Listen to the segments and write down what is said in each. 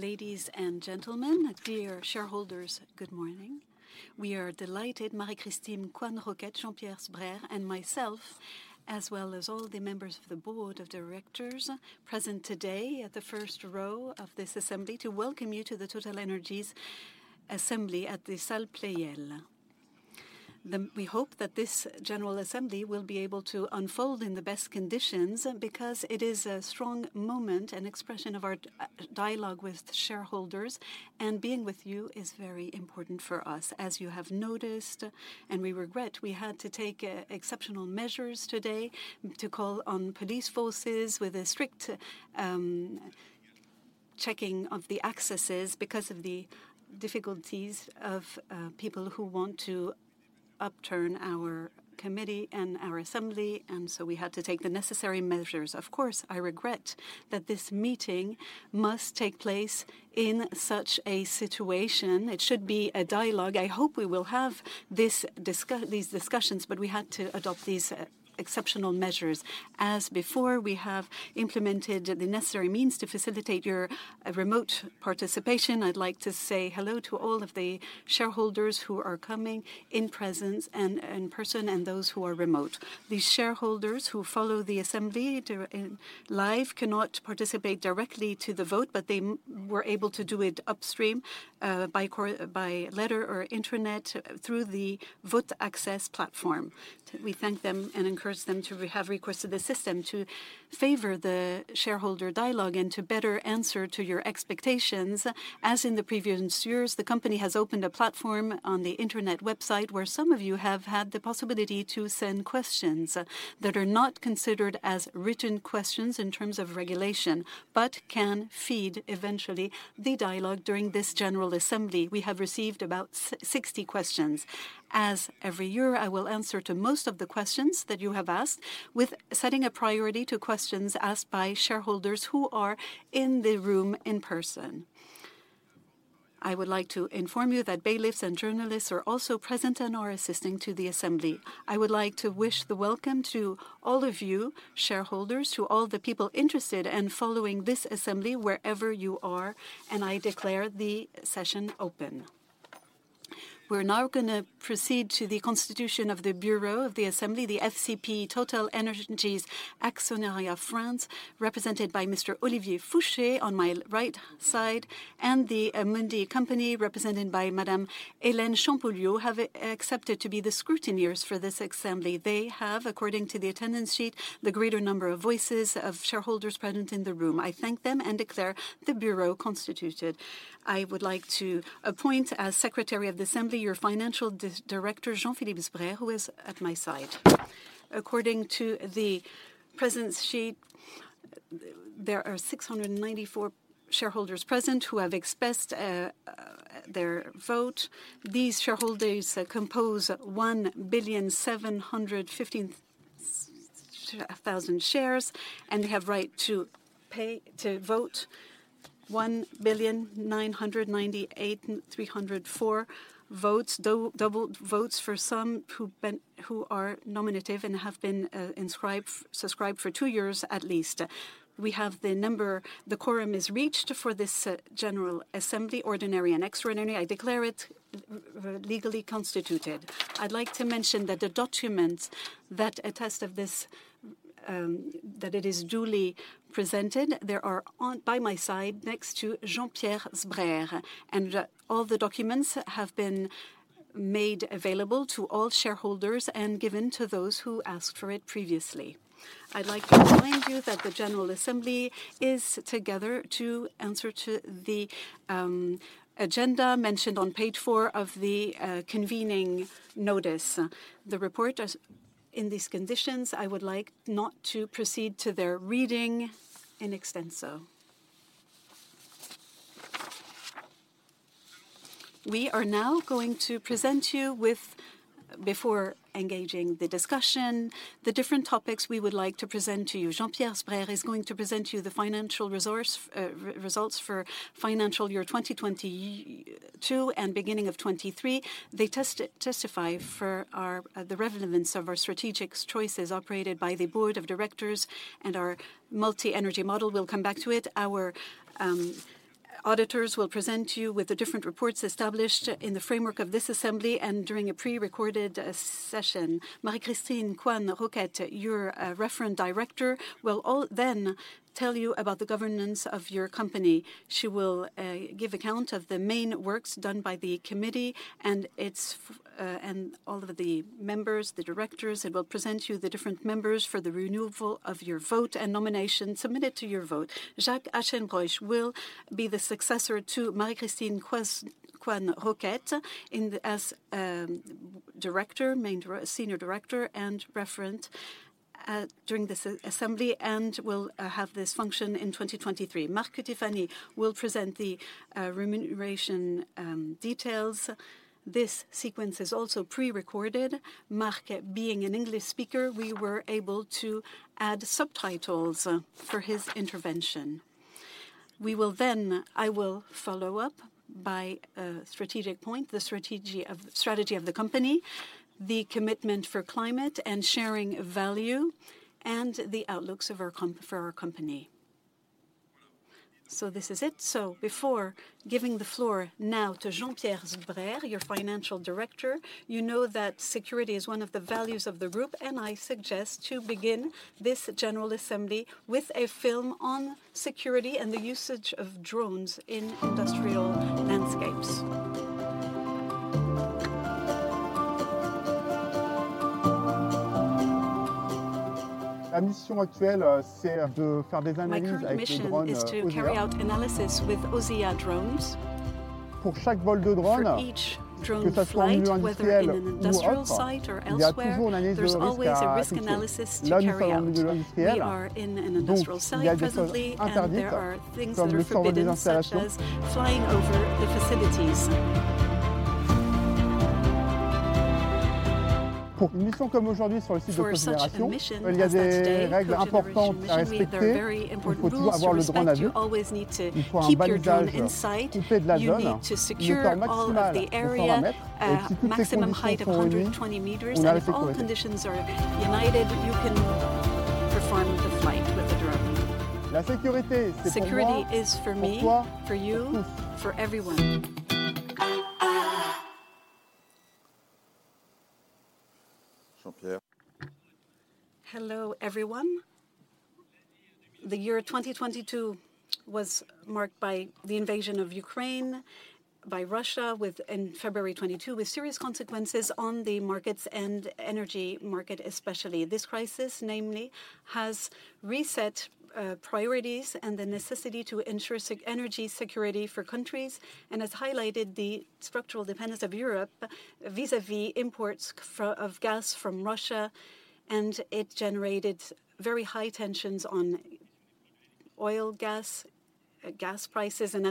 Ladies and gentlemen, dear shareholders, good morning. We are delighted, Marie-Christine Coisne-Roquette, Jean-Pierre Sbraire, and myself, as well as all the members of the board of directors present today at the first row of this assembly, to welcome you to the TotalEnergies assembly at the Salle Pleyel. We hope that this general assembly will be able to unfold in the best conditions, because it is a strong moment and expression of our dialogue with shareholders, and being with you is very important for us. As you have noticed, and we regret, we had to take exceptional measures today to call on police forces with a strict checking of the accesses because of the difficulties of people who want to upturn our committee and our assembly, and so we had to take the necessary measures. Of course, I regret that this meeting must take place in such a situation. It should be a dialogue. I hope we will have these discussions. We had to adopt these exceptional measures. As before, we have implemented the necessary means to facilitate your remote participation. I'd like to say hello to all of the shareholders who are coming in presence and in person, and those who are remote. The shareholders who follow the assembly live cannot participate directly to the vote. They were able to do it upstream by letter or internet through the vote access platform. We thank them and encourage them to have requested the system. To favor the shareholder dialogue and to better answer to your expectations, as in the previous years, the company has opened a platform on the internet website, where some of you have had the possibility to send questions that are not considered as written questions in terms of regulation, but can feed, eventually, the dialogue during this general assembly. We have received about 60 questions. As every year, I will answer to most of the questions that you have asked, with setting a priority to questions asked by shareholders who are in the room in person. I would like to inform you that bailiffs and journalists are also present and are assisting to the assembly. I would like to wish the welcome to all of you, shareholders, to all the people interested and following this assembly wherever you are. I declare the session open. We're now going to proceed to the constitution of the Bureau of the Assembly, the FCP TotalEnergies Actionnariat France, represented by Mr. Olivier Foucher on my right side, and the Amundi company, represented by Madame Hélène Champollion-Morel, have accepted to be the scrutineers for this assembly. They have, according to the attendance sheet, the greater number of voices of shareholders present in the room. I thank them and declare the Bureau constituted. I would like to appoint, as Secretary of the Assembly, your financial Director, Jean-Pierre Sbraire, who is at my side. According to the presence sheet, there are 694 shareholders present who have expressed their vote. These shareholders compose 1,000,715,000 shares, and have right to vote 1,000,000,998 and 304 votes. Double votes for some who are nominative and have been inscribed, subscribed for two years at least. We have the number. The quorum is reached for this general assembly, ordinary and extraordinary. I declare it legally constituted. I'd like to mention that the documents that attest of this, that it is duly presented, they are on, by my side, next to Jean-Pierre Sbraire, and all the documents have been made available to all shareholders and given to those who asked for it previously. I'd like to remind you that the general assembly is together to answer to the agenda mentioned on page four of the convening notice. The report as, in these conditions, I would like not to proceed to their reading in extenso. We are now going to present you with, before engaging the discussion, the different topics we would like to present to you. Jean-Pierre Sbraire is going to present you the financial results for financial year 2022 and beginning of 2023. They testify for our the relevance of our strategic choices operated by the board of directors and our multi-energy model. We'll come back to it. Our auditors will present you with the different reports established in the framework of this assembly and during a pre-recorded session. Marie-Christine Coisne-Roquette, your referent director, will then tell you about the governance of your company. She will give account of the main works done by the committee and all of the members, the directors, and will present you the different members for the renewal of your vote and nominations submitted to your vote. Jacques Aschenbroich will be the successor to Marie-Christine Coisne-Roquette in the, as director, senior director and referent during this assembly, and will have this function in 2023. Mark Cutifani will present the remuneration details. This sequence is also pre-recorded. Mark, being an English speaker, we were able to add subtitles for his intervention. I will follow up by strategic point, the strategy of the company, the commitment for climate and sharing value, and the outlooks of our for our company. This is it. Before giving the floor now to Jean-Pierre Sbraire, your Financial Director, you know that security is one of the values of the group, and I suggest to begin this general assembly with a film on security and the usage of drones in industrial landscapes. My current mission is to carry out analysis with AUSEA drones. For each drone flight, whether in an industrial site or elsewhere, there is always a risk analysis to carry out. We are in an industrial site presently, and there are things that are forbidden, such as flying over the facilities. For such a mission as today, there are very important rules to respect. You always need to keep your drone in sight. You need to secure all of the area, maximum height of 120 meters, and if all conditions are united, you can perform the flight with the drone. Security is for me, for you, for everyone. Jean-Pierre? Hello, everyone. The year 2022 was marked by the invasion of Ukraine by Russia with in February 2022, with serious consequences on the markets and energy market, especially. This crisis, namely, has reset priorities and the necessity to ensure energy security for countries, and has highlighted the structural dependence of Europe vis-à-vis imports of gas from Russia, and it generated very high tensions on oil, gas prices, and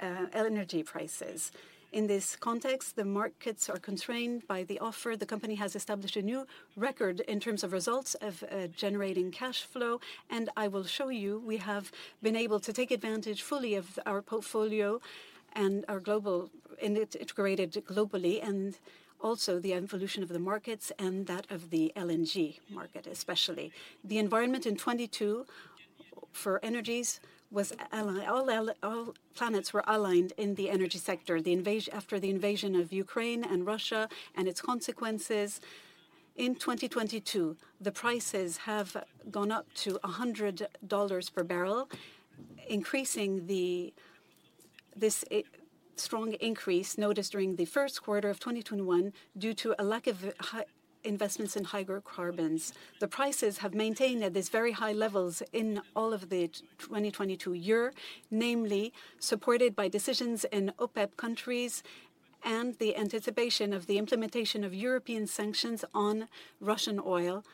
energy prices. In this context, the markets are constrained by the offer. The company has established a new record in terms of results of generating cash flow, and I will show you, we have been able to take advantage fully of our portfolio and our global... It's integrated globally, and also the evolution of the markets and that of the LNG market, especially. The environment in 2022 for energies was all planets were aligned in the energy sector, after the invasion of Ukraine and Russia and its consequences. The prices have gone up to $100 per bbl, increasing this strong increase noticed during the first quarter of 2021 due to a lack of high investments in hydrocarbons. The prices have maintained at these very high levels in all of the 2022 year, namely supported by decisions in OPEC countries and the anticipation of the implementation of European sanctions on Russian oil,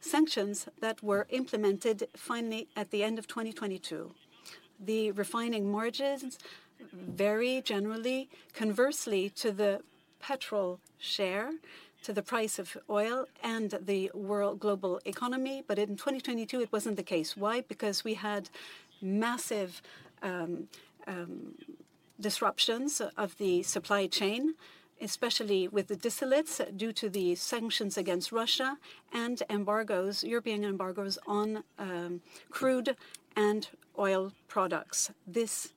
sanctions that were implemented finally at the end of 2022. The refining margins vary generally, conversely to the petrol share, to the price of oil and the world global economy. In 2022, it wasn't the case. Why? Because we had massive disruptions of the supply chain, especially with the distillates, due to the sanctions against Russia and embargoes, European embargoes on crude and oil products. This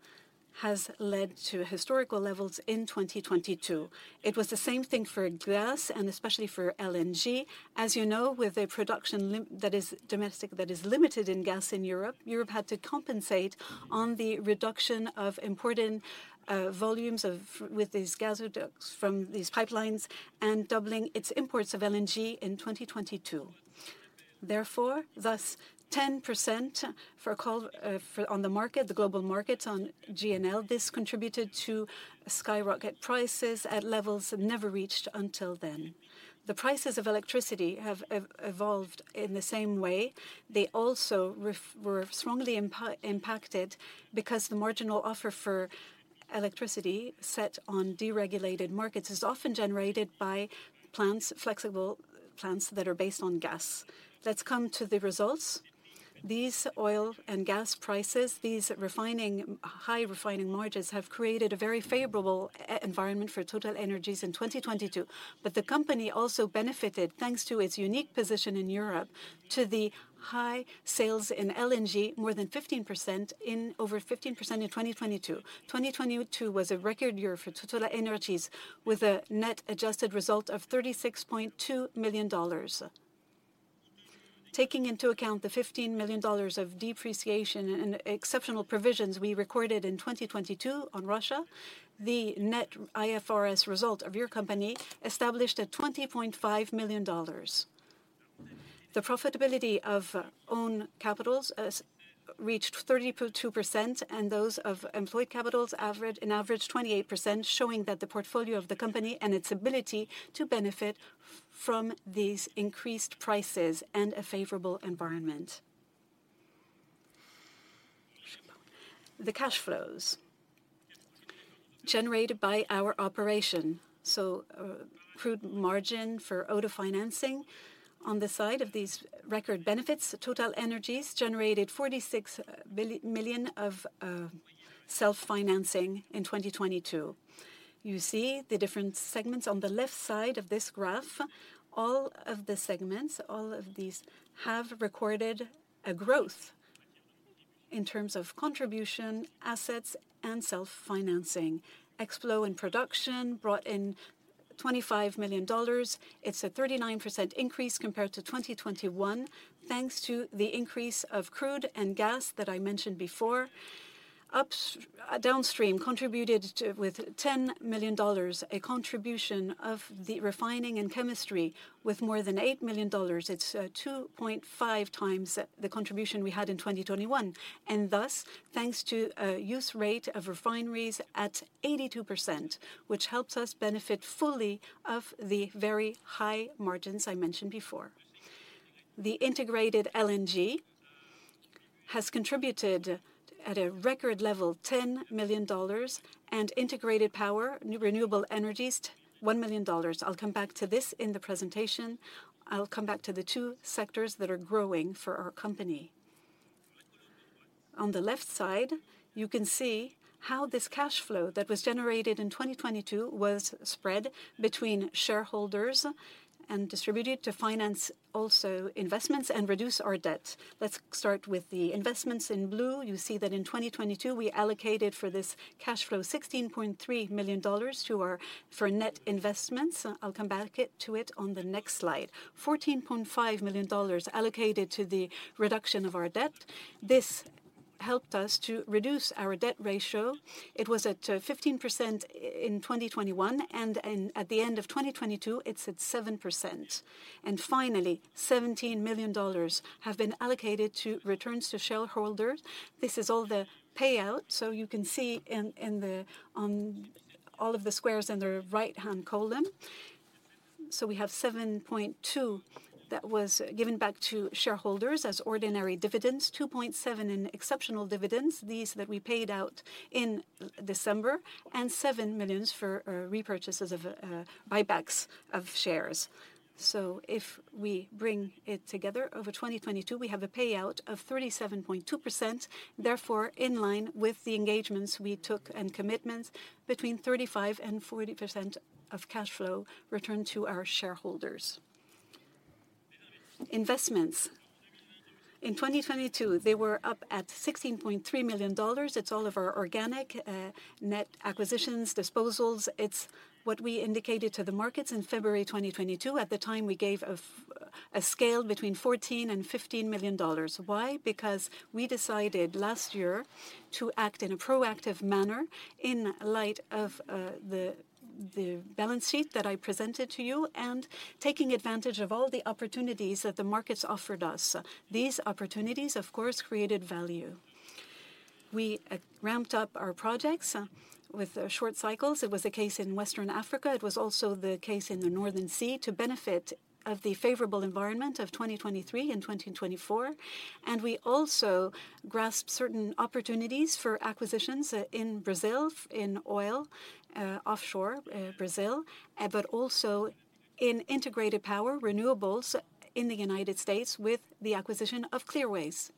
has led to historical levels in 2022. It was the same thing for gas and especially for LNG. As you know, with a production that is domestic, that is limited in gas in Europe had to compensate on the reduction of important volumes with these gasoducts, from these pipelines, and doubling its imports of LNG in 2022. Thus, 10% for call, for on the market, the global markets on GNL, this contributed to skyrocket prices at levels never reached until then. The prices of electricity have evolved in the same way. They also were strongly impacted because the marginal offer for electricity set on deregulated markets is often generated by plants, flexible plants that are based on gas. Let's come to the results. These oil and gas prices, these refining, high refining margins, have created a very favorable environment for TotalEnergies in 2022. The company also benefited, thanks to its unique position in Europe, to the high sales in LNG, more than 15% in, over 15% in 2022. 2022 was a record year for TotalEnergies, with a net adjusted result of $36.2 million. Taking into account the $15 million of depreciation and exceptional provisions we recorded in 2022 on Russia, the net IFRS result of your company established at $20.5 million. The profitability of own capitals reached 30.2%, and those of employed capitals averaged 28%, showing that the portfolio of the company and its ability to benefit from these increased prices and a favorable environment. The cash flows generated by our operation, so crude margin for ODA financing. On the side of these record benefits, TotalEnergies generated $46 million of self-financing in 2022. You see the different segments on the left side of this graph. All of the segments, all of these have recorded a growth in terms of contribution, assets, and self-financing. Exploration & Production brought in $25 million. It's a 39% increase compared to 2021, thanks to the increase of crude and gas that I mentioned before. Downstream contributed with $10 million, a contribution of the refining and chemistry with more than $8 million. It's 2.5x the contribution we had in 2021, thanks to a use rate of refineries at 82%, which helps us benefit fully of the very high margins I mentioned before. The Integrated LNG has contributed at a record level, $10 million, Integrated Power, renewable energies, $1 million. I'll come back to this in the presentation. I'll come back to the two sectors that are growing for our company. On the left side, you can see how this cash flow that was generated in 2022 was spread between shareholders and distributed to finance also investments and reduce our debt. Let's start with the investments in blue. You see that in 2022, we allocated for this cash flow $16.3 million for net investments. I'll come back to it on the next slide. $14.5 million allocated to the reduction of our debt. This helped us to reduce our debt ratio. It was at 15% in 2021, and at the end of 2022, it's at 7%. Finally, $17 million have been allocated to returns to shareholders. This is all the payout, you can see on all of the squares in the right-hand column. We have $7.2 that was given back to shareholders as ordinary dividends, $2.7 in exceptional dividends, these that we paid out in December, and $7 million for repurchases of buybacks of shares. If we bring it together, over 2022, we have a payout of 37.2%, therefore, in line with the engagements we took and commitments between 35% and 40% of cash flow returned to our shareholders. Investments. In 2022, they were up at $16.3 million. It's all of our organic net acquisitions, disposals. It's what we indicated to the markets in February 2022. At the time, we gave a scale between $14 million and $15 million. Why? We decided last year to act in a proactive manner in light of the balance sheet that I presented to you, and taking advantage of all the opportunities that the markets offered us. These opportunities, of course, created value. We ramped up our projects with short cycles. It was the case in Western Africa. It was also the case in the North Sea to benefit of the favorable environment of 2023 and 2024. We also grasped certain opportunities for acquisitions in Brazil, in oil, offshore Brazil, but also in integrated power renewables in the United States with the acquisition of Clearways.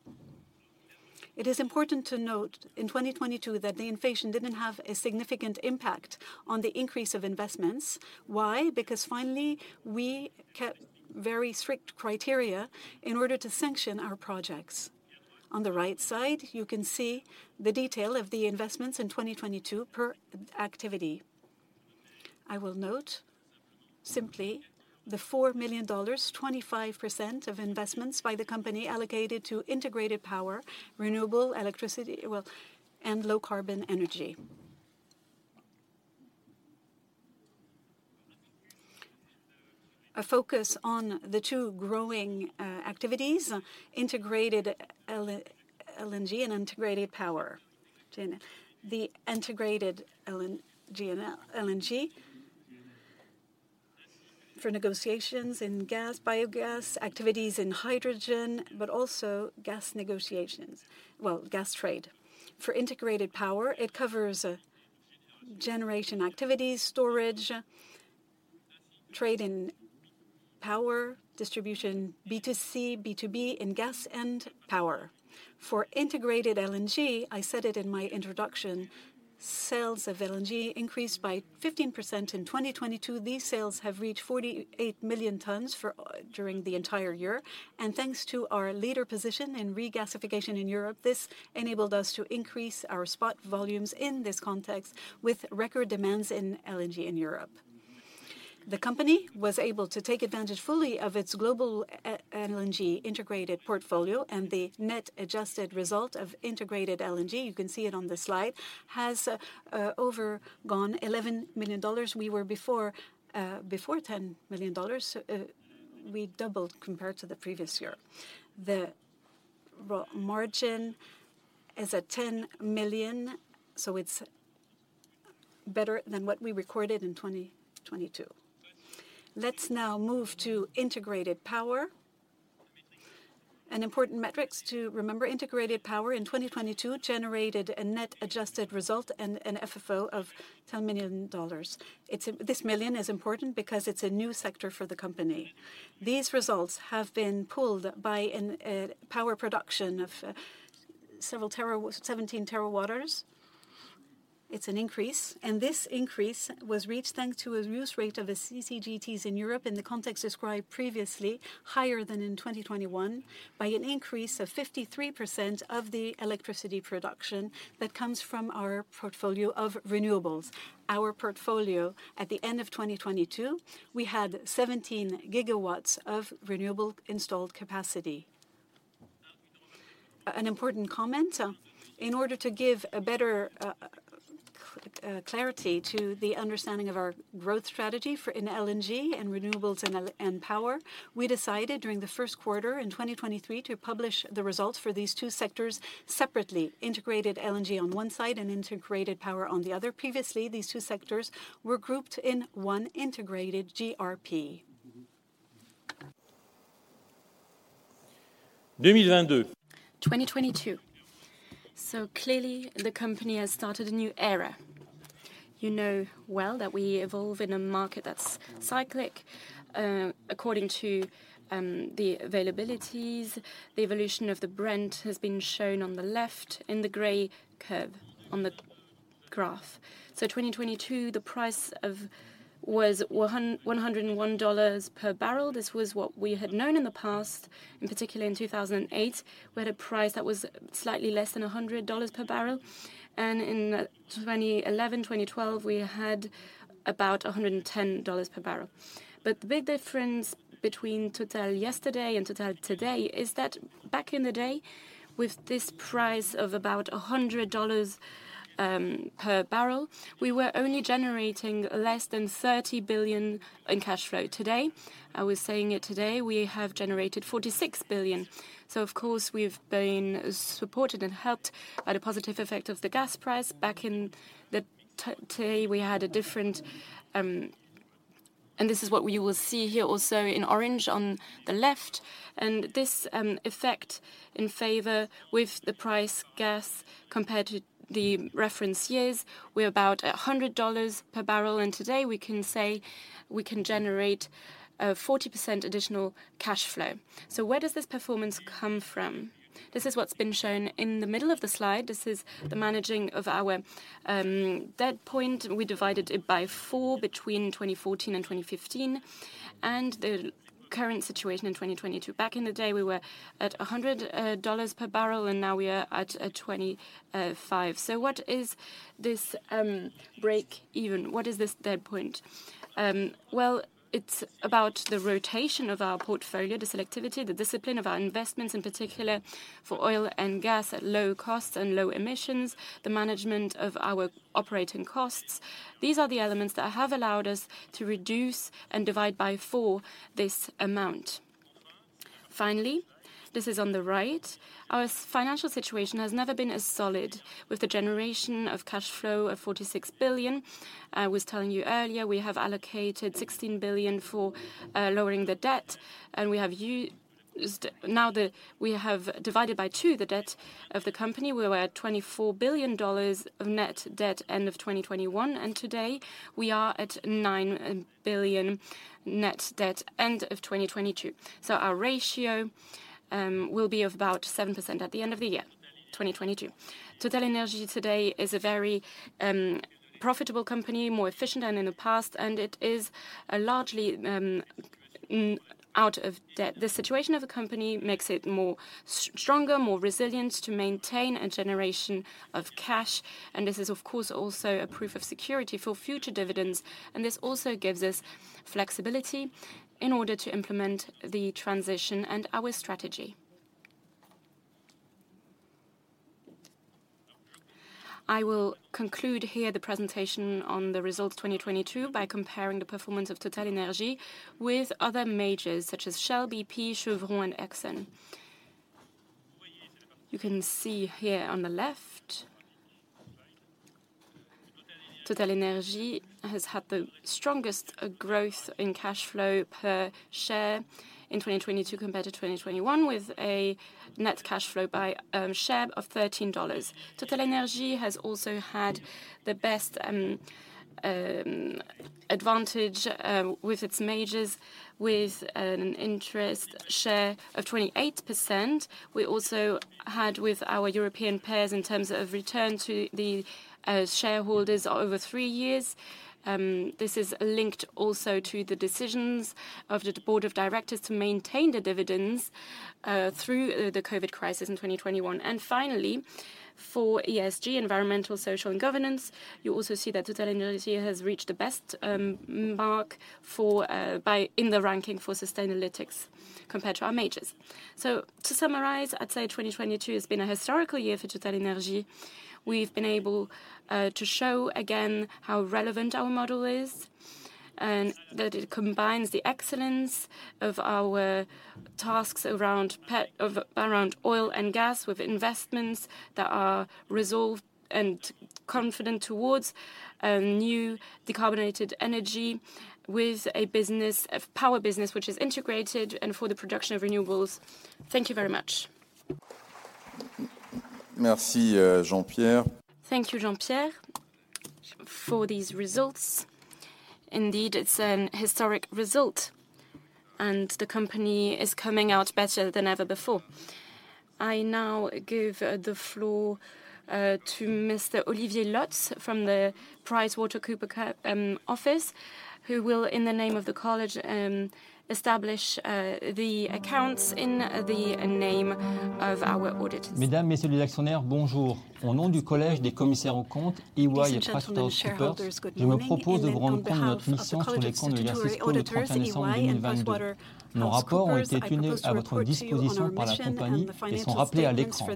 It is important to note, in 2022, that the inflation didn't have a significant impact on the increase of investments. Why? Finally, we kept very strict criteria in order to sanction our projects. On the right side, you can see the detail of the investments in 2022 per activity. I will note simply the $4 million, 25% of investments by the company allocated to Integrated Power, renewable electricity, well, and low-carbon energy. A focus on the two growing activities: Integrated LNG and Integrated Power. In the Integrated LNG and LNG, for negotiations in gas, biogas, activities in hydrogen, but also gas negotiations. Well, gas trade. For Integrated Power, it covers generation activities, storage, trade in power, distribution, B2C, B2B in gas and power. For Integrated LNG, I said it in my introduction, sales of LNG increased by 15% in 2022. These sales have reached 48 million tons for during the entire year. Thanks to our leader position in regasification in Europe, this enabled us to increase our spot volumes in this context with record demands in LNG in Europe. The company was able to take advantage fully of its global e- LNG integrated portfolio. The net adjusted result of Integrated LNG, you can see it on the slide, has overgone $11 million. We were before $10 million. We doubled compared to the previous year. The margin is at $10 million, so it's better than what we recorded in 2022. Let's now move to Integrated Power. An important metrics to remember, Integrated Power in 2022 generated a net adjusted result and an FFO of $10 million. This million is important because it's a new sector for the company. These results have been pulled by power production of 17 TW. It's an increase, this increase was reached thanks to a use rate of the CCGTs in Europe, in the context described previously, higher than in 2021, by an increase of 53% of the electricity production that comes from our portfolio of renewables. Our portfolio, at the end of 2022, we had 17 GW of renewable installed capacity. An important comment: in order to give a better clarity to the understanding of our growth strategy for LNG and renewables and power, we decided during the first quarter in 2023 to publish the results for these two sectors separately, Integrated LNG on one side and Integrated Power on the other. Previously, these two sectors were grouped in one Integrated GRP. 2022. Clearly, the company has started a new era. You know well that we evolve in a market that's cyclic, according to the availabilities. The evolution of the brand has been shown on the left in the gray curve on the graph. 2022, the price of... was $101 per bbl. This was what we had known in the past, in particular in 2008, we had a price that was slightly less than $100 per bbl, and in 2011, 2012, we had about $110 per bbl. The big difference between TotalEnergies yesterday and TotalEnergies today is that back in the day, with this price of about $100 per bbl, we were only generating less than $30 billion in cash flow. Today, I was saying it today, we have generated $46 billion. Of course, we've been supported and helped by the positive effect of the gas price. Back in the today, we had a different... This is what we will see here also in orange on the left, this effect in favor with the price gas compared to the reference years, we're about $100 per bbl, today we can say we can generate 40% additional cash flow. Where does this performance come from? This is what's been shown in the middle of the slide. This is the managing of our debt point. We divided it by four between 2014 and 2015, the current situation in 2022. Back in the day, we were at $100 per bbl, now we are at $25. What is this break-even? What is this dead point? Well, it's about the rotation of our portfolio, the selectivity, the discipline of our investments, in particular for oil and gas at low cost and low emissions, the management of our operating costs. These are the elements that have allowed us to reduce and divide by four this amount. Finally, this is on the right. Our financial situation has never been as solid, with the generation of cash flow of $46 billion. I was telling you earlier, we have allocated $16 billion for lowering the debt, and we have divided by 2 the debt of the company. We were at $24 billion of net debt, end of 2021, and today we are at $9 billion net debt, end of 2022. Our ratio will be of about 7% at the end of the year, 2022. TotalEnergies today is a very profitable company, more efficient than in the past. It is a largely out of debt. The situation of the company makes it more stronger, more resilient to maintain a generation of cash. This is, of course, also a proof of security for future dividends. This also gives us flexibility in order to implement the transition and our strategy. I will conclude here the presentation on the results of 2022 by comparing the performance of TotalEnergies with other majors, such as Shell, BP, Chevron, and Exxon. You can see here on the left, TotalEnergies has had the strongest growth in cash flow per share in 2022 compared to 2021, with a net cash flow by share of $13. TotalEnergies has also had the best advantage with its majors, with an interest share of 28%. We also had with our European peers, in terms of return to the shareholders over three years, this is linked also to the decisions of the board of directors to maintain the dividends through the Covid crisis in 2021. Finally, for ESG, environmental, social, and governance, you also see that TotalEnergies has reached the best mark for by in the ranking for Sustainalytics compared to our majors. To summarize, I'd say 2022 has been a historical year for TotalEnergies. We've been able to show again how relevant our model is, that it combines the excellence of our tasks around oil and gas, with investments that are resolved and confident towards a new decarbonated energy, with a power business, which is integrated and for the production of renewables. Thank you very much.... Merci, Jean-Pierre. Thank you, Jean-Pierre, for these results. Indeed, it's an historic result, and the company is coming out better than ever before. I now give the floor to Mr. Olivier Lotz from the PricewaterhouseCoopers office, who will, in the name of the college, establish the accounts in the name of our auditors. Mesdames, Messieurs les actionnaires, bonjour. Au nom du Collège des commissaires aux comptes, EY and PricewaterhouseCoopers. Ladies and gentlemen, shareholders, good morning. On behalf of the College of the auditors and accountants, EY and PricewaterhouseCoopers. Nos rapports ont été mis à votre disposition par la compagnie et sont rappelés à l'écran.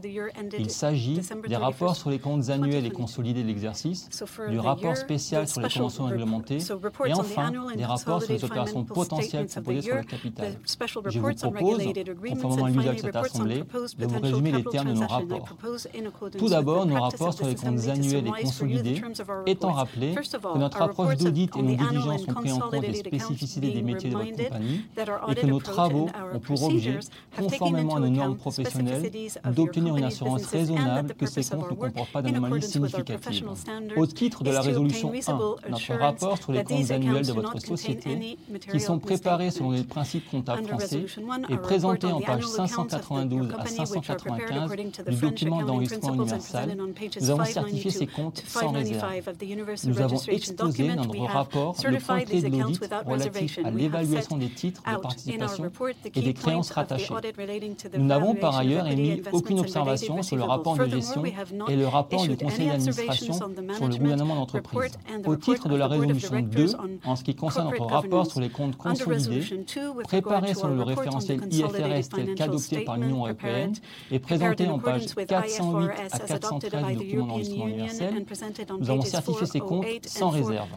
Il s'agit des rapports sur les comptes annuels et consolidés de l'exercice, du rapport spécial sur les conventions réglementées et, enfin, des rapports sur les opérations potentielles proposées sur le capital. Je vous propose, conformément à l'usage de cette assemblée, de vous résumer les termes de nos rapports. Tout d'abord, nos rapports sur les comptes annuels et consolidés, étant rappelé que notre approche d'audit et nos diligences ont pris en compte les spécificités des métiers de notre compagnie, et que nos travaux ont pour objet, conformément à nos normes professionnelles, d'obtenir une assurance raisonnable que ces comptes ne comportent pas d'anomalies significatives. Au titre de la Résolution 1, notre rapport sur les comptes annuels de votre société, qui sont préparés selon les principes comptables français et présentés en pages 592 à 595 du document d'enregistrement universel, nous avons certifié ces comptes sans réserve. Nous avons exposé dans notre rapport les pointés d'audit relatifs à l'évaluation des titres de participation et des créances rattachées. Nous n'avons par ailleurs émis aucune observation sur le rapport de gestion et le rapport du conseil d'administration sur le gouvernement d'entreprise. Au titre de la Résolution 2, en ce qui concerne notre rapport sur les comptes consolidés, préparés selon le référentiel IFRS, tel qu'adopté par l'Union européenne, et présenté en pages 408 à 413 du document d'enregistrement universel, nous avons certifié ces comptes sans réserve.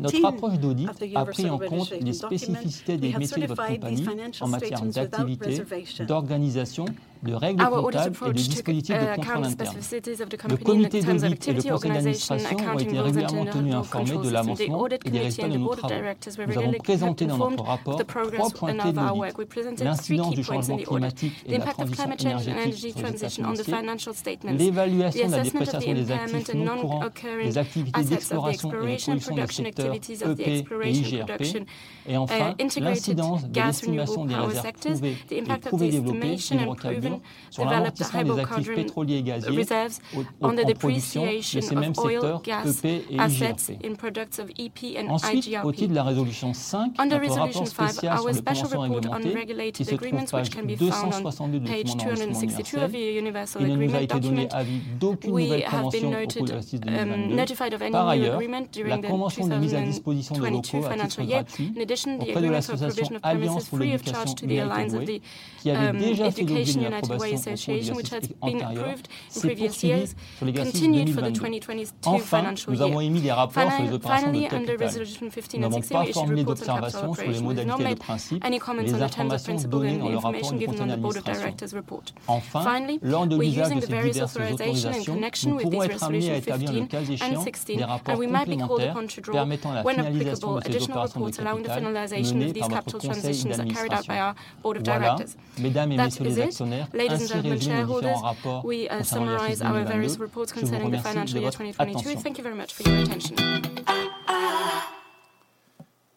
Notre approche d'audit a pris en compte les spécificités des métiers de votre compagnie en matière d'activités, d'organisation, de règles comptables et des dispositifs de contrôle interne. Le comité d'audit et le conseil d'administration ont été régulièrement tenus informés de l'avancement et des résultats de nos travaux. Nous avons présenté dans notre rapport three pointés d'audit: l'incidence des changements climatiques et la transition énergétique sur les états financiers, l'évaluation de la dépréciation des actifs non courants, des activités d'exploration et de production des secteurs EP et IGRP, enfin, l'incidence de l'estimation des réserves prouvées et prouvées développées sur le amortissement des actifs pétroliers et gaziers en production de ces mêmes secteurs EP et IGRP. Au titre de la Resolution 5, notre rapport spécial sur les conventions réglementées, qui se trouve page 272 du document d'enregistrement universel, et nous n'a été donné avis d'aucune nouvelle convention au cours de l'exercice 2022. La convention de mise à disposition de locaux à titre gratuit auprès de la Fondation Alliance pour l'Éducation Light the Way, qui avait déjà fait l'objet d'une approbation au cours de l'exercice antérieur, s'est poursuivie sur l'exercice 2022. Nous avons émis des rapports sur les opérations de capital. Nous n'avons pas formulé d'observations sur le mode d'appel des principes, les informations données dans le rapport du conseil d'administration. Lors de l'usage de ces diverses autorisations, nous pourrons être amenés à établir, le cas échéant, des rapports complémentaires permettant la finalisation de ces opérations de capital menées par notre conseil d'administration. Voilà. Mesdames et Messieurs les actionnaires, ainsi résumés nos différents rapports concernant l'exercice 2022. Je vous remercie de votre attention.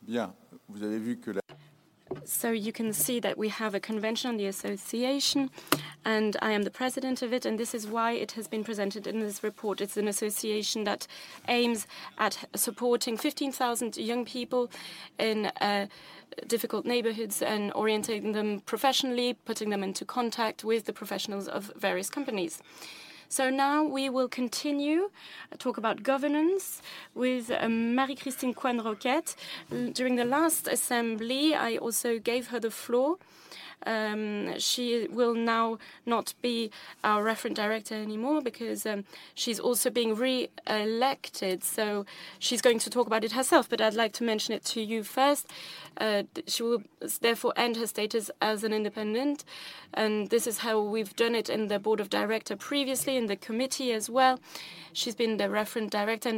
Bien, vous avez vu que. You can see that we have a convention on the association, and I am the president of it, and this is why it has been presented in this report. It's an association that aims at supporting 15,000 young people in difficult neighborhoods and orientating them professionally, putting them into contact with the professionals of various companies. Now we will continue talk about governance with Marie-Christine Coisne-Roquette. During the last assembly, I also gave her the floor. She will now not be our referent director anymore because she's also being re-elected. She's going to talk about it herself, but I'd like to mention it to you first. She will therefore end her status as an independent, and this is how we've done it in the board of director previously, in the committee as well. She's been the referent Director,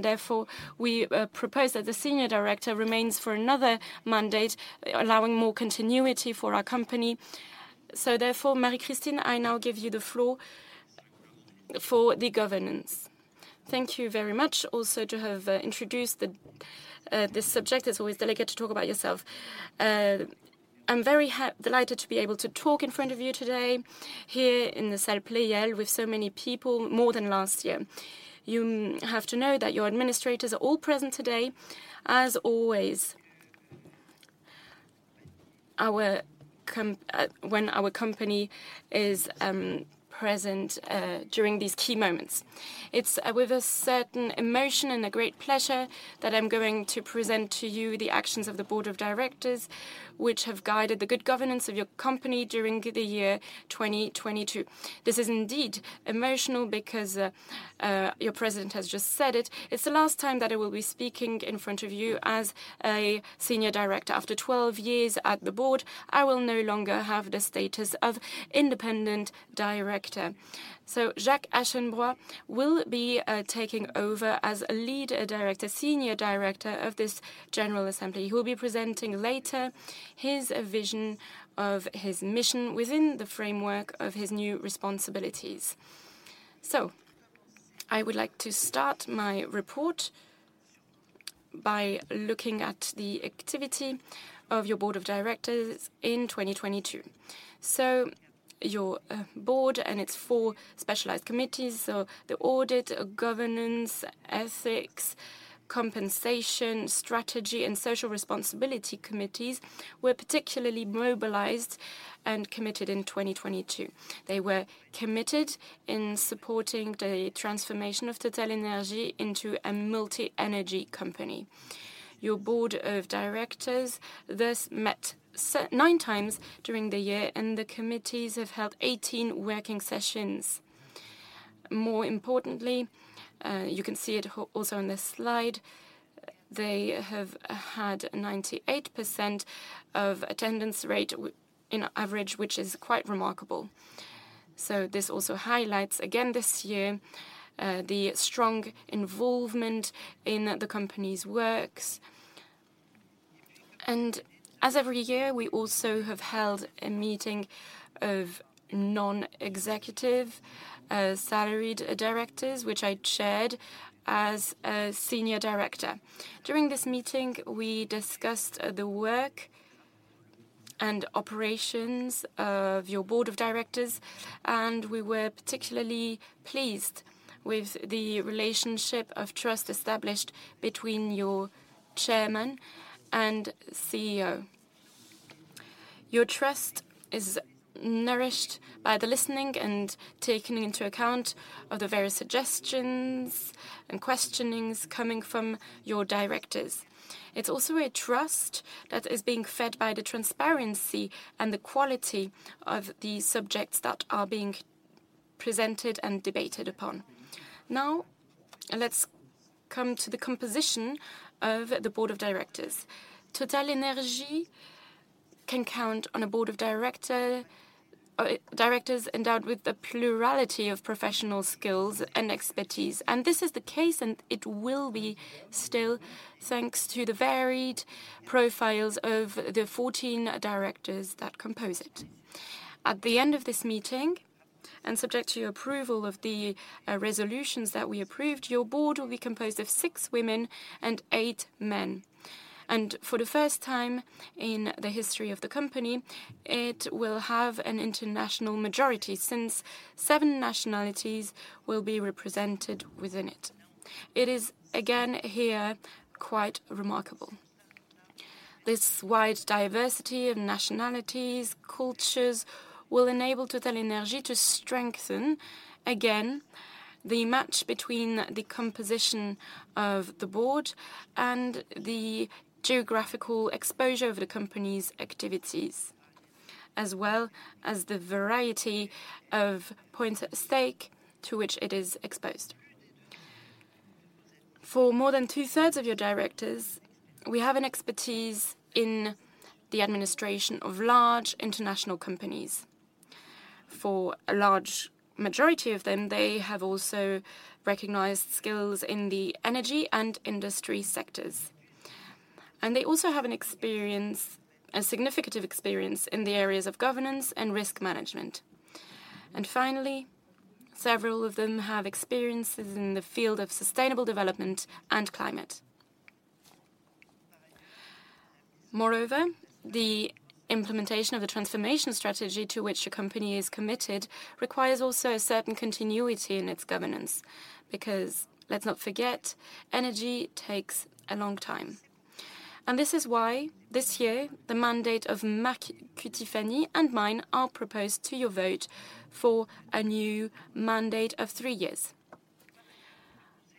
we propose that the senior Director remains for another mandate, allowing more continuity for our company. Marie-Christine, I now give you the floor for the governance. Thank you very much also to have introduced this subject. It's always delicate to talk about yourself. I'm very delighted to be able to talk in front of you today, here in the Salle Pleyel, with so many people, more than last year. You have to know that your administrators are all present today, as always. When our company is present during these key moments. It's with a certain emotion and a great pleasure that I'm going to present to you the actions of the Board of Directors, which have guided the good governance of your company during the year 2022. This is indeed emotional because your president has just said it's the last time that I will be speaking in front of you as a senior director. After 12 years at the board, I will no longer have the status of independent director. Jacques Aschenbroich will be taking over as a lead director, senior director of this general assembly. He will be presenting later his vision of his mission within the framework of his new responsibilities. I would like to start my report by looking at the activity of your board of directors in 2022. Your board and its four specialized committees, the audit, governance, ethics, compensation, strategy, and social responsibility committees, were particularly mobilized and committed in 2022. They were committed in supporting the transformation of TotalEnergies into a multi-energy company. Your board of directors thus met 9x during the year, and the committees have held 18 working sessions. More importantly, you can see it also on this slide, they have had 98% of attendance rate in average, which is quite remarkable. This also highlights, again this year, the strong involvement in the company's works. As every year, we also have held a meeting of non-executive, salaried directors, which I chaired as a senior director. During this meeting, we discussed the work and operations of your board of directors. We were particularly pleased with the relationship of trust established between your chairman and CEO. Your trust is nourished by the listening and taking into account of the various suggestions and questionings coming from your directors. It's also a trust that is being fed by the transparency and the quality of the subjects that are being presented and debated upon. Let's come to the composition of the board of directors. TotalEnergies can count on a board of directors endowed with a plurality of professional skills and expertise, this is the case, and it will be still, thanks to the varied profiles of the 14 directors that compose it. At the end of this meeting, subject to your approval of the resolutions that we approved, your board will be composed of six women and eight men. For the first time in the history of the company, it will have an international majority, since seven nationalities will be represented within it. It is, again, here, quite remarkable. This wide diversity of nationalities, cultures, will enable TotalEnergies to strengthen, again, the match between the composition of the board and the geographical exposure of the company's activities, as well as the variety of points at stake to which it is exposed. For more than two-thirds of your directors, we have an expertise in the administration of large international companies. For a large majority of them, they have also recognized skills in the energy and industry sectors, and they also have an experience, a significant experience, in the areas of governance and risk management. Finally, several of them have experiences in the field of sustainable development and climate. Moreover, the implementation of the transformation strategy to which your company is committed requires also a certain continuity in its governance, because let's not forget, energy takes a long time. This is why, this year, the mandate of Mark Cutifani and mine are proposed to your vote for a new mandate of three years.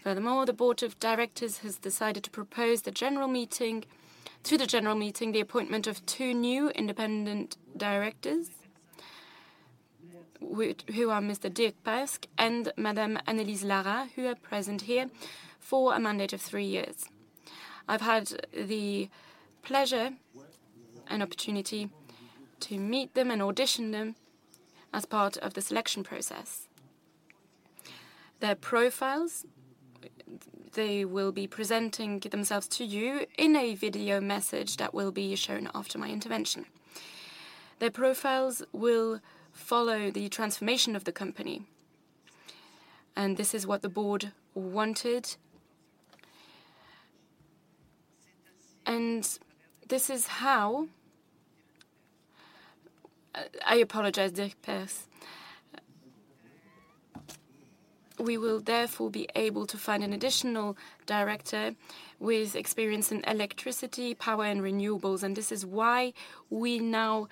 Furthermore, the board of directors has decided to propose to the general meeting, the appointment of two new independent directors, who are Mr. Dierk Paskert and Madame Anelise Lara, who are present here for a mandate of three years. I've had the pleasure and opportunity to meet them and audition them as part of the selection process. Their profiles, they will be presenting themselves to you in a video message that will be shown after my intervention. Their profiles will follow the transformation of the company, and this is what the board wanted. This is how. I apologize, Dierk Paskert. We will therefore be able to find an additional director with experience in electricity, power, and renewables, and this is why we now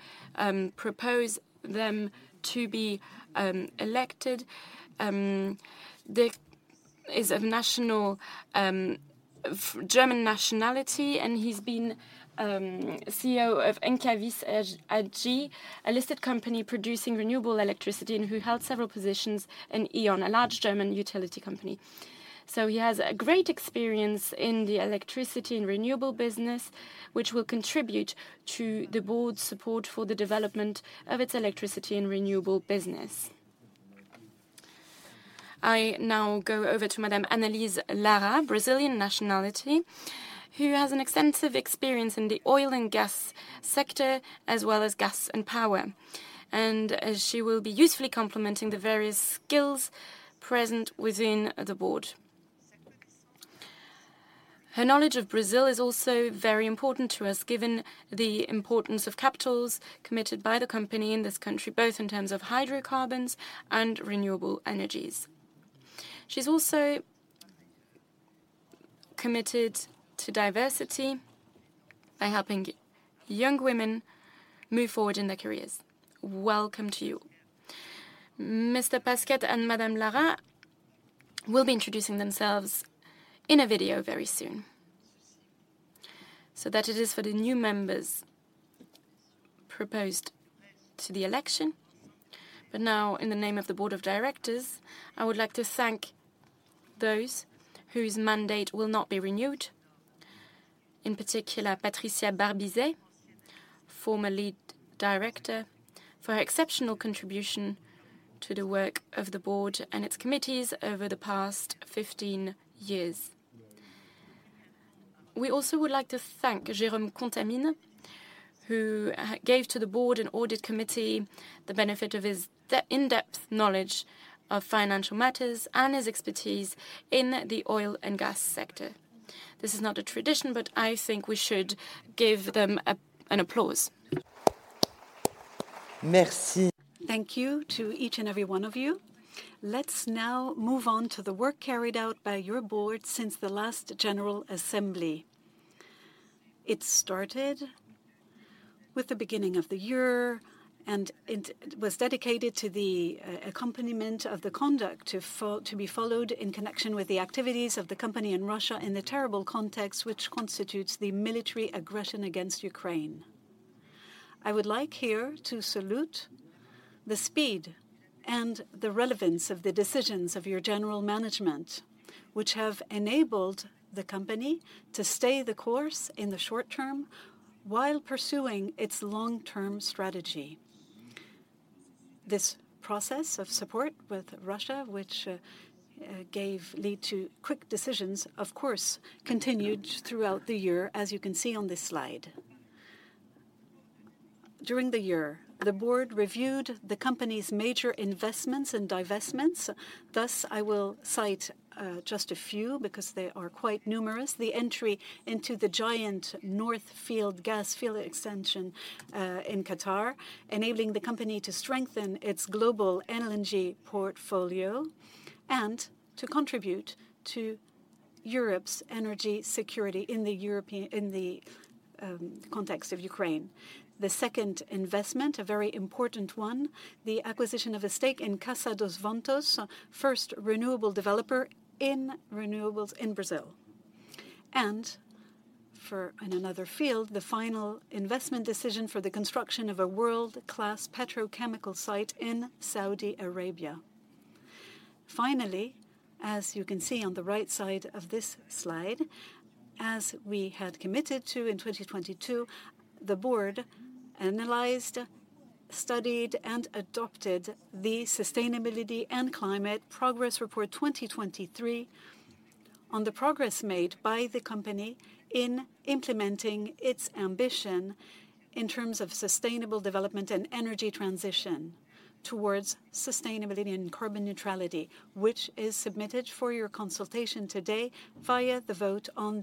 propose them to be elected. Dierk is of national German nationality, and he's been CEO of Encavis AG, a listed company producing renewable electricity, and who held several positions in E.ON, a large German utility company. He has a great experience in the electricity and renewable business, which will contribute to the board's support for the development of its electricity and renewable business. I now go over to Madame Anelise Lara, Brazilian nationality, who has an extensive experience in the oil and gas sector, as well as gas and power. She will be usefully complementing the various skills present within the board. Her knowledge of Brazil is also very important to us, given the importance of capitals committed by the company in this country, both in terms of hydrocarbons and renewable energies. She's also committed to diversity by helping young women move forward in their careers. Welcome to you. Mr. Paskert and Madame Lara will be introducing themselves in a video very soon. That it is for the new members proposed to the election. Now, in the name of the board of directors, I would like to thank those whose mandate will not be renewed. In particular, Patricia Barbizet, former lead director, for her exceptional contribution to the work of the board and its committees over the past 15 years. We also would like to thank Jérôme Contamine, who gave to the board and audit committee the benefit of his in-depth knowledge of financial matters and his expertise in the oil and gas sector. This is not a tradition, I think we should give them an applause. Thank you to each and every one of you. Let's now move on to the work carried out by your board since the last general assembly. It started with the beginning of the year, it was dedicated to the accompaniment of the conduct to be followed in connection with the activities of the company in Russia, in the terrible context which constitutes the military aggression against Ukraine. I would like here to salute the speed and the relevance of the decisions of your general management, which have enabled the company to stay the course in the short term while pursuing its long-term strategy. This process of support with Russia, which gave lead to quick decisions, of course, continued throughout the year, as you can see on this slide. During the year, the board reviewed the company's major investments and divestments. Thus, I will cite just a few because they are quite numerous. The entry into the giant North Field gas field extension in Qatar, enabling the company to strengthen its global LNG portfolio and to contribute to Europe's energy security in the context of Ukraine. The second investment, a very important one, the acquisition of a stake in Casa dos Ventos, first renewable developer in renewables in Brazil. In another field, the final investment decision for the construction of a world-class petrochemical site in Saudi Arabia. As you can see on the right side of this slide, as we had committed to in 2022, the board analyzed, studied, and adopted the Sustainability & Climate – 2023 Progress Report on the progress made by the company in implementing its ambition in terms of sustainable development and energy transition towards sustainability and carbon neutrality, which is submitted for your consultation today via the vote on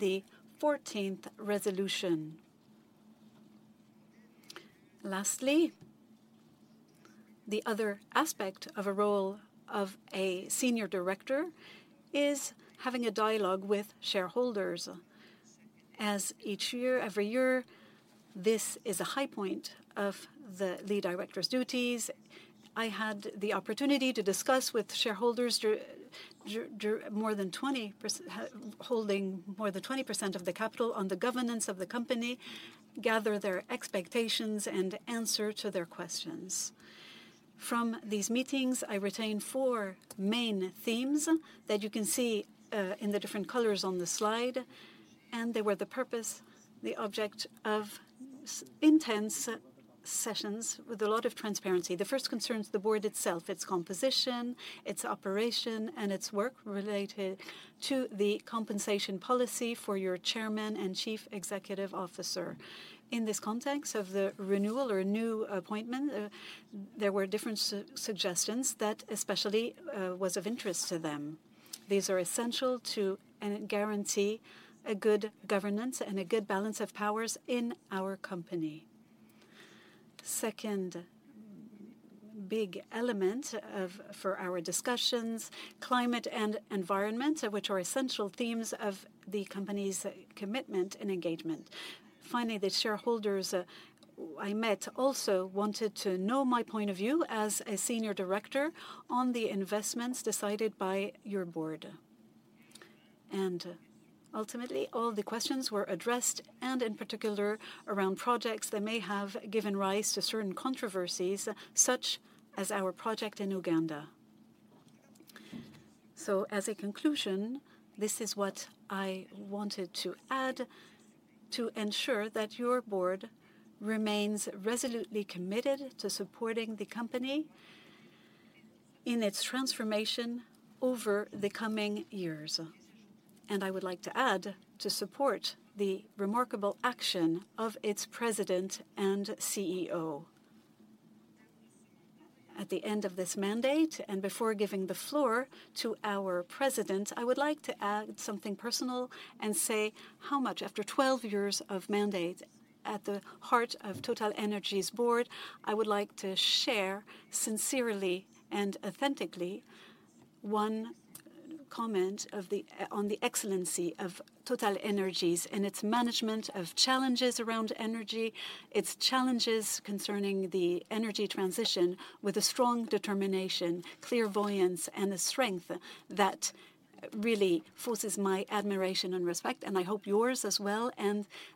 Resolution 14. The other aspect of a role of a senior director is having a dialogue with shareholders. Every year, this is a high point of the lead director's duties. I had the opportunity to discuss with shareholders more than 20. holding more than 20% of the capital on the governance of the company, gather their expectations, and answer to their questions. From these meetings, I retained four main themes that you can see in the different colors on the slide. They were the purpose, the object of intense sessions with a lot of transparency. The first concerns the board itself, its composition, its operation, and its work related to the compensation policy for your Chairman and Chief Executive Officer. In this context of the renewal or new appointment, there were different suggestions that especially was of interest to them. These are essential to and guarantee a good governance and a good balance of powers in our company. Second big element of for our discussions, climate and environment, which are essential themes of the company's commitment and engagement. Finally, the shareholders I met also wanted to know my point of view as a senior director on the investments decided by your board. Ultimately, all the questions were addressed, and in particular, around projects that may have given rise to certain controversies, such as our project in Uganda. As a conclusion, this is what I wanted to add to ensure that your board remains resolutely committed to supporting the company in its transformation over the coming years. I would like to add, to support the remarkable action of its President and CEO. At the end of this mandate, before giving the floor to our president, I would like to add something personal and say how much after 12 years of mandate at the heart of TotalEnergies Board, I would like to share sincerely and authentically one comment on the excellency of TotalEnergies and its management of challenges around energy, its challenges concerning the energy transition with a strong determination, clairvoyance, and a strength that really forces my admiration and respect, and I hope yours as well.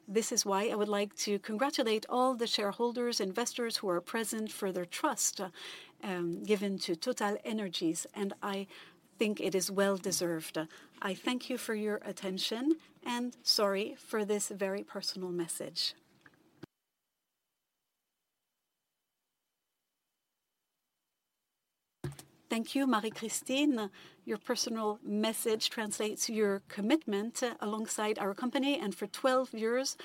This is why I would like to congratulate all the shareholders, investors who are present for their trust given to TotalEnergies, and I think it is well-deserved. I thank you for your attention, sorry for this very personal message. Thank you, Marie-Christine. Your personal message translates your commitment alongside our company and for 12 years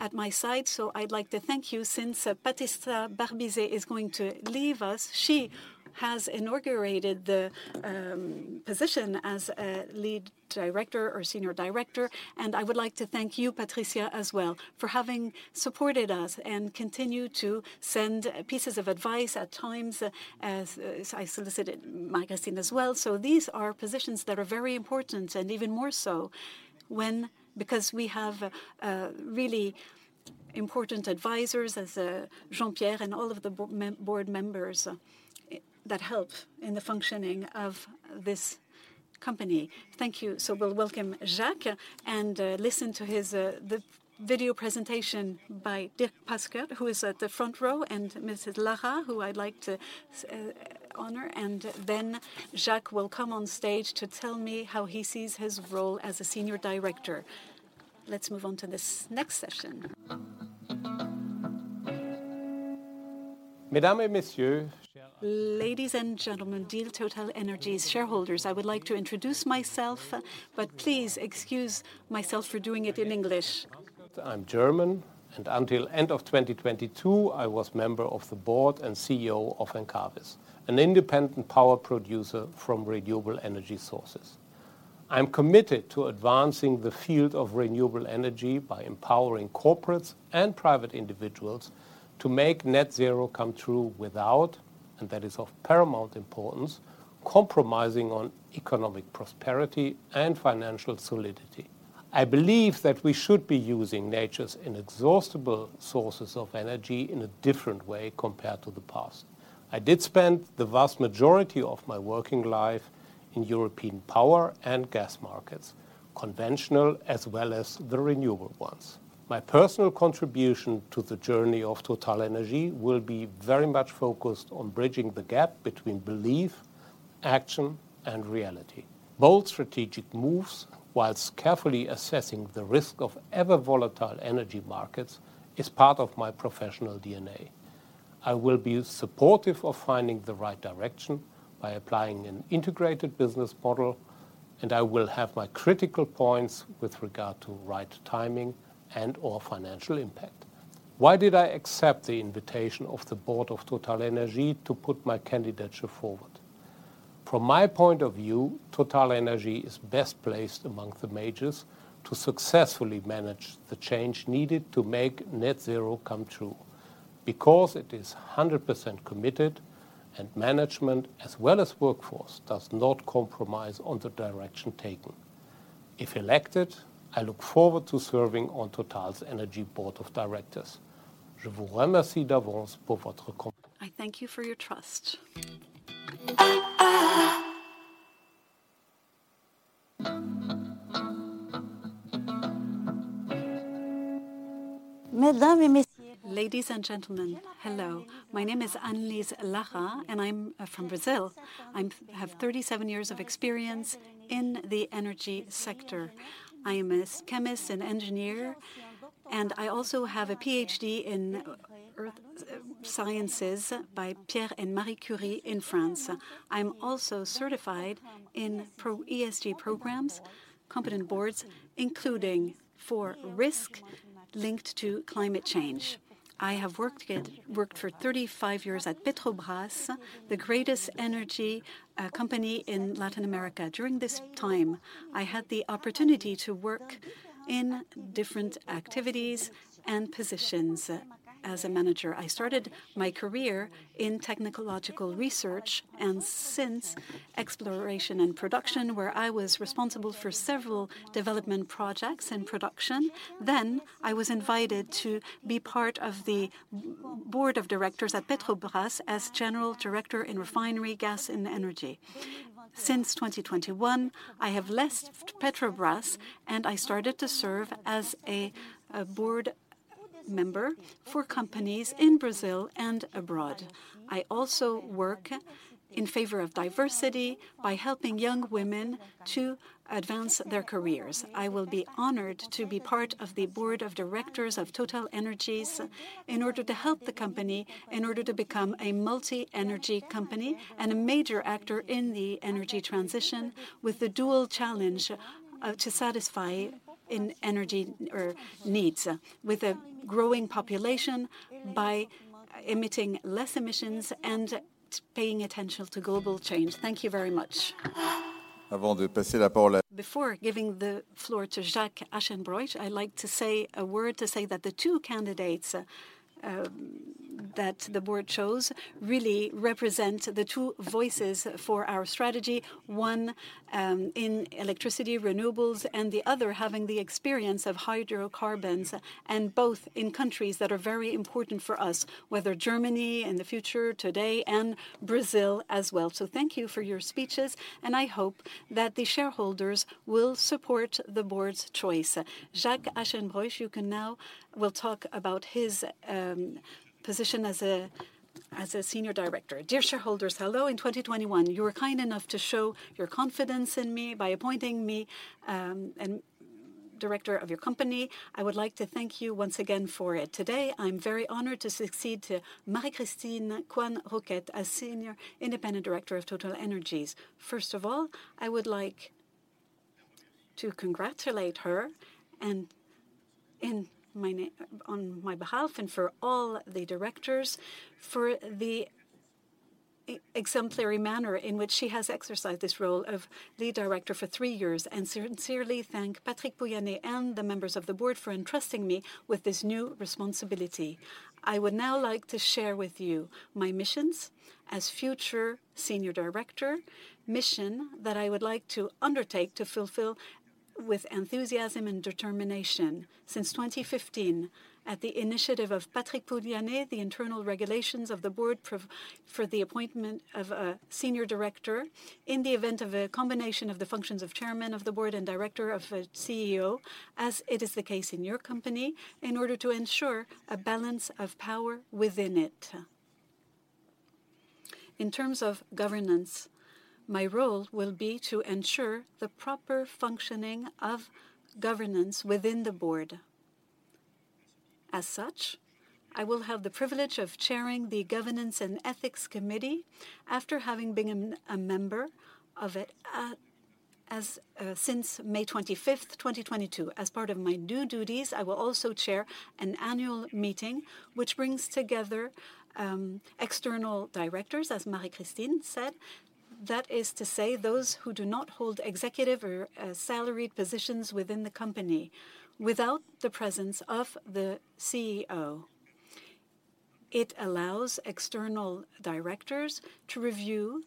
at my side. I'd like to thank you since Patricia Barbizet is going to leave us. She has inaugurated the position as a lead director or senior director, and I would like to thank you, Patricia, as well, for having supported us and continue to send pieces of advice at times, as I solicited Marie-Christine as well. These are positions that are very important, and even more so because we have really important advisors as Jean-Pierre and all of the board members that help in the functioning of this company. Thank you. We'll welcome Jacques and listen to his the video presentation by Dierk Paskert, who is at the front row, and Ms. Lara, who I'd like to honor, and then Jacques will come on stage to tell me how he sees his role as a senior director. Let's move on to this next session. Ladies and gentlemen, dear TotalEnergies shareholders, I would like to introduce myself, but please excuse myself for doing it in English. I'm German. Until end of 2022, I was member of the board and CEO of Encavis, an independent power producer from renewable energy sources. I'm committed to advancing the field of renewable energy by empowering corporates and private individuals to make net zero come true without, and that is of paramount importance, compromising on economic prosperity and financial solidity. I believe that we should be using nature's inexhaustible sources of energy in a different way compared to the past. I did spend the vast majority of my working life in European power and gas markets, conventional as well as the renewable ones. My personal contribution to the journey of TotalEnergies will be very much focused on bridging the gap between belief, action, and reality. Bold strategic moves, whilst carefully assessing the risk of ever-volatile energy markets, is part of my professional DNA. I will be supportive of finding the right direction by applying an integrated business model, and I will have my critical points with regard to right timing and or financial impact. Why did I accept the invitation of the board of TotalEnergies to put my candidature forward? From my point of view, TotalEnergies is best placed among the majors to successfully manage the change needed to make net zero come true, because it is 100% committed, and management, as well as workforce, does not compromise on the direction taken. If elected, I look forward to serving on TotalEnergies board of directors. I thank you for your trust. Ladies and gentlemen, hello. My name is Anelise Lara, and I'm from Brazil. I have 37 years of experience in the energy sector. I am a chemist and engineer, and I also have a PhD in earth sciences by Pierre and Marie Curie in France. I'm also certified in pro ESG programs, competent boards, including for risk linked to climate change. I have worked for 35 years at Petrobras, the greatest energy company in Latin America. During this time, I had the opportunity to work in different activities and positions as a manager. I started my career in technological research and, since, exploration and production, where I was responsible for several development projects and production. I was invited to be part of the board of directors at Petrobras as general director in refinery, gas, and energy. Since 2021, I have left Petrobras, and I started to serve as a board member for companies in Brazil and abroad. I also work in favor of diversity by helping young women to advance their careers. I will be honored to be part of the board of directors of TotalEnergies in order to help the company in order to become a multi-energy company and a major actor in the energy transition, with the dual challenge, to satisfy in energy, or needs, with a growing population by emitting less emissions and paying attention to global change. Thank you very much. Before giving the floor to Jacques Aschenbroich, I'd like to say a word to say that the two candidates that the board chose really represent the two voices for our strategy. One in electricity renewables, and the other having the experience of hydrocarbons, and both in countries that are very important for us, whether Germany in the future today, and Brazil as well. Thank you for your speeches, and I hope that the shareholders will support the board's choice. Jacques Aschenbroich, will talk about his position as a senior director. Dear shareholders, hello. In 2021, you were kind enough to show your confidence in me by appointing me an director of your company. I would like to thank you once again for it. Today, I'm very honored to succeed Marie-Christine Coisne-Roquette as Senior Independent Director of TotalEnergies. First of all, I would like to congratulate her and on my behalf and for all the directors, for the exemplary manner in which she has exercised this role of Lead Director for three years, and sincerely thank Patrick Pouyanné and the members of the board for entrusting me with this new responsibility. I would now like to share with you my missions as future Senior Director, mission that I would like to undertake to fulfill with enthusiasm and determination. Since 2015, at the initiative of Patrick Pouyanné, the internal regulations of the board for the appointment of a senior director in the event of a combination of the functions of Chairman of the Board and director of a CEO, as it is the case in your company, in order to ensure a balance of power within it. In terms of governance, my role will be to ensure the proper functioning of governance within the board. As such, I will have the privilege of chairing the Governance and Ethics Committee, after having been a member of it, as since May 25th, 2022. As part of my new duties, I will also chair an annual meeting, which brings together external directors, as Marie-Christine said. That is to say, those who do not hold executive or salaried positions within the company, without the presence of the CEO. It allows external directors to review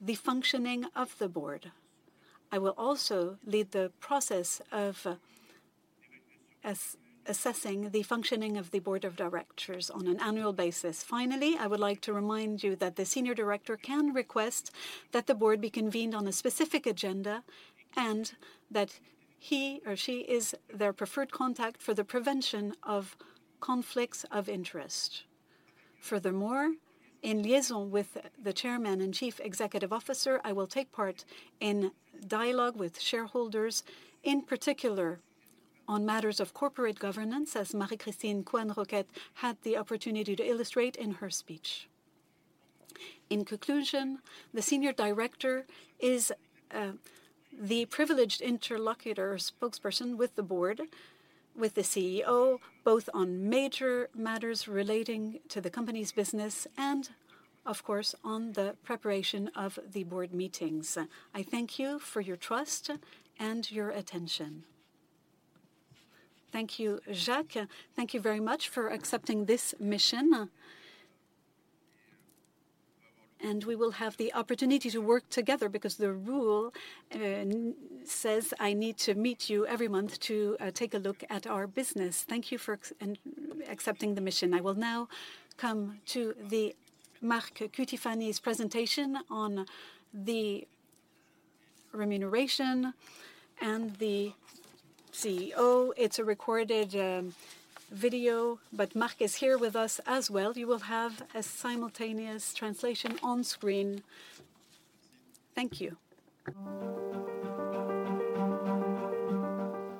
the functioning of the board. I will also lead the process of assessing the functioning of the board of directors on an annual basis. I would like to remind you that the senior director can request that the board be convened on a specific agenda, and that he or she is their preferred contact for the prevention of conflicts of interest. In liaison with the Chairman and Chief Executive Officer, I will take part in dialogue with shareholders, in particular on matters of corporate governance, as Marie-Christine Coisne-Roquette had the opportunity to illustrate in her speech. In conclusion, the senior director is the privileged interlocutor spokesperson with the board, with the CEO, both on major matters relating to the company's business and, of course, on the preparation of the board meetings. I thank you for your trust and your attention. Thank you, Jacques. Thank you very much for accepting this mission. We will have the opportunity to work together because the rule says I need to meet you every month to take a look at our business. Thank you for accepting the mission. I will now come to Mark Cutifani's presentation on the remuneration and the CEO. It's a recorded video, but Mark is here with us as well. You will have a simultaneous translation on screen. Thank you.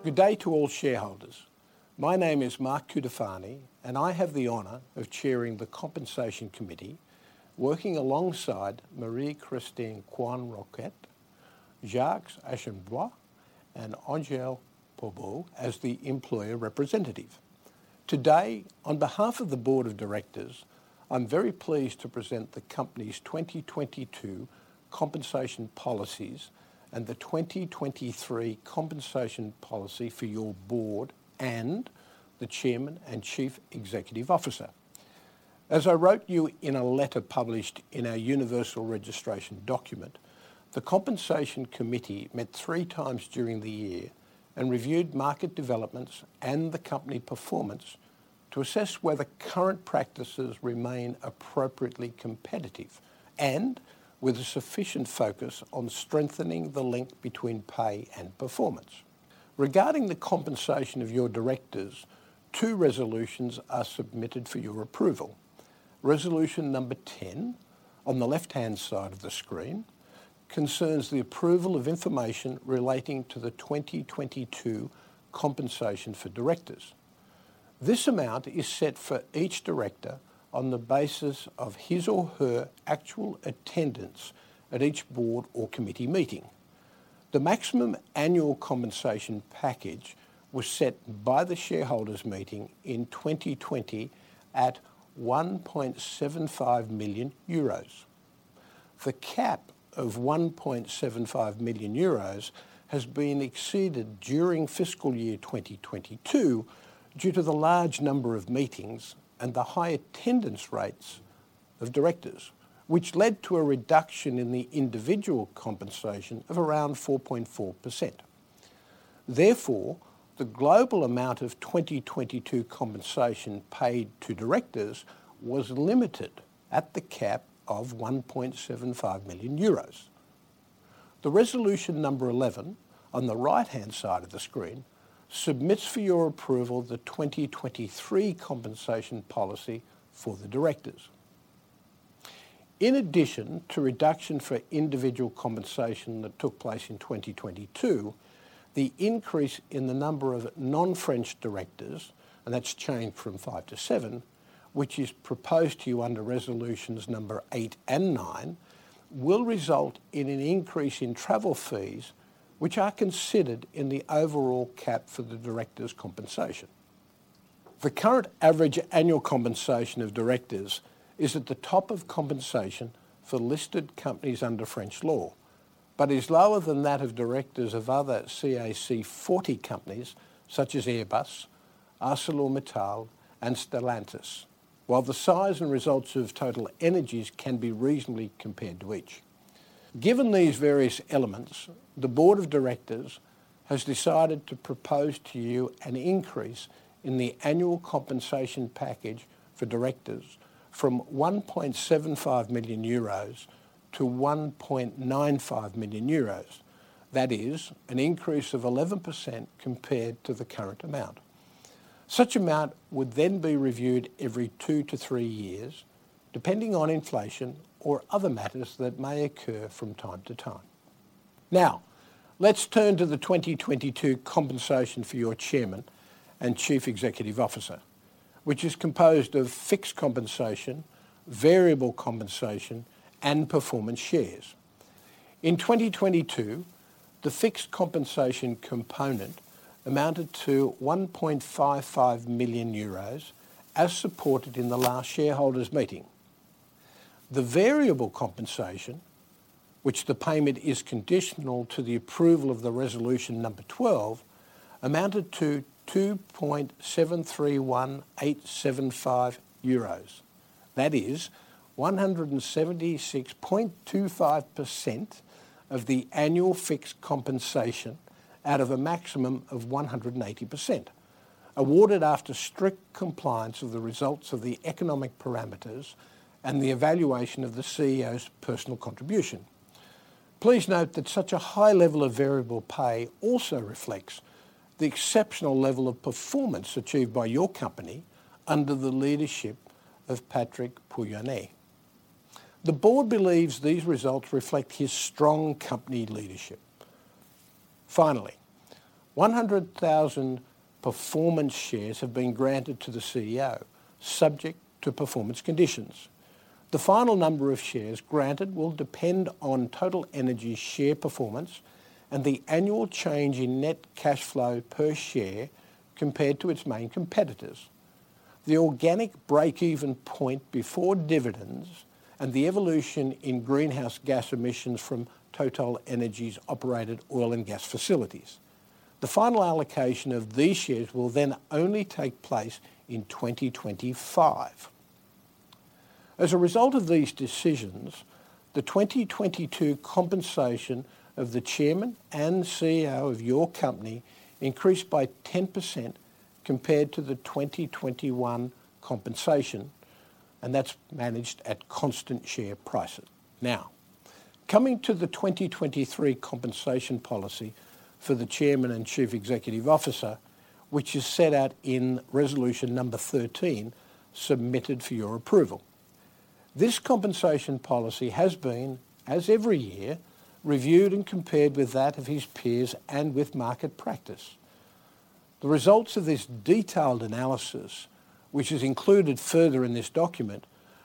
Good day to all shareholders. My name is Mark Cutifani, and I have the honor of chairing the Compensation Committee, working alongside Marie-Christine Coisne-Roquette, Jacques Aschenbroich, and Angèle Préville as the employer representative. Today, on behalf of the board of directors, I'm very pleased to present the company's 2022 compensation policies and the 2023 compensation policy for your board and the Chairman and Chief Executive Officer. As I wrote you in a letter published in our universal registration document, the Compensation Committee met three times during the year and reviewed market developments and the company performance to assess whether current practices remain appropriately competitive, and with a sufficient focus on strengthening the link between pay and performance. Regarding the compensation of your directors, two resolutions are submitted for your approval. Resolution number 10, on the left-hand side of the screen, concerns the approval of information relating to the 2022 compensation for directors. This amount is set for each director on the basis of his or her actual attendance at each board or committee meeting. The maximum annual compensation package was set by the shareholders meeting in 2020 at 1.75 million euros. The cap of 1.75 million euros has been exceeded during fiscal year 2022 due to the large number of meetings and the high attendance rates of directors, which led to a reduction in the individual compensation of around 4.4%. Therefore, the global amount of 2022 compensation paid to directors was limited at the cap of 1.75 million euros. The Resolution number 11, on the right-hand side of the screen, submits for your approval the 2023 compensation policy for the directors. In addition to reduction for individual compensation that took place in 2022, the increase in the number of non-French directors, and that's changed from five to seven, which is proposed to you under Resolutions number eight and nine, will result in an increase in travel fees, which are considered in the overall cap for the directors' compensation. The current average annual compensation of directors is at the top of compensation for listed companies under French law, but is lower than that of directors of other CAC 40 companies, such as Airbus, ArcelorMittal, and Stellantis, while the size and results of TotalEnergies can be reasonably compared to each. Given these various elements, the board of directors has decided to propose to you an increase in the annual compensation package for directors from 1.75 million-1.95 million euros. That is an increase of 11% compared to the current amount. Such amount would be reviewed every two to three years, depending on inflation or other matters that may occur from time to time. Let's turn to the 2022 compensation for your Chairman and Chief Executive Officer, which is composed of fixed compensation, variable compensation, and performance shares. In 2022, the fixed compensation component amounted to 1.55 million euros, as supported in the last shareholders meeting. The variable compensation, which the payment is conditional to the approval of Resolution 12, amounted to 2,731,875 euros. That is 176.25% of the annual fixed compensation out of a maximum of 180%, awarded after strict compliance of the results of the economic parameters and the evaluation of the CEO's personal contribution. Please note that such a high level of variable pay also reflects the exceptional level of performance achieved by your company under the leadership of Patrick Pouyanné. The board believes these results reflect his strong company leadership. Finally, 100,000 performance shares have been granted to the CEO, subject to performance conditions. The final number of shares granted will depend on TotalEnergies' share performance and the annual change in net cash flow per share compared to its main competitors, the organic break-even point before dividends, and the evolution in greenhouse gas emissions from TotalEnergies-operated oil and gas facilities. The final allocation of these shares will only take place in 2025. As a result of these decisions, the 2022 compensation of the Chairman and CEO of your company increased by 10% compared to the 2021 compensation, that's managed at constant share prices. Coming to the 2023 compensation policy for the Chairman and Chief Executive Officer, which is set out in Resolution number 13, submitted for your approval. This compensation policy has been, as every year, reviewed and compared with that of his peers and with market practice. The results of this detailed analysis, which is included further in this document,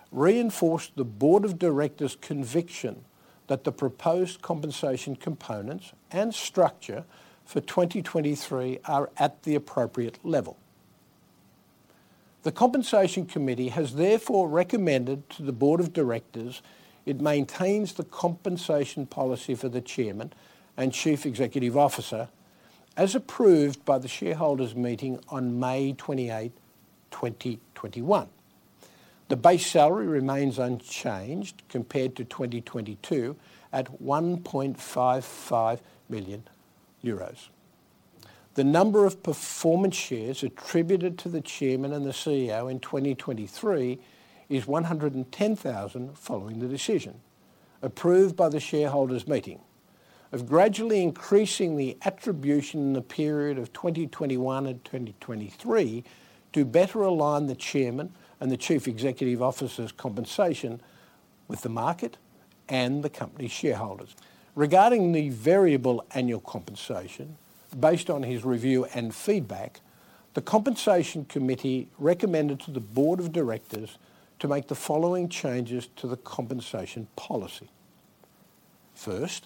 reinforced the Board of Directors' conviction that the proposed compensation components and structure for 2023 are at the appropriate level. The Compensation Committee has therefore recommended to the board of directors it maintains the compensation policy for the Chairman and Chief Executive Officer, as approved by the shareholders meeting on May 28, 2021. The base salary remains unchanged compared to 2022 at 1.55 million euros. The number of performance shares attributed to the Chairman and the CEO in 2023 is 110,000, following the decision approved by the shareholders meeting, of gradually increasing the attribution in the period of 2021 and 2023 to better align the Chairman and the Chief Executive Officer's compensation with the market and the company shareholders. Regarding the variable annual compensation, based on his review and feedback, the Compensation Committee recommended to the board of directors to make the following changes to the compensation policy.... First,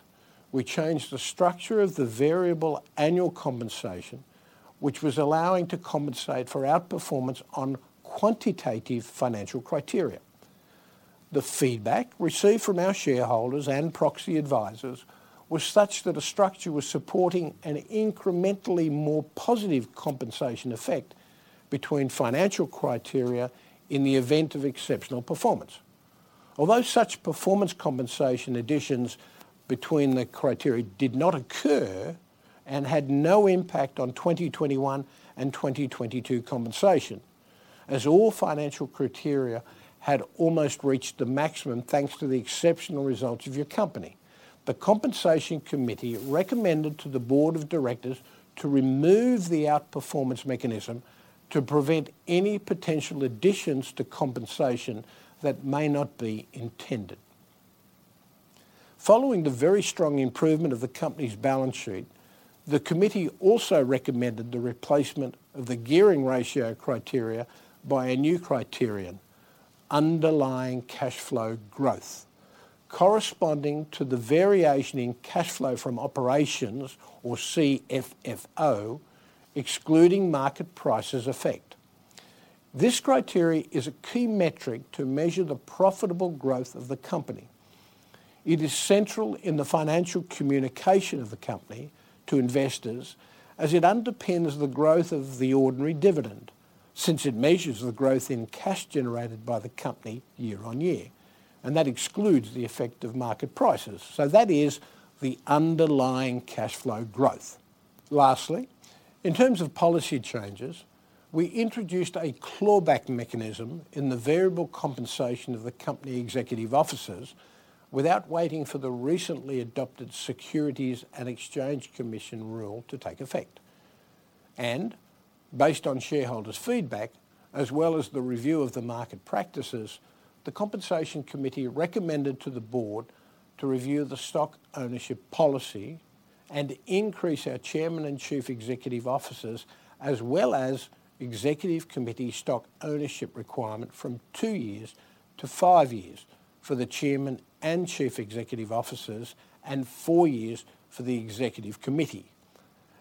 we changed the structure of the variable annual compensation, which was allowing to compensate for outperformance on quantitative financial criteria. The feedback received from our shareholders and proxy advisors was such that the structure was supporting an incrementally more positive compensation effect between financial criteria in the event of exceptional performance. Although such performance compensation additions between the criteria did not occur and had no impact on 2021 and 2022 compensation, as all financial criteria had almost reached the maximum, thanks to the exceptional results of your company. The Compensation Committee recommended to the Board of Directors to remove the outperformance mechanism to prevent any potential additions to compensation that may not be intended. Following the very strong improvement of the company's balance sheet, the committee also recommended the replacement of the gearing ratio criteria by a new criterion, underlying cash flow growth, corresponding to the variation in cash flow from operations, or CFFO, excluding market prices effect. This criteria is a key metric to measure the profitable growth of the company. It is central in the financial communication of the company to investors, as it underpins the growth of the ordinary dividend, since it measures the growth in cash generated by the company year-on-year, and that excludes the effect of market prices. That is the underlying cash flow growth. Lastly, in terms of policy changes, we introduced a clawback mechanism in the variable compensation of the company executive officers without waiting for the recently adopted Securities and Exchange Commission rule to take effect. Based on shareholders' feedback, as well as the review of the market practices, the Compensation Committee recommended to the board to review the stock ownership policy and increase our Chairman and Chief Executive Officers, as well as Executive Committee stock ownership requirement from two years to five years for the Chairman and Chief Executive Officers, and four years for the Executive Committee.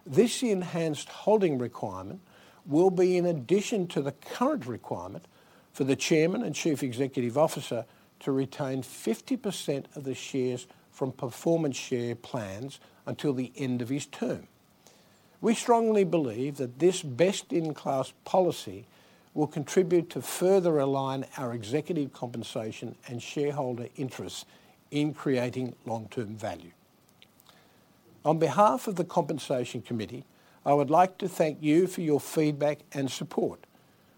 This enhanced holding requirement will be in addition to the current requirement for the Chairman and Chief Executive Officer to retain 50% of the shares from performance share plans until the end of his term. We strongly believe that this best-in-class policy will contribute to further align our executive compensation and shareholder interests in creating long-term value. On behalf of the Compensation Committee, I would like to thank you for your feedback and support,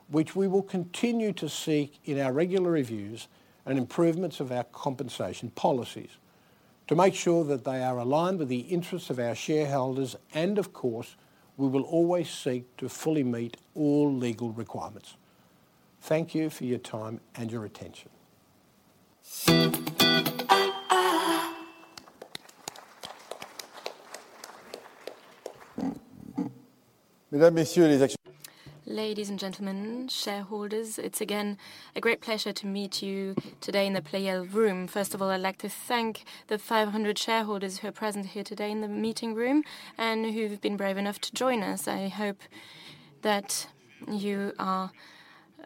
which we will continue to seek in our regular reviews and improvements of our compensation policies to make sure that they are aligned with the interests of our shareholders, and of course, we will always seek to fully meet all legal requirements. Thank you for your time and your attention. Ladies and gentlemen, shareholders, it's again a great pleasure to meet you today in the Pleyel room. First of all, I'd like to thank the 500 shareholders who are present here today in the meeting room and who've been brave enough to join us. I hope that you are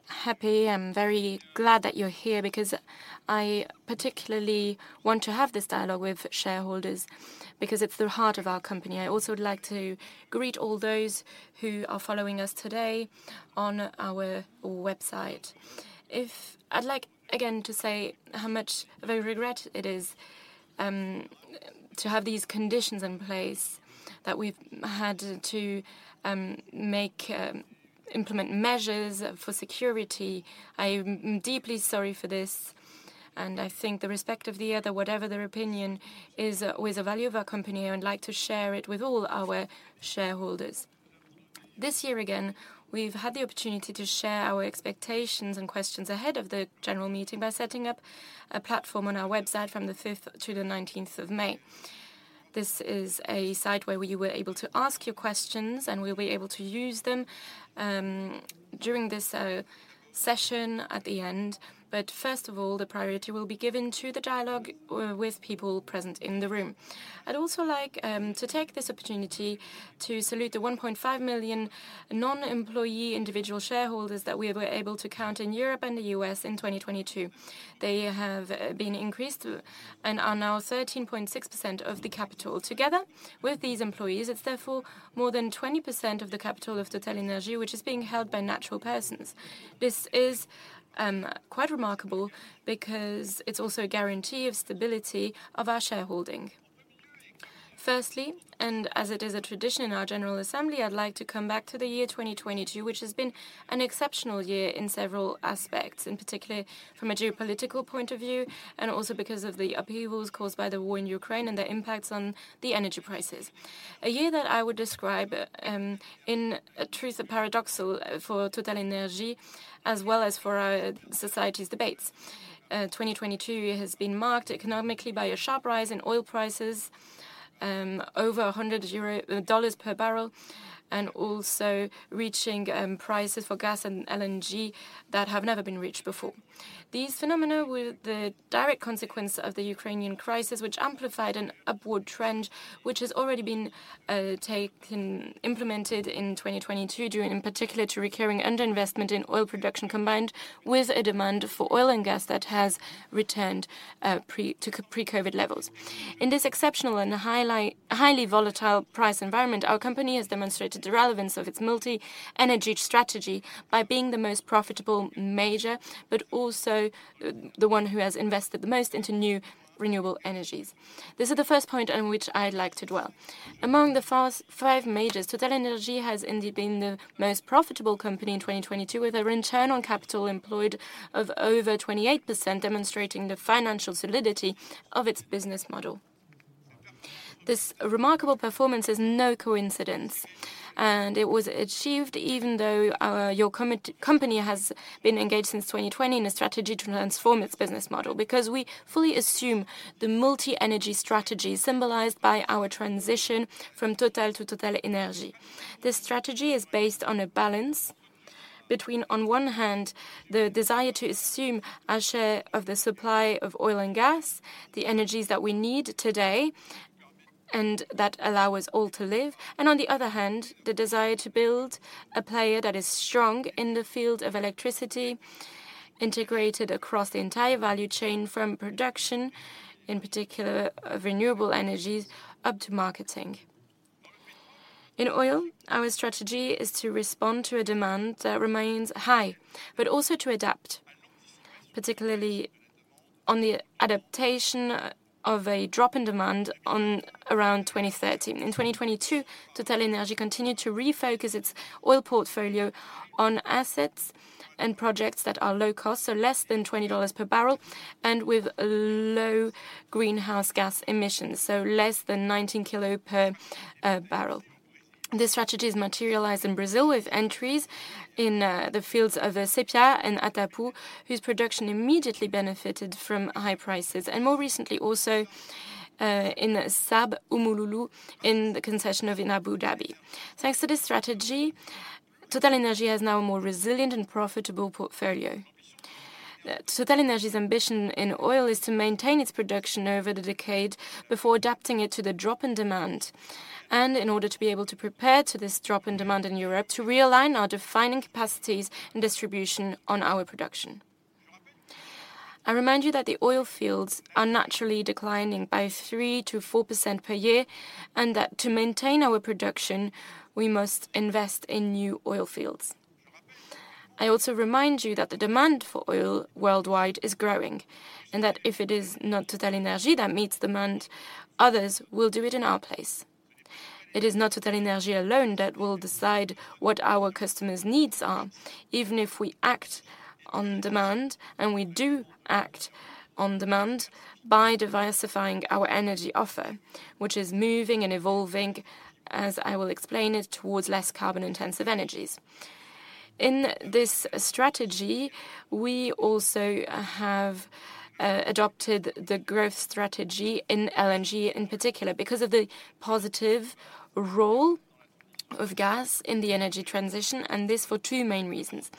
happy. I'm very glad that you're here, because I particularly want to have this dialogue with shareholders, because it's the heart of our company. I also would like to greet all those who are following us today on our website. I'd like, again, to say how much of a regret it is to have these conditions in place, that we've had to implement measures for security. I am deeply sorry for this, and I think the respect of the other, whatever their opinion, is always a value of our company. I would like to share it with all our shareholders. This year, again, we've had the opportunity to share our expectations and questions ahead of the general meeting by setting up a platform on our website from the fifth to the nineteenth of May. This is a site where you were able to ask your questions, and we'll be able to use them during this session at the end. First of all, the priority will be given to the dialogue with people present in the room. I'd also like to take this opportunity to salute the 1.5 million non-employee individual shareholders that we were able to count in Europe and the U.S. in 2022. They have been increased and are now 13.6% of the capital. Together with these employees, it's therefore more than 20% of the capital of TotalEnergies, which is being held by natural persons. This is quite remarkable because it's also a guarantee of stability of our shareholding. Firstly, as it is a tradition in our general assembly, I'd like to come back to the year 2022, which has been an exceptional year in several aspects, in particular from a geopolitical point of view, and also because of the upheavals caused by the war in Ukraine and the impacts on the energy prices. A year that I would describe paradoxical for TotalEnergies, as well as for our society's debates. 2022 has been marked economically by a sharp rise in oil prices... over $100 per bbl, and also reaching prices for gas and LNG that have never been reached before. These phenomena were the direct consequence of the Ukrainian crisis, which amplified an upward trend, which has already been taken, implemented in 2022, due in particular to recurring underinvestment in oil production, combined with a demand for oil and gas that has returned pre- to pre-COVID levels. In this exceptional and highly volatile price environment, our company has demonstrated the relevance of its multi-energy strategy by being the most profitable major, but also the one who has invested the most into new renewable energies. This is the first point on which I'd like to dwell. Among the fast five majors, TotalEnergies has indeed been the most profitable company in 2022, with a return on capital employed of over 28%, demonstrating the financial solidity of its business model. This remarkable performance is no coincidence, and it was achieved even though your company has been engaged since 2020 in a strategy to transform its business model. We fully assume the multi-energy strategy, symbolized by our transition from Total to TotalEnergies. This strategy is based on a balance between, on one hand, the desire to assume our share of the supply of oil and gas, the energies that we need today, and that allow us all to live, and on the other hand, the desire to build a player that is strong in the field of electricity, integrated across the entire value chain, from production, in particular of renewable energies, up to marketing. In oil, our strategy is to respond to a demand that remains high, but also to adapt, particularly on the adaptation of a drop in demand on around 2030. In 2022, TotalEnergies continued to refocus its oil portfolio on assets and projects that are low cost, so less than $20 per bbl, and with low greenhouse gas emissions, so less than 19 kilo per bbl. This strategy is materialized in Brazil, with entries in the fields of Sépia and Atapu, whose production immediately benefited from high prices, and more recently also, in SARB and Umm Lulu, in the concession of in Abu Dhabi. Thanks to this strategy, TotalEnergies has now a more resilient and profitable portfolio. TotalEnergies' ambition in oil is to maintain its production over the decade before adapting it to the drop in demand, and in order to be able to prepare to this drop in demand in Europe, to realign our refining capacities and distribution on our production. I remind you that the oil fields are naturally declining by 3%-4% per year, and that to maintain our production, we must invest in new oil fields. I also remind you that the demand for oil worldwide is growing, that if it is not TotalEnergies that meets demand, others will do it in our place. It is not TotalEnergies alone that will decide what our customers' needs are, even if we act on demand, we do act on demand by diversifying our energy offer, which is moving and evolving, as I will explain it, towards less carbon-intensive energies. In this strategy, we also have adopted the growth strategy in LNG in particular, because of the positive role of gas in the energy transition, this for two main reasons.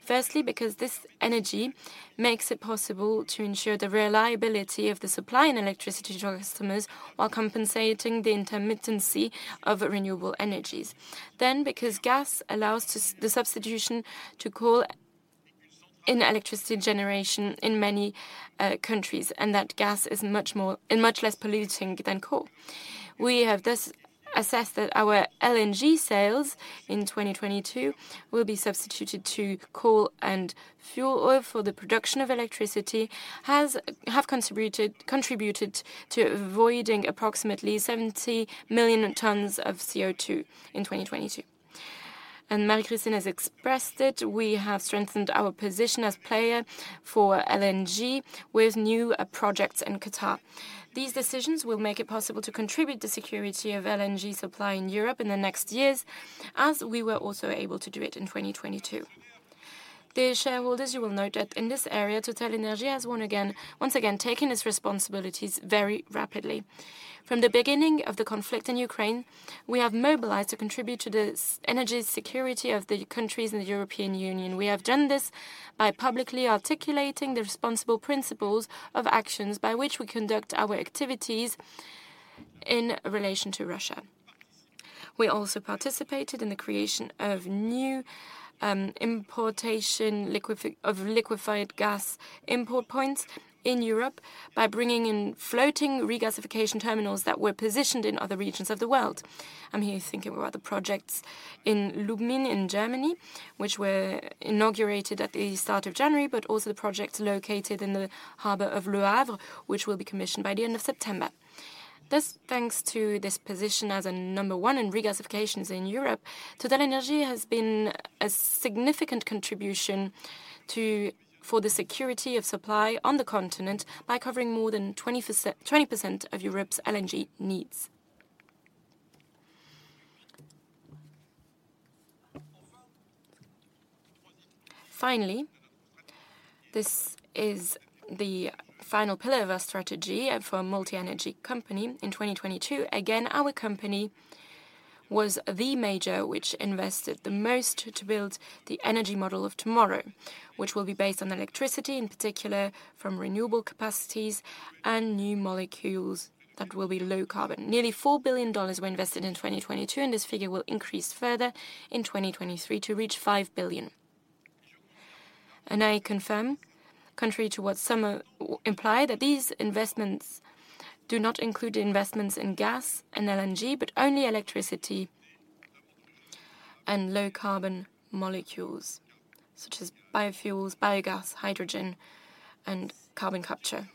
Firstly, because this energy makes it possible to ensure the reliability of the supply and electricity to our customers while compensating the intermittency of renewable energies. Because gas allows us the substitution to coal in electricity generation in many countries, and that gas is much less polluting than coal. We have thus assessed that our LNG sales in 2022 will be substituted to coal and fuel oil for the production of electricity have contributed to avoiding approximately 70 million tons of CO2 in 2022. Marie-Christine has expressed it, we have strengthened our position as player for LNG with new projects in Qatar. These decisions will make it possible to contribute the security of LNG supply in Europe in the next years, as we were also able to do it in 2022. Dear shareholders, you will note that in this area, TotalEnergies has once again, taken its responsibilities very rapidly. From the beginning of the conflict in Ukraine, we have mobilized to contribute to the energy security of the countries in the European Union. We have done this by publicly articulating the responsible principles of actions by which we conduct our activities in relation to Russia. We also participated in the creation of new of liquefied gas import points in Europe by bringing in floating regasification terminals that were positioned in other regions of the world. I'm here thinking about the projects in Lubmin, in Germany, which were inaugurated at the start of January, also the projects located in the harbor of Le Havre, which will be commissioned by the end of September. Thanks to this position as a number one in regasifications in Europe, TotalEnergies has been a significant contribution to... for the security of supply on the continent by covering more than 20% of Europe's LNG needs. This is the final pillar of our strategy and for a multi-energy company in 2022. Our company was the major which invested the most to build the energy model of tomorrow, which will be based on electricity, in particular from renewable capacities and new molecules that will be low carbon. Nearly $4 billion were invested in 2022, and this figure will increase further in 2023 to reach $5 billion. I confirm, contrary to what some imply, that these investments do not include the investments in gas and LNG, but only electricity and low carbon molecules, such as biofuels, biogas, hydrogen, and carbon capture.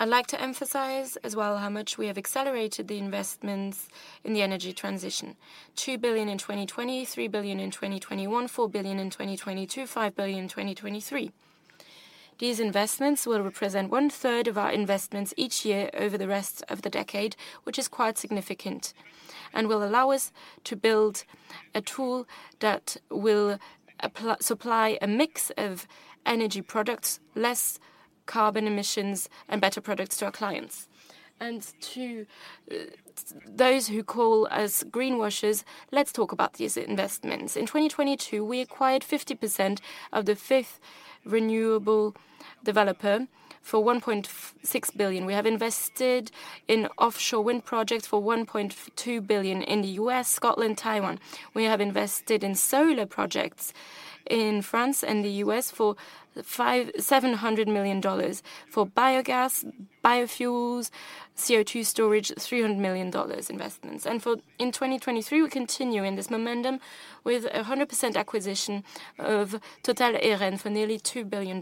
I'd like to emphasize as well how much we have accelerated the investments in the energy transition. $2 billion in 2020, $3 billion in 2021, $4 billion in 2022, $5 billion in 2023. These investments will represent one third of our investments each year over the rest of the decade, which is quite significant and will allow us to build a tool that will supply a mix of energy products, less carbon emissions, and better products to our clients. To those who call us greenwashers, let's talk about these investments. In 2022, we acquired 50% of the fifth renewable developer for $1.6 billion. We have invested in offshore wind projects for $1.2 billion in the U.S., Scotland, Taiwan. We have invested in solar projects in France and the U.S. for $700 million. For biogas, biofuels, CO2 storage, $300 million investments. For... In 2023, we continue in this momentum with a 100% acquisition of Total Eren for nearly $2 billion.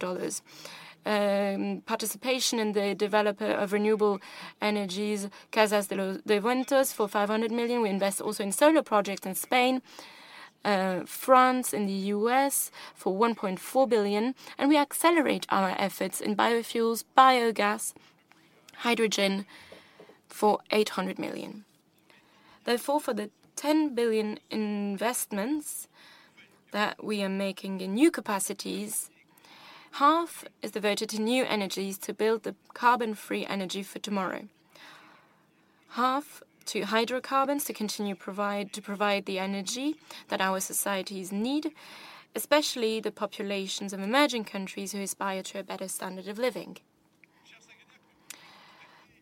Participation in the developer of renewable energies, Casa dos Ventos, for $500 million. We invest also in solar projects in Spain, France, and the U.S. for $1.4 billion, and we accelerate our efforts in biofuels, biogas, hydrogen for $800 million. For the $10 billion investments that we are making in new capacities, half is devoted to new energies to build the carbon-free energy for tomorrow. Half to hydrocarbons to continue to provide the energy that our societies need, especially the populations of emerging countries who aspire to a better standard of living.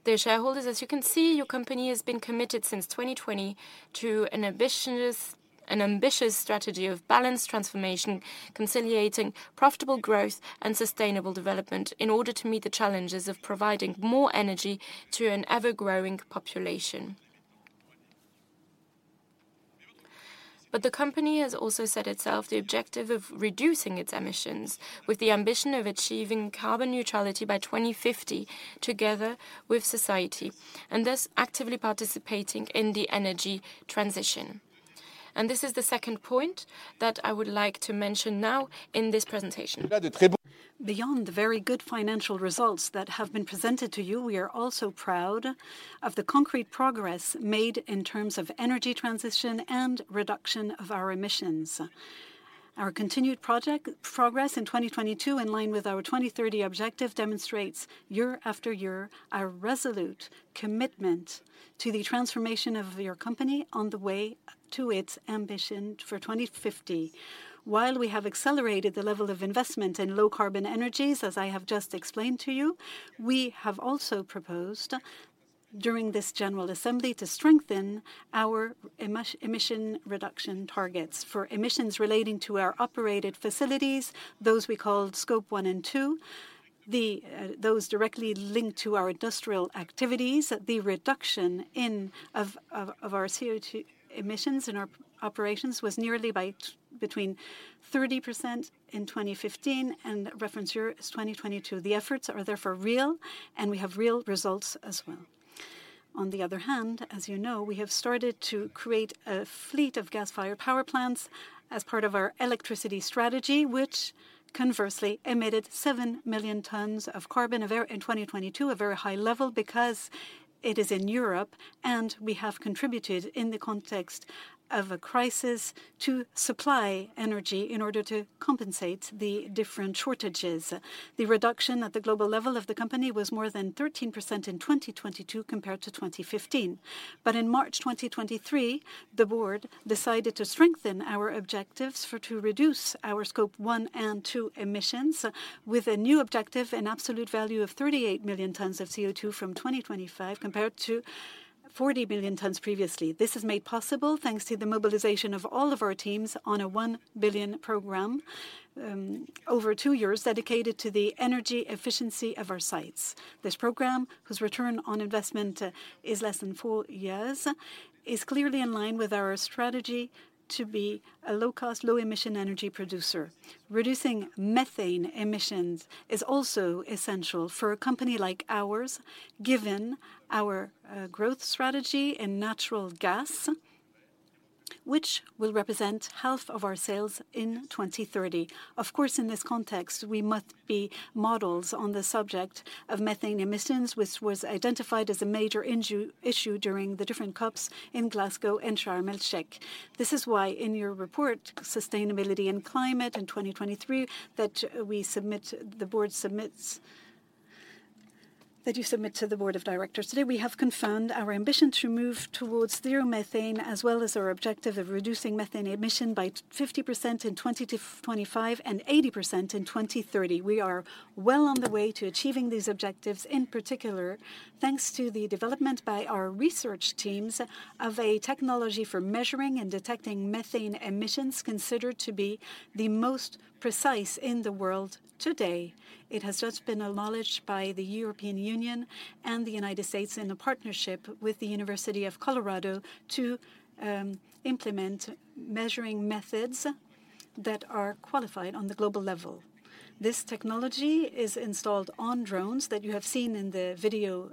Dear shareholders, as you can see, your company has been committed since 2020 to an ambitious strategy of balanced transformation, conciliating profitable growth and sustainable development in order to meet the challenges of providing more energy to an ever-growing population. The company has also set itself the objective of reducing its emissions, with the ambition of achieving carbon neutrality by 2050, together with society, and thus actively participating in the energy transition. This is the second point that I would like to mention now in this presentation. Beyond the very good financial results that have been presented to you, we are also proud of the concrete progress made in terms of energy transition and reduction of our emissions. Our continued project, progress in 2022, in line with our 2030 objective, demonstrates year-after-year, our resolute commitment to the transformation of your company on the way to its ambition for 2050. While we have accelerated the level of investment in low-carbon energies, as I have just explained to you, we have also proposed during this general assembly, to strengthen our emission reduction targets. For emissions relating to our operated facilities, those we call Scope 1 and 2, the those directly linked to our industrial activities, the reduction of our CO2 emissions in our operations was nearly between 30% in 2015. Reference year is 2022. The efforts are therefore real. We have real results as well. As you know, we have started to create a fleet of gas-fired power plants as part of our electricity strategy, which conversely emitted 7 million tons of carbon in 2022, a very high level because it is in Europe. We have contributed in the context of a crisis to supply energy in order to compensate the different shortages. The reduction at the global level of the company was more than 13% in 2022 compared to 2015. In March 2023, the board decided to strengthen our objectives for to reduce our Scope 1 and 2 emissions, with a new objective, an absolute value of 38 million tons of CO2 from 2025, compared to 40 million tons previously. This is made possible thanks to the mobilization of all of our teams on a $1 billion program, over two years, dedicated to the energy efficiency of our sites. This program, whose return on investment is less than four years, is clearly in line with our strategy to be a low-cost, low-emission energy producer. Reducing methane emissions is also essential for a company like ours, given our growth strategy in natural gas, which will represent half of our sales in 2030. In this context, we must be models on the subject of methane emissions, which was identified as a major issue during the different COPs in Glasgow and Sharm El-Sheikh. In your report, Sustainability & Climate – 2023 Progress Report, that you submit to the board of directors today, we have confirmed our ambition to move towards zero methane, as well as our objective of reducing methane emission by 50% in 2025, and 80% in 2030. We are well on the way to achieving these objectives, in particular, thanks to the development by our research teams of a technology for measuring and detecting methane emissions, considered to be the most precise in the world today. It has just been acknowledged by the European Union and the United States in a partnership with the University of Colorado to implement measuring methods that are qualified on the global level. This technology is installed on drones that you have seen in the video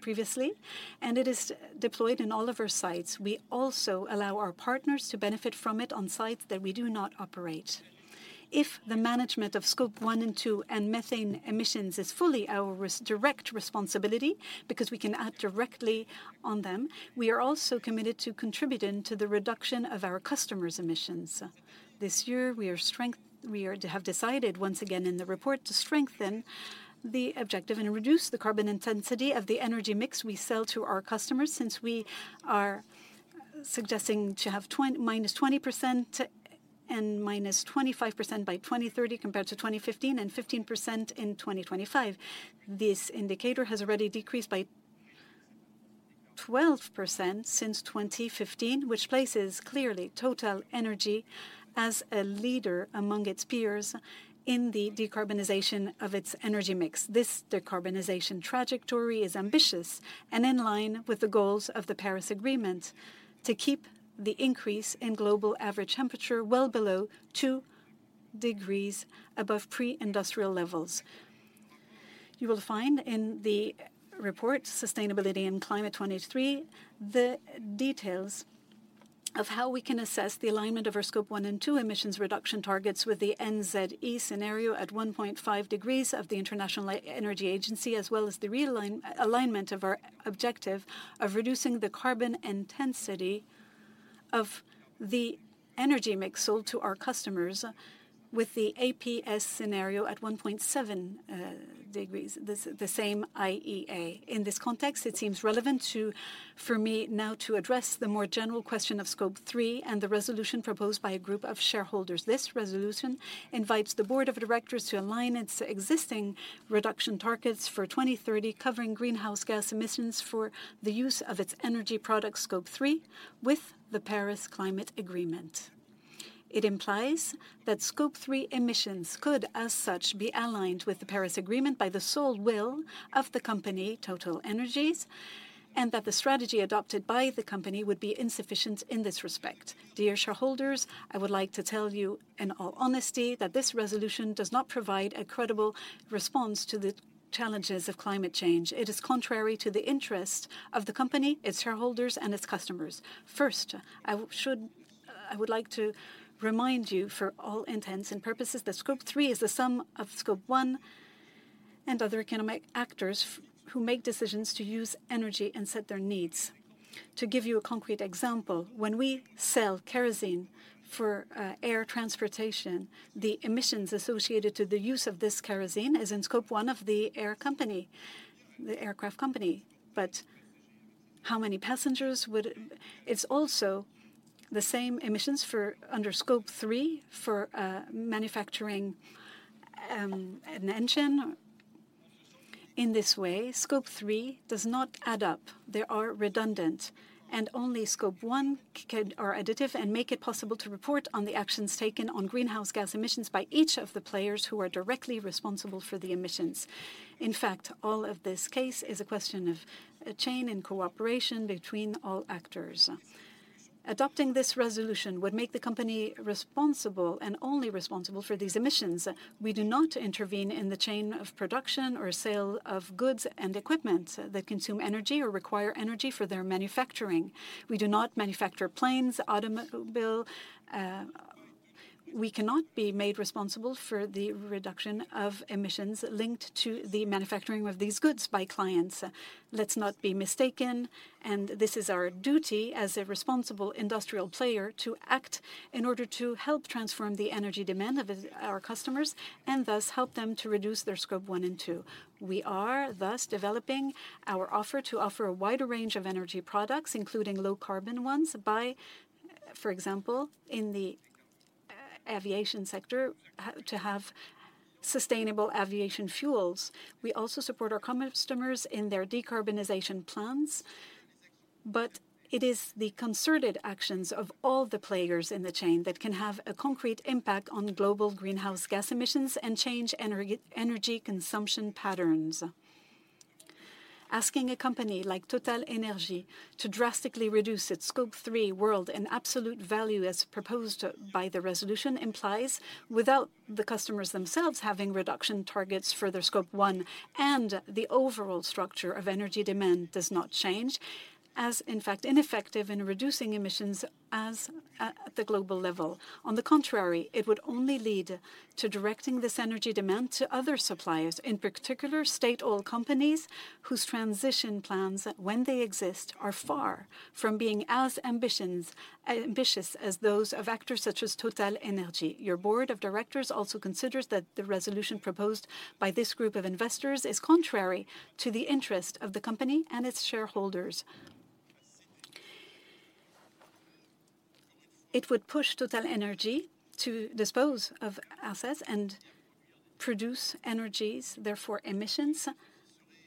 previously, and it is deployed in all of our sites. We also allow our partners to benefit from it on sites that we do not operate. If the management of Scope 1 and 2 and methane emissions is fully our direct responsibility, because we can act directly on them, we are also committed to contributing to the reduction of our customers' emissions. This year, we have decided, once again in the report, to strengthen the objective and reduce the carbon intensity of the energy mix we sell to our customers, since we are suggesting to have -20% and -25% by 2030, compared to 2015, and 15% in 2025. This indicator has already decreased by 12% since 2015, which places clearly TotalEnergies as a leader among its peers in the decarbonization of its energy mix. This decarbonization trajectory is ambitious and in line with the goals of the Paris Agreement to keep the increase in global average temperature well below two degrees above pre-industrial levels. You will find in the report, Sustainability and Climate 2023, the details of how we can assess the alignment of our Scope 1 and 2 emissions reduction targets with the NZE Scenario at 1.5 degrees of the International Energy Agency, as well as the alignment of our objective of reducing the carbon intensity of the energy mix sold to our customers with the APS scenario at 1.7 degrees, the same IEA. In this context, it seems relevant for me now to address the more general question of Scope 3 and the resolution proposed by a group of shareholders. This resolution invites the board of directors to align its existing reduction targets for 2030, covering greenhouse gas emissions for the use of its energy product, Scope 3, with the Paris Climate Agreement. It implies that Scope 3 emissions could, as such, be aligned with the Paris Agreement by the sole will of the company, TotalEnergies, and that the strategy adopted by the company would be insufficient in this respect. Dear shareholders, I would like to tell you in all honesty that this resolution does not provide a credible response to the challenges of climate change. It is contrary to the interest of the company, its shareholders, and its customers. First, I should, I would like to remind you, for all intents and purposes, that Scope 3 is the sum of Scope 1 and other economic actors who make decisions to use energy and set their needs. To give you a concrete example, when we sell kerosene for air transportation, the emissions associated to the use of this kerosene is in Scope 1 of the air company, the aircraft company. It's also the same emissions for under Scope 3 for manufacturing an engine. In this way, Scope 3 does not add up. They are redundant. Only Scope 1 are additive and make it possible to report on the actions taken on greenhouse gas emissions by each of the players who are directly responsible for the emissions. All of this case is a question of a chain and cooperation between all actors. Adopting this resolution would make the company responsible, and only responsible, for these emissions. We do not intervene in the chain of production or sale of goods and equipment that consume energy or require energy for their manufacturing. We do not manufacture planes, automobile. We cannot be made responsible for the reduction of emissions linked to the manufacturing of these goods by clients. Let's not be mistaken. This is our duty as a responsible industrial player, to act in order to help transform the energy demand of his, our customers, and thus help them to reduce their Scope 1 and 2. We are thus developing our offer to offer a wider range of energy products, including low-carbon ones, by, for example, in the aviation sector, to have sustainable aviation fuels. We also support our customers in their decarbonization plans. It is the concerted actions of all the players in the chain that can have a concrete impact on global greenhouse gas emissions and change energy consumption patterns. Asking a company like TotalEnergies to drastically reduce its Scope 3 world and absolute value, as proposed by the resolution, implies, without the customers themselves having reduction targets for their Scope 1, and the overall structure of energy demand does not change, as in fact, ineffective in reducing emissions at the global level. On the contrary, it would only lead to directing this energy demand to other suppliers, in particular, state oil companies, whose transition plans, when they exist, are far from being as ambitious as those of actors such as TotalEnergies. Your board of directors also considers that the resolution proposed by this group of investors is contrary to the interest of the company and its shareholders. It would push TotalEnergies to dispose of assets and produce energies, therefore emissions,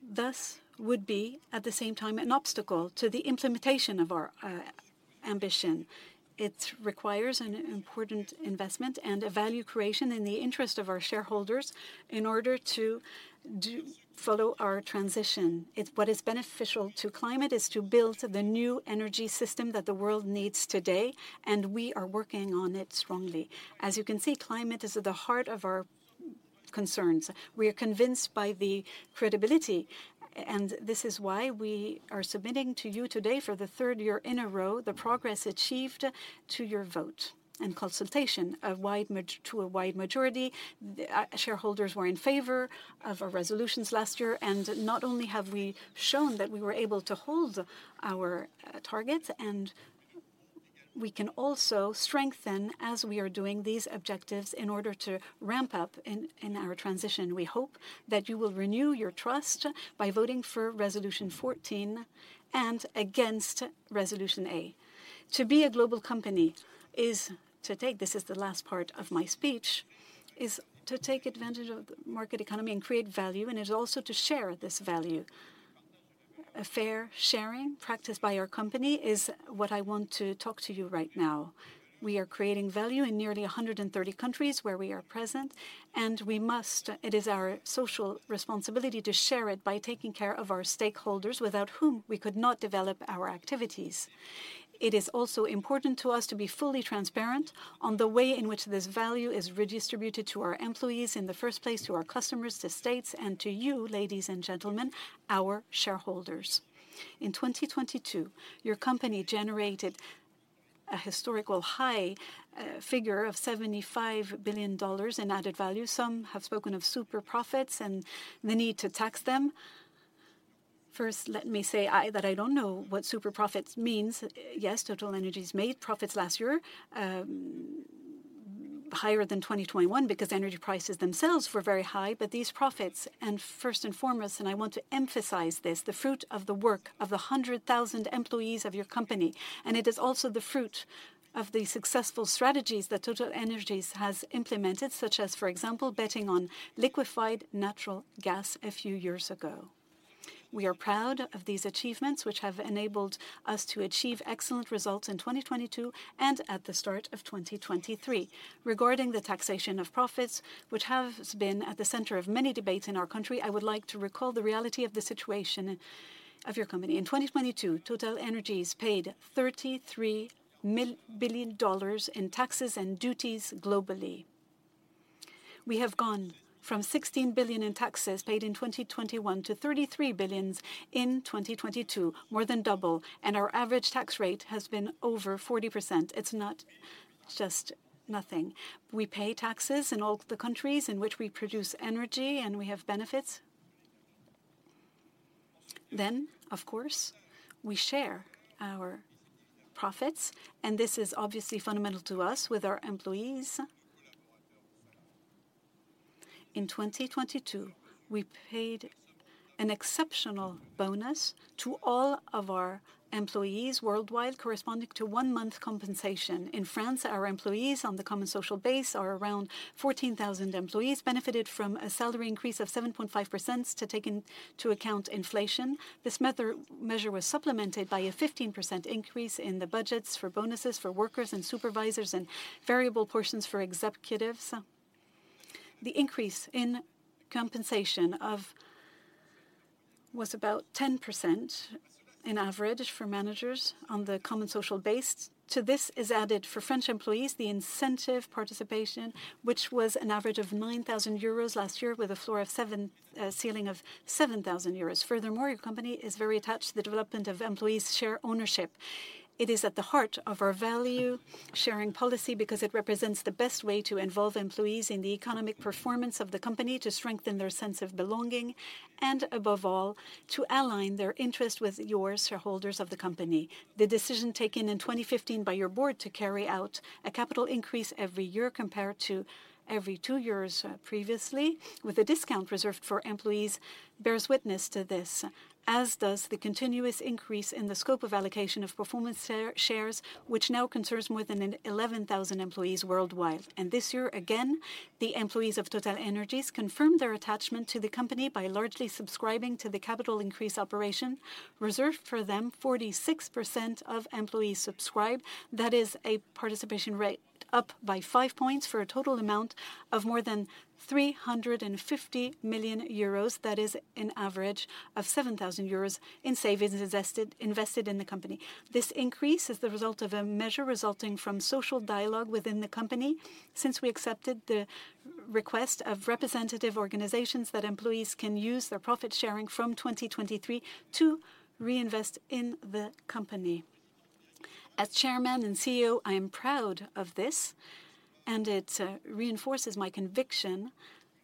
thus would be, at the same time, an obstacle to the implementation of our ambition. It requires an important investment and a value creation in the interest of our shareholders in order to follow our transition. It's what is beneficial to climate is to build the new energy system that the world needs today. We are working on it strongly. As you can see, climate is at the heart of our concerns. We are convinced by the credibility. This is why we are submitting to you today, for the third year in a row, the progress achieved to your vote and consultation, to a wide majority. Shareholders were in favor of our resolutions last year. Not only have we shown that we were able to hold our targets, We can also strengthen, as we are doing, these objectives in order to ramp up in our transition. We hope that you will renew your trust by voting for Resolution 14 and against Resolution A. To be a global company is to take advantage of the market economy and create value. It is also to share this value. A fair sharing practice by our company is what I want to talk to you right now. We are creating value in nearly 130 countries where we are present. We must, it is our social responsibility to share it by taking care of our stakeholders, without whom we could not develop our activities. It is also important to us to be fully transparent on the way in which this value is redistributed to our employees in the first place, to our customers, to states, to you, ladies and gentlemen, our shareholders. In 2022, your company generated a historical high figure of $75 billion in added value. Some have spoken of super profits and the need to tax them. First, let me say, I don't know what super profits means. Yes, TotalEnergies made profits last year, higher than 2021 because energy prices themselves were very high. These profits, and first and foremost, and I want to emphasize this, the fruit of the work of the 100,000 employees of your company, and it is also the fruit of the successful strategies that TotalEnergies has implemented, such as, for example, betting on liquefied natural gas a few years ago. We are proud of these achievements, which have enabled us to achieve excellent results in 2022 and at the start of 2023. Regarding the taxation of profits, which has been at the center of many debates in our country, I would like to recall the reality of the situation of your company. In 2022, TotalEnergies paid $33 billion in taxes and duties globally. We have gone from $16 billion in taxes paid in 2021 to $33 billion in 2022, more than double, and our average tax rate has been over 40%. It's not just nothing. We pay taxes in all the countries in which we produce energy, and we have benefits. Of course, we share our profits, and this is obviously fundamental to us with our employees. In 2022, we paid an exceptional bonus to all of our employees worldwide, corresponding to 1 month compensation. In France, our employees on the common social base are around 14,000 employees, benefited from a salary increase of 7.5% to take into account inflation. This measure was supplemented by a 15% increase in the budgets for bonuses for workers and supervisors, and variable portions for executives. The increase in compensation was about 10% in average for managers on the common social base. To this is added, for French employees, the incentive participation, which was an average of 9,000 euros last year, with a floor of 7,000, ceiling of 7,000 euros. Furthermore, your company is very attached to the development of employees' share ownership. It is at the heart of our value-sharing policy because it represents the best way to involve employees in the economic performance of the company, to strengthen their sense of belonging, and above all, to align their interest with yours, shareholders of the company. The decision taken in 2015 by your board to carry out a capital increase every year, compared to every two years previously, with a discount reserved for employees, bears witness to this, as does the continuous increase in the scope of allocation of performance shares, which now concerns more than 11,000 employees worldwide. This year, again, the employees of TotalEnergies confirmed their attachment to the company by largely subscribing to the capital increase operation reserved for them. 46% of employees subscribed. That is a participation rate up by five points, for a total amount of more than 350 million euros. That is an average of seven thousand euros in savings invested in the company. This increase is the result of a measure resulting from social dialogue within the company since we accepted the request of representative organizations that employees can use their profit sharing from 2023 to reinvest in the company. As Chairman and CEO, I am proud of this, it reinforces my conviction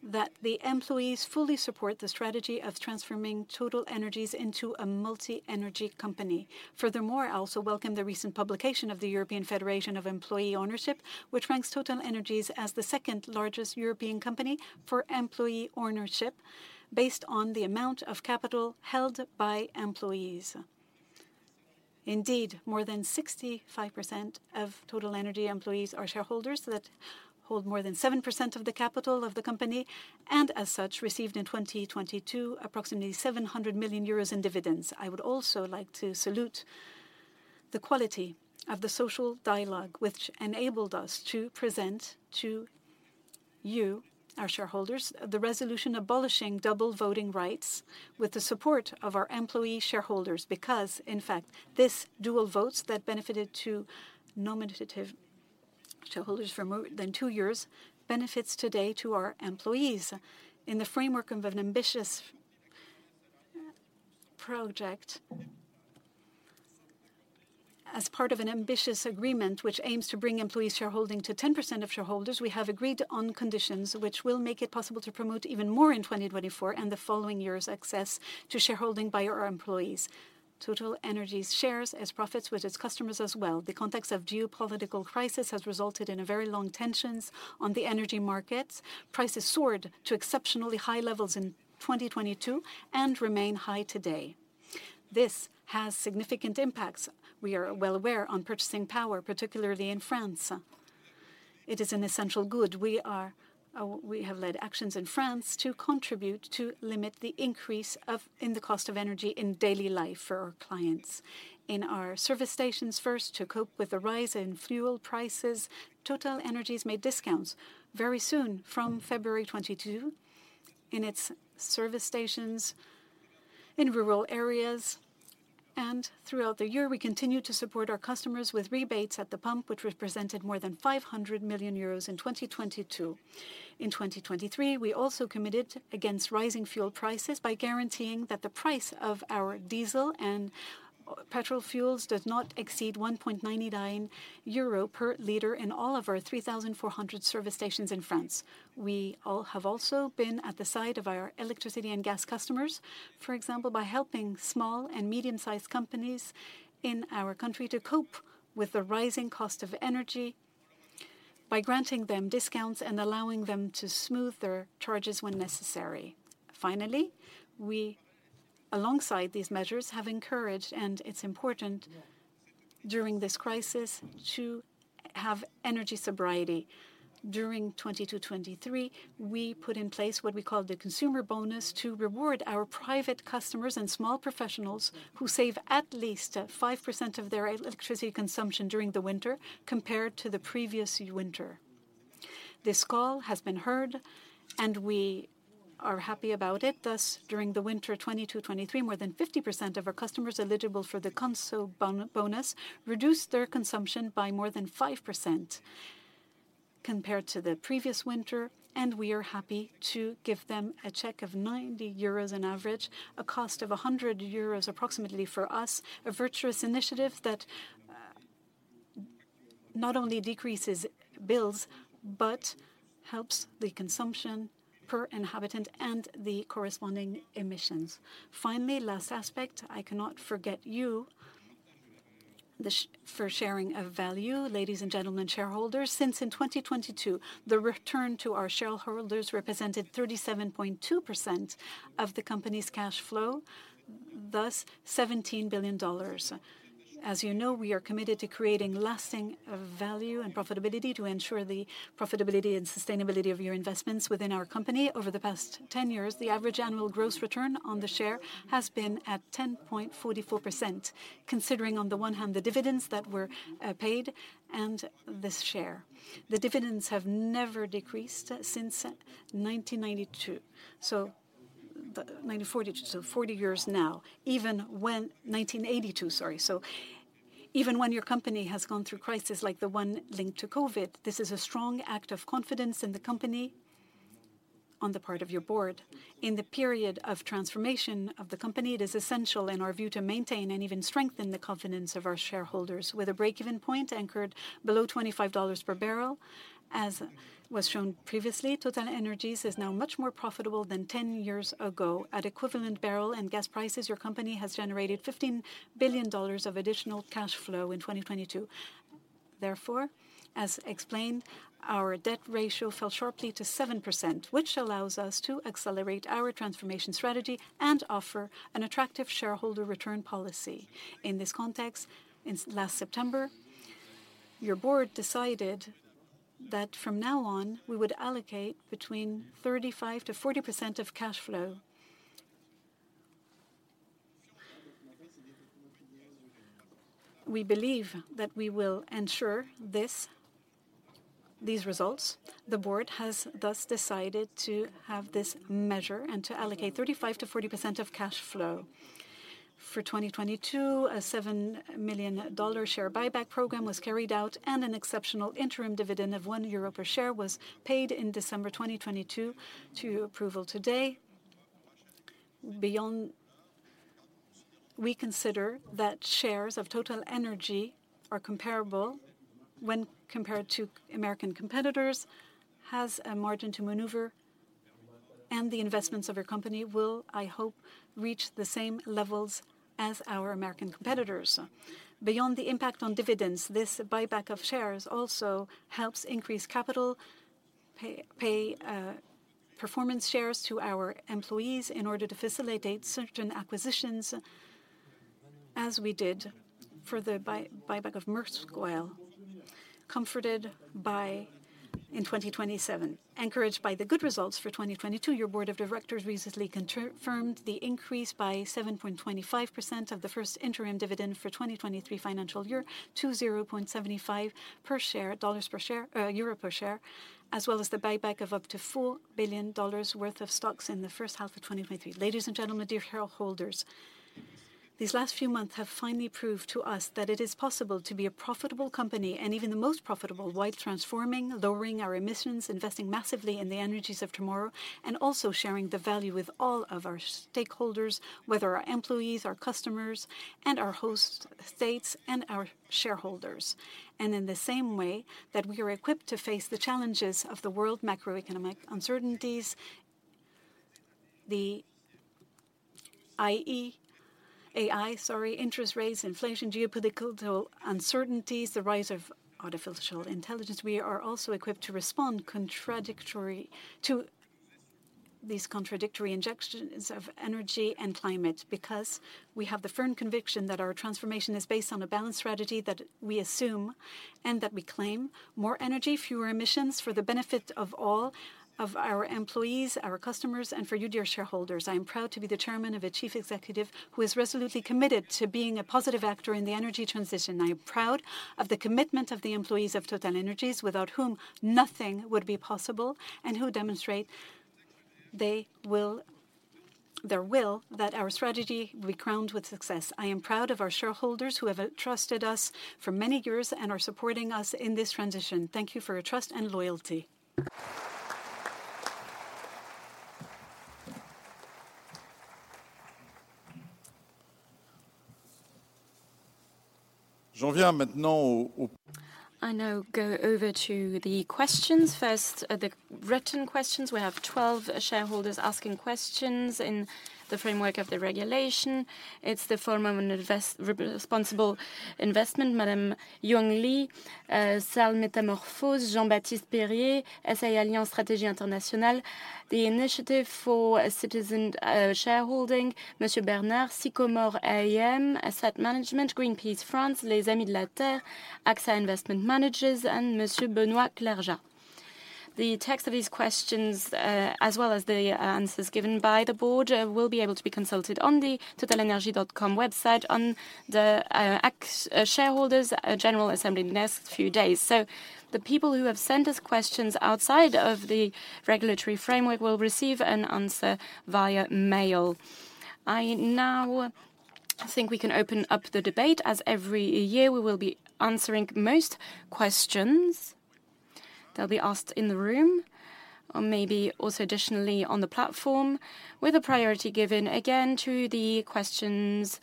that the employees fully support the strategy of transforming TotalEnergies into a multi-energy company. Furthermore, I also welcome the recent publication of the European Federation of Employee Share Ownership, which ranks TotalEnergies as the second largest European company for employee ownership, based on the amount of capital held by employees. Indeed, more than 65% of TotalEnergies employees are shareholders that hold more than 7% of the capital of the company, and as such, received in 2022, approximately 700 million euros in dividends. I would also like to salute the quality of the social dialogue, which enabled us to present to you, our shareholders, the resolution abolishing double voting rights with the support of our employee shareholders. Because, in fact, this dual votes that benefited to nominative shareholders for more than two years, benefits today to our employees. In the framework of an ambitious project, as part of an ambitious agreement, which aims to bring employee shareholding to 10% of shareholders, we have agreed on conditions which will make it possible to promote even more in 2024 and the following years, access to shareholding by our employees. TotalEnergies shares its profits with its customers as well. The context of geopolitical crisis has resulted in a very long tensions on the energy markets. Prices soared to exceptionally high levels in 2022 and remain high today. This has significant impacts, we are well aware, on purchasing power, particularly in France. It is an essential good. We have led actions in France to contribute to limit the increase in the cost of energy in daily life for our clients. In our service stations first, to cope with the rise in fuel prices, TotalEnergies made discounts very soon, from February 2022, in its service stations in rural areas, and throughout the year, we continued to support our customers with rebates at the pump, which represented more than 500 million euros in 2022. In 2023, we also committed against rising fuel prices by guaranteeing that the price of our diesel and petrol fuels does not exceed 1.99 euro per liter in all of our 3,400 service stations in France. We all have also been at the side of our electricity and gas customers, for example, by helping small and medium-sized companies in our country to cope with the rising cost of energy by granting them discounts and allowing them to smooth their charges when necessary. Finally, we, alongside these measures, have encouraged, and it's important during this crisis, to have energy sobriety. During 2022, 2023, we put in place what we call the consumer bonus to reward our private customers and small professionals who save at least 5% of their electricity consumption during the winter compared to the previous winter. This call has been heard. We are happy about it. Thus, during the winter 2022, 2023, more than 50% of our customers eligible for the Conso Bonus reduced their consumption by more than 5% compared to the previous winter. We are happy to give them a check of 90 euros on average, a cost of 100 euros, approximately, for us. A virtuous initiative that not only decreases bills, but helps the consumption per inhabitant and the corresponding emissions. Finally, last aspect, I cannot forget you, the sharing of value, ladies and gentlemen, shareholders, since in 2022, the return to our shareholders represented 37.2% of the company's cash flow, thus $17 billion. As you know, we are committed to creating lasting value and profitability to ensure the profitability and sustainability of your investments within our company. Over the past 10 years, the average annual gross return on the share has been at 10.44%, considering, on the one hand, the dividends that were paid and this share. The dividends have never decreased since 1992. The 1942, so 40 years now, even when... 1982, sorry. Even when your company has gone through crisis like the one linked to COVID, this is a strong act of confidence in the company on the part of your board. In the period of transformation of the company, it is essential, in our view, to maintain and even strengthen the confidence of our shareholders. With a break-even point anchored below $25 per bbl, as was shown previously, TotalEnergies is now much more profitable than 10 years ago. At equivalent barrel and gas prices, your company has generated $15 billion of additional cash flow in 2022. As explained, our debt ratio fell sharply to 7%, which allows us to accelerate our transformation strategy and offer an attractive shareholder return policy. In this context, in last September, your board decided that from now on, we would allocate between 35%-40% of cash flow. We believe that we will ensure these results. The board has thus decided to have this measure and to allocate 35%-40% of cash flow. For 2022, a $7 million share buyback program was carried out, and an exceptional interim dividend of 1 euro per share was paid in December 2022, to approval today. Beyond, we consider that shares of TotalEnergies are comparable when compared to American competitors, has a margin to maneuver, and the investments of your company will, I hope, reach the same levels as our American competitors. Beyond the impact on dividends, this buyback of shares also helps increase pay performance shares to our employees in order to facilitate certain acquisitions, as we did for the buyback of Maersk Oil, comforted by in 2027. Encouraged by the good results for 2022, your board of directors recently confirmed the increase by 7.25% of the first interim dividend for 2023 financial year to 0.75 per share, as well as the buyback of up to $4 billion worth of stocks in the first half of 2023. Ladies and gentlemen, dear shareholders, these last few months have finally proved to us that it is possible to be a profitable company, and even the most profitable, while transforming, lowering our emissions, investing massively in the energies of tomorrow, and also sharing the value with all of our stakeholders, whether our employees, our customers, and our host states, and our shareholders. In the same way that we are equipped to face the challenges of the world macroeconomic uncertainties, the IEA... AI, sorry, interest rates, inflation, geopolitical uncertainties, the rise of artificial intelligence, we are also equipped to respond to these contradictory injunctions of energy and climate, because we have the firm conviction that our transformation is based on a balanced strategy that we assume and that we claim: more energy, fewer emissions, for the benefit of all of our employees, our customers, and for you, dear shareholders. I am proud to be the chairman of a chief executive who is resolutely committed to being a positive actor in the energy transition. I am proud of the commitment of the employees of TotalEnergies, without whom nothing would be possible, and who demonstrate their will that our strategy be crowned with success. I am proud of our shareholders, who have trusted us for many years and are supporting us in this transition. Thank you for your trust and loyalty. ... I now go over to the questions. First, the written questions. We have 12 shareholders asking questions in the framework of the regulation. It's the Forum pour I'Investissement on Responsible Investment, Madame Yong-Lee, Salle Métamorphose, Jean-Baptiste Perrier, SA Alliance Stratégie Internationale, the Initiative for Citizen Shareholding, Monsieur Bernard, Sycomore Asset Management, Greenpeace France, Les Amis de la Terre, AXA Investment Managers, and Monsieur Benoît Clergeat. The text of these questions, as well as the answers given by the board, will be able to be consulted on the totalenergies.com website on the shareholders general assembly in the next few days. The people who have sent us questions outside of the regulatory framework will receive an answer via mail. I now think we can open up the debate. As every year, we will be answering most questions that'll be asked in the room or maybe also additionally on the platform, with a priority given, again, to the questions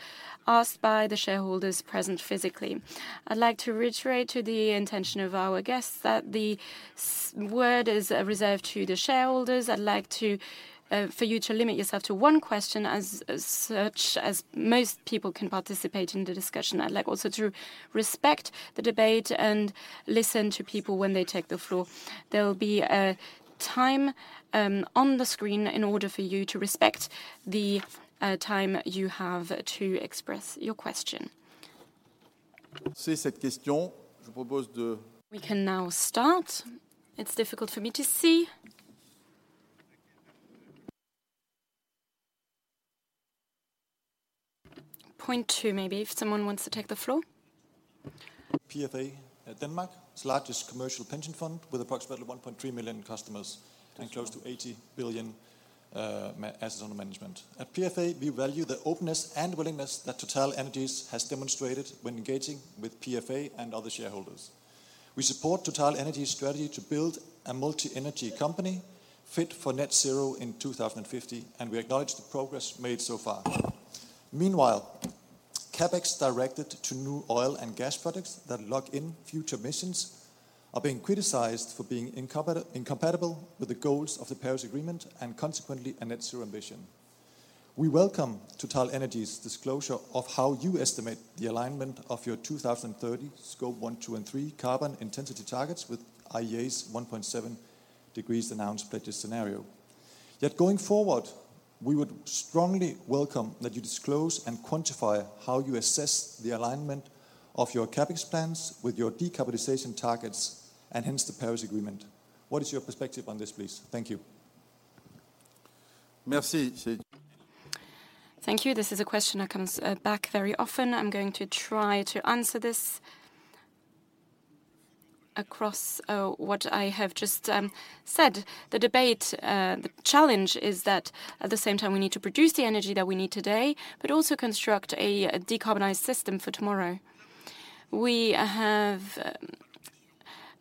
asked by the shareholders present physically. I'd like to reiterate to the intention of our guests that the word is reserved to the shareholders. I'd like for you to limit yourself to one question, as such, as most people can participate in the discussion. I'd like also to respect the debate and listen to people when they take the floor. There will be a time on the screen in order for you to respect the time you have to express your question. We can now start. It's difficult for me to see. Point two, maybe, if someone wants to take the floor. PFA Denmark, the largest commercial pension fund with approximately $1.3 million customers and close to $80 billion assets under management. At PFA, we value the openness and willingness that TotalEnergies has demonstrated when engaging with PFA and other shareholders. We support TotalEnergies' strategy to build a multi-energy company fit for net zero in 2050. We acknowledge the progress made so far. Meanwhile, CapEx directed to new oil and gas products that lock in future emissions are being criticized for being incompatible with the goals of the Paris Agreement and, consequently, a net zero emission. We welcome TotalEnergies' disclosure of how you estimate the alignment of your 2030 Scope 1, 2, and 3 carbon intensity targets with IEA's 1.7 degrees announced pledge scenario. Going forward, we would strongly welcome that you disclose and quantify how you assess the alignment of your CapEx plans with your decarbonization targets and, hence, the Paris Agreement. What is your perspective on this, please? Thank you. Merci, sir. Thank you. This is a question that comes back very often. I'm going to try to answer this across what I have just said. The debate, the challenge is that at the same time we need to produce the energy that we need today, but also construct a decarbonized system for tomorrow. We have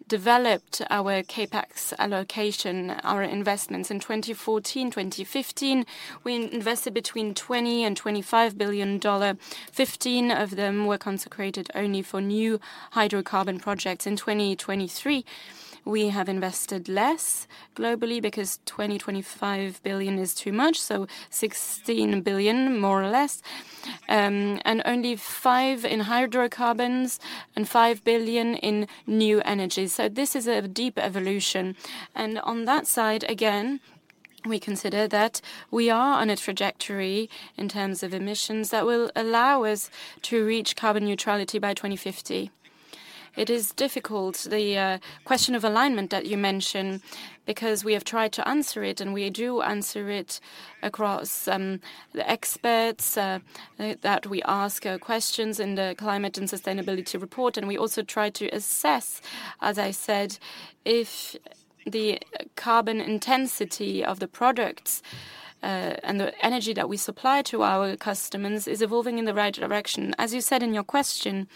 developed our CapEx allocation, our investments. In 2014, 2015, we invested between $20 billion and $25 billion. 15 of them were consecrated only for new hydrocarbon projects. In 2023, we have invested less globally because $20 billion-$25 billion is too much, $16 billion, more or less, and only $5 billion in hydrocarbons and $5 billion in new energies. This is a deep evolution, and on that side, again. we consider that we are on a trajectory in terms of emissions that will allow us to reach carbon neutrality by 2050. It is difficult, the question of alignment that you mention, because we have tried to answer it, and we do answer it across the experts that we ask questions in the Climate and Sustainability Report. We also try to assess, as I said, if the carbon intensity of the products and the energy that we supply to our customers is evolving in the right direction. As you said in your question,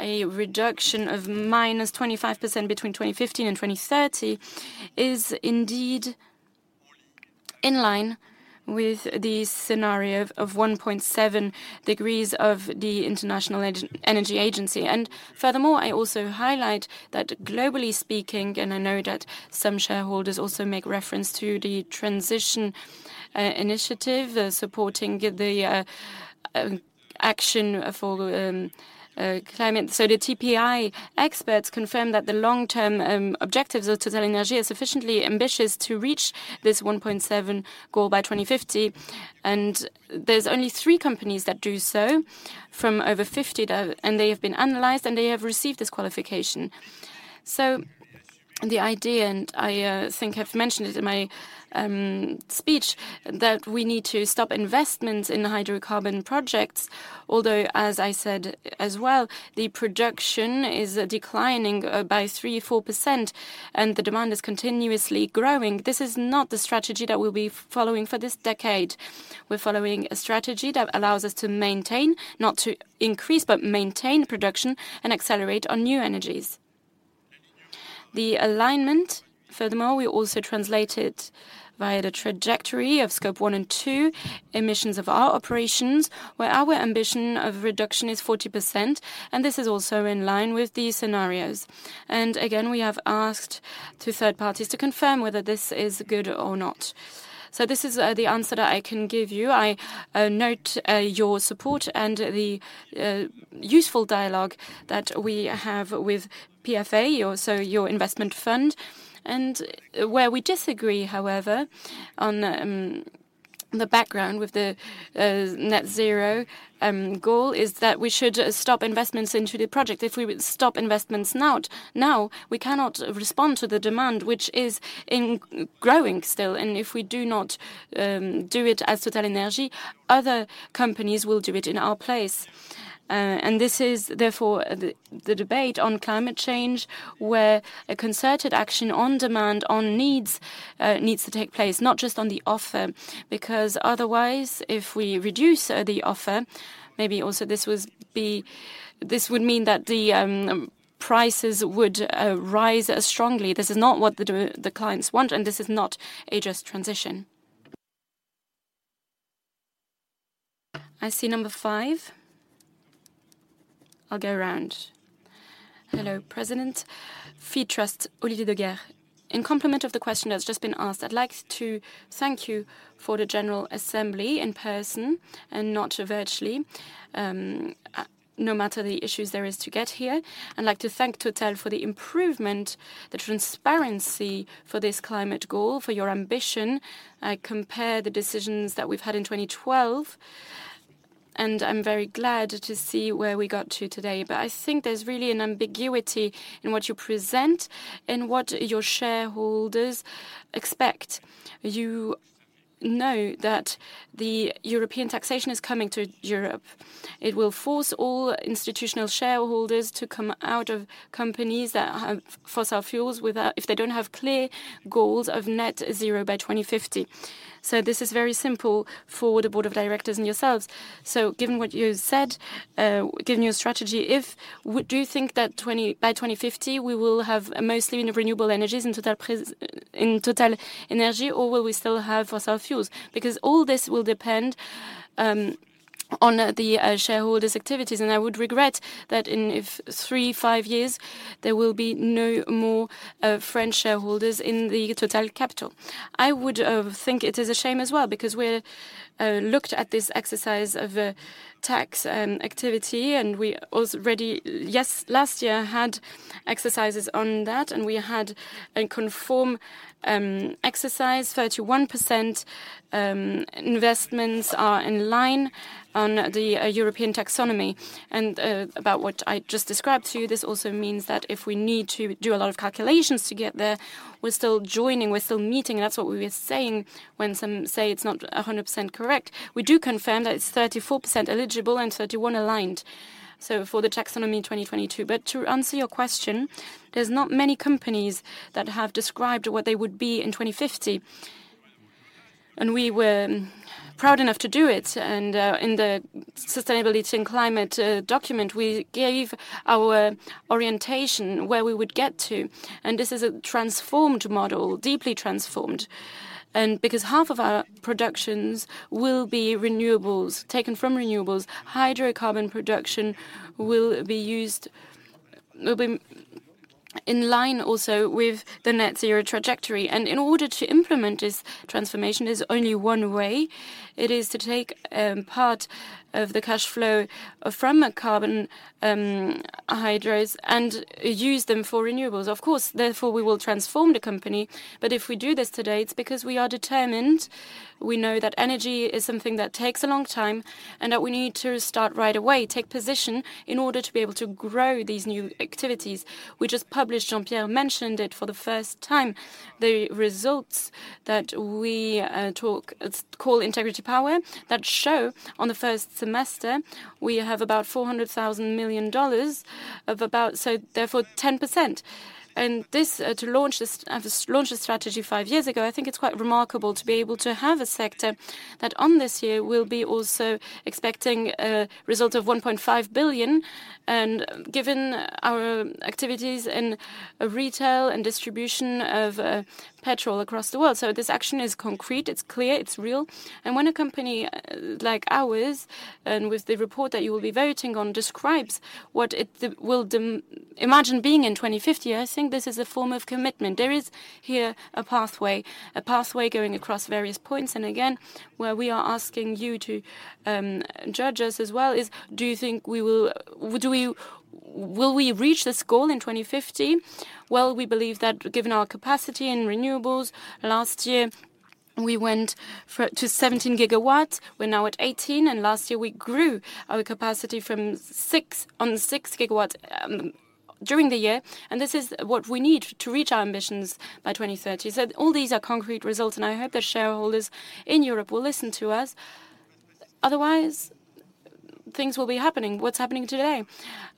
a reduction of -25% between 2015 and 2030 is indeed in line with the scenario of 1.7 degrees of the International Energy Agency. Furthermore, I also highlight that globally speaking, I know that some shareholders also make reference to the Transition Pathway Initiative, supporting the action for climate. The TPI experts confirm that the long-term objectives of TotalEnergies are sufficiently ambitious to reach this 1.7 goal by 2050. There's only companies that do so from over 50. They have been analyzed, and they have received this qualification. The idea, I think I've mentioned it in my speech, that we need to stop investments in hydrocarbon projects, although, as I said as well, the production is declining by 3%-4%, and the demand is continuously growing. This is not the strategy that we'll be following for this decade. We're following a strategy that allows us to maintain, not to increase, but maintain production and accelerate on new energies. The alignment, furthermore, we also translate it via the trajectory of Scope 1 and 2 emissions of our operations, where our ambition of reduction is 40%, and this is also in line with these scenarios. Again, we have asked to third parties to confirm whether this is good or not. This is the answer that I can give you. I note your support and the useful dialogue that we have with PFA, your, so your investment fund. Where we disagree, however, on the background with the Net Zero goal, is that we should stop investments into the project. If we stop investments now, we cannot respond to the demand, which is growing still. If we do not do it as TotalEnergies, other companies will do it in our place. This is therefore the debate on climate change, where a concerted action on demand, on needs to take place, not just on the offer. Otherwise, if we reduce the offer, maybe also this would mean that the prices would rise strongly. This is not what the clients want, and this is not a just transition. I see number five. I'll go around. Hello, President. Phitrust, Olivier de Guerre. In complement of the question that's just been asked, I'd like to thank you for the general assembly in person and not virtually, no matter the issues there is to get here. I'd like to thank TotalEnergies for the improvement, the transparency for this climate goal, for your ambition. I compare the decisions that we've had in 2012, and I'm very glad to see where we got to today. I think there's really an ambiguity in what you present and what your shareholders expect. You know that the EU Taxonomy is coming to Europe. It will force all institutional shareholders to come out of companies that have fossil fuels if they don't have clear goals of net zero by 2050. This is very simple for the board of directors and yourselves. Given what you said, given your strategy, do you think that by 2050, we will have mostly renewable energies in TotalEnergies, or will we still have fossil fuels? Because all this will depend on the shareholders' activities, and I would regret that in if three, five years, there will be no more French shareholders in the TotalEnergies capital. I would think it is a shame as well, because we looked at this exercise of tax activity, and we already, yes, last year, had exercises on that, and we had a conform exercise. 31% investments are in line on the EU Taxonomy. About what I just described to you, this also means that if we need to do a lot of calculations to get there, we're still joining, we're still meeting, and that's what we were saying when some say it's not 100% correct. We do confirm that it's 34% eligible and 31 aligned for the EU Taxonomy in 2022. To answer your question, there's not many companies that have described what they would be in 2050, and we were proud enough to do it. In the Sustainability and Climate document, we gave our orientation, where we would get to, and this is a transformed model, deeply transformed. Because half of our productions will be renewables, taken from renewables, hydrocarbon production will be used, in line also with the Net Zero trajectory. In order to implement this transformation, there's only one way: it is to take part of the cash flow from carbon hydros and use them for renewables. Of course, therefore, we will transform the company, but if we do this today, it's because we are determined. We know that energy is something that takes a long time, that we need to start right away, take position in order to be able to grow these new activities. We just published, Jean-Pierre mentioned it, for the first time, the results that we call Integrated Power, that show on the first semester we have about $400 billion, therefore, 10%. This, to launch this strategy five years ago, I think it's quite remarkable to be able to have a sector that, on this year, will be also expecting a result of $1.5 billion, given our activities in retail and distribution of petrol across the world. This action is concrete, it's clear, it's real. When a company like ours, and with the report that you will be voting on, describes what it will imagine being in 2050, I think this is a form of commitment. There is here a pathway, a pathway going across various points. Again, where we are asking you to judge us as well is, do you think we will reach this goal in 2050? Well, we believe that given our capacity in renewables, last year we went to 17 GW. We're now at 18, and last year we grew our capacity from 6 GW during the year, and this is what we need to reach our ambitions by 2030. All these are concrete results, and I hope the shareholders in Europe will listen to us. Otherwise, things will be happening. What's happening today?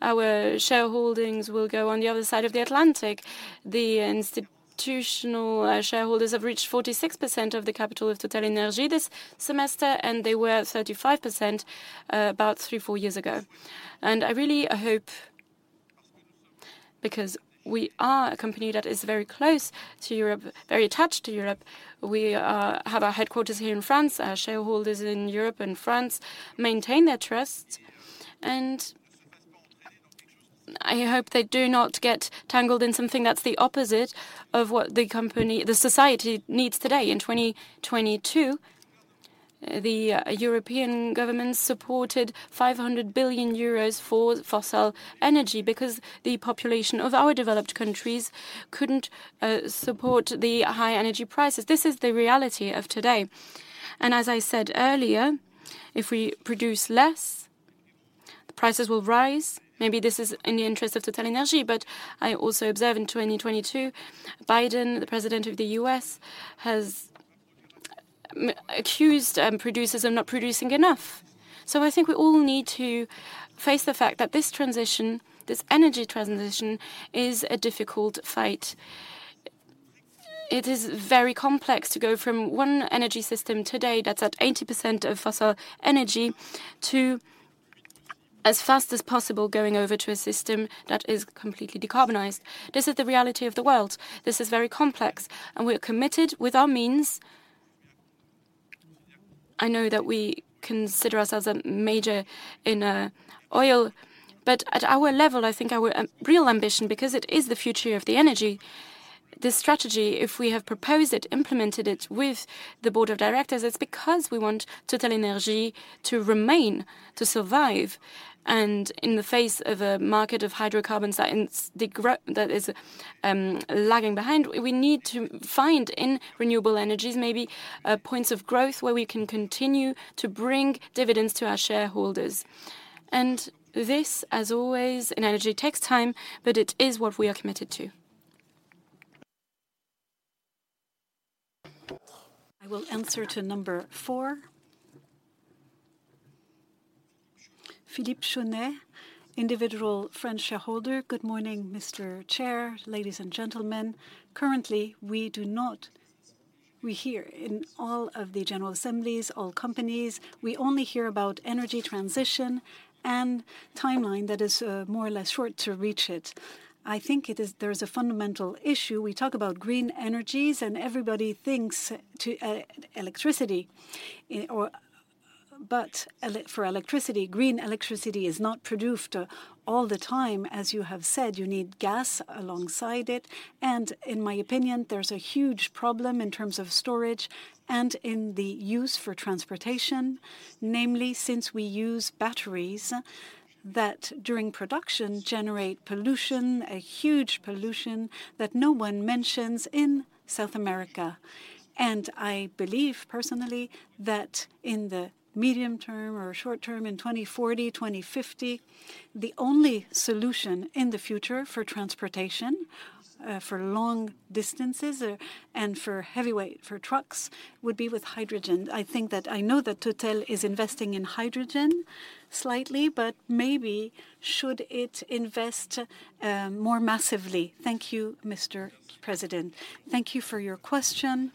Our shareholdings will go on the other side of the Atlantic. The institutional shareholders have reached 46% of the capital of TotalEnergies this semester, and they were 35% about three, four years ago. I really, I hope, because we are a company that is very close to Europe, very attached to Europe, we have our headquarters here in France, our shareholders in Europe and France maintain their trust, and I hope they do not get tangled in something that's the opposite of what the company, the society needs today. In 2022, the European government supported 500 billion euros for fossil energy because the population of our developed countries couldn't support the high energy prices. This is the reality of today. As I said earlier, if we produce less, the prices will rise. Maybe this is in the interest of TotalEnergies. I also observe in 2022, Biden, the president of the U.S., has accused producers of not producing enough. I think we all need to face the fact that this transition, this energy transition, is a difficult fight. It is very complex to go from one energy system today that's at 80% of fossil energy, to as fast as possible, going over to a system that is completely decarbonized. This is the reality of the world. This is very complex. We are committed with our means. I know that we consider us as a major in oil, but at our level, I think our real ambition, because it is the future of the energy, this strategy, if we have proposed it, implemented it with the board of directors, it's because we want TotalEnergies to remain, to survive. In the face of a market of hydrocarbons that in degrow- that is lagging behind, we need to find in renewable energies, maybe points of growth where we can continue to bring dividends to our shareholders. This, as always, in energy, takes time, but it is what we are committed to. I will answer to number four. Philippe Chaunet, individual French shareholder. Good morning, Mr. Chair, ladies and gentlemen. Currently, we hear in all of the general assemblies, all companies, we only hear about energy transition and timeline that is more or less short to reach it. I think there is a fundamental issue. We talk about green energies, everybody thinks to electricity or... For electricity, green electricity is not produced all the time. As you have said, you need gas alongside it, in my opinion, there's a huge problem in terms of storage and in the use for transportation, namely, since we use batteries that, during production, generate pollution, a huge pollution that no one mentions in South America. I believe, personally, that in the medium term or short term, in 2040, 2050, the only solution in the future for transportation, for long distances, and for heavyweight, for trucks, would be with hydrogen. I think that I know that TotalEnergies is investing in hydrogen slightly, but maybe should it invest more massively? Thank you, Mr. President. Thank you for your question.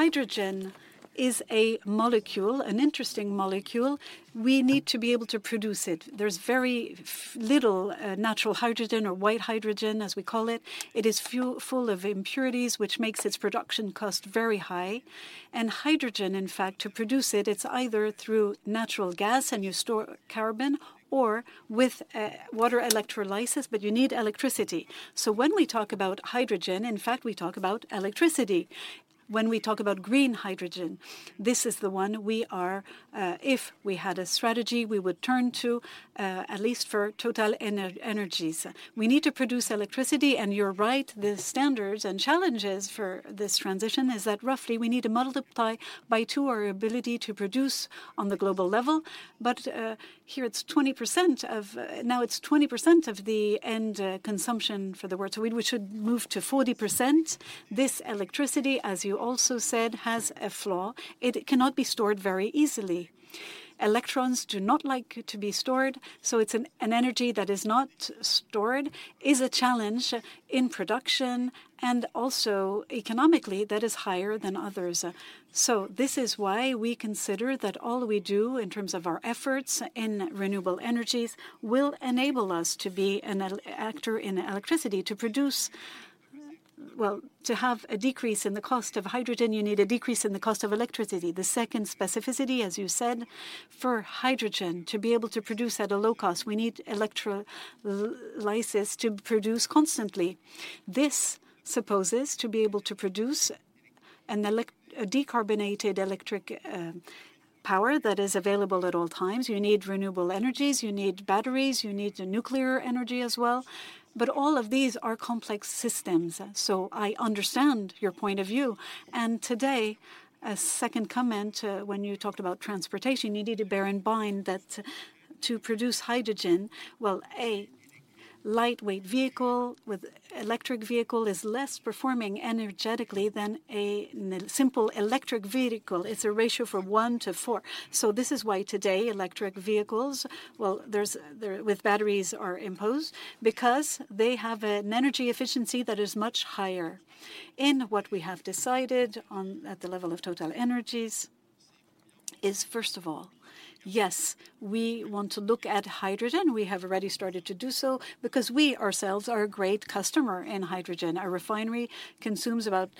Hydrogen is a molecule, an interesting molecule. We need to be able to produce it. There's very little natural hydrogen or white hydrogen, as we call it. It is full of impurities, which makes its production cost very high. Hydrogen, in fact, to produce it's either through natural gas, and you store carbon- or with water electrolysis, but you need electricity. When we talk about hydrogen, in fact, we talk about electricity. When we talk about green hydrogen, this is the one we are, if we had a strategy, we would turn to, at least for TotalEnergies. We need to produce electricity, and you're right, the standards and challenges for this transition is that roughly we need to multiply by two our ability to produce on the global level. Now it's 20% of the end consumption for the world. We should move to 40%. This electricity, as you also said, has a flaw: it cannot be stored very easily. Electrons do not like to be stored, so it's an energy that is not stored, is a challenge in production and also economically, that is higher than others. This is why we consider that all we do in terms of our efforts in renewable energies will enable us to be an actor in electricity. To have a decrease in the cost of hydrogen, you need a decrease in the cost of electricity. The second specificity, as you said, for hydrogen to be able to produce at a low cost, we need electrolysis to produce constantly. This supposes to be able to produce a decarbonated electric power that is available at all times. You need renewable energies, you need batteries, you need the nuclear energy as well, but all of these are complex systems, so I understand your point of view. Today, a second comment, when you talked about transportation, you need to bear in mind that to produce hydrogen, well, a lightweight vehicle with electric vehicle is less performing energetically than a simple electric vehicle. It's a ratio from one to four. This is why today, electric vehicles, well, with batteries are imposed because they have an energy efficiency that is much higher. What we have decided on at the level of TotalEnergies is, first of all, yes, we want to look at hydrogen. We have already started to do so because we ourselves are a great customer in hydrogen. Our refinery consumes about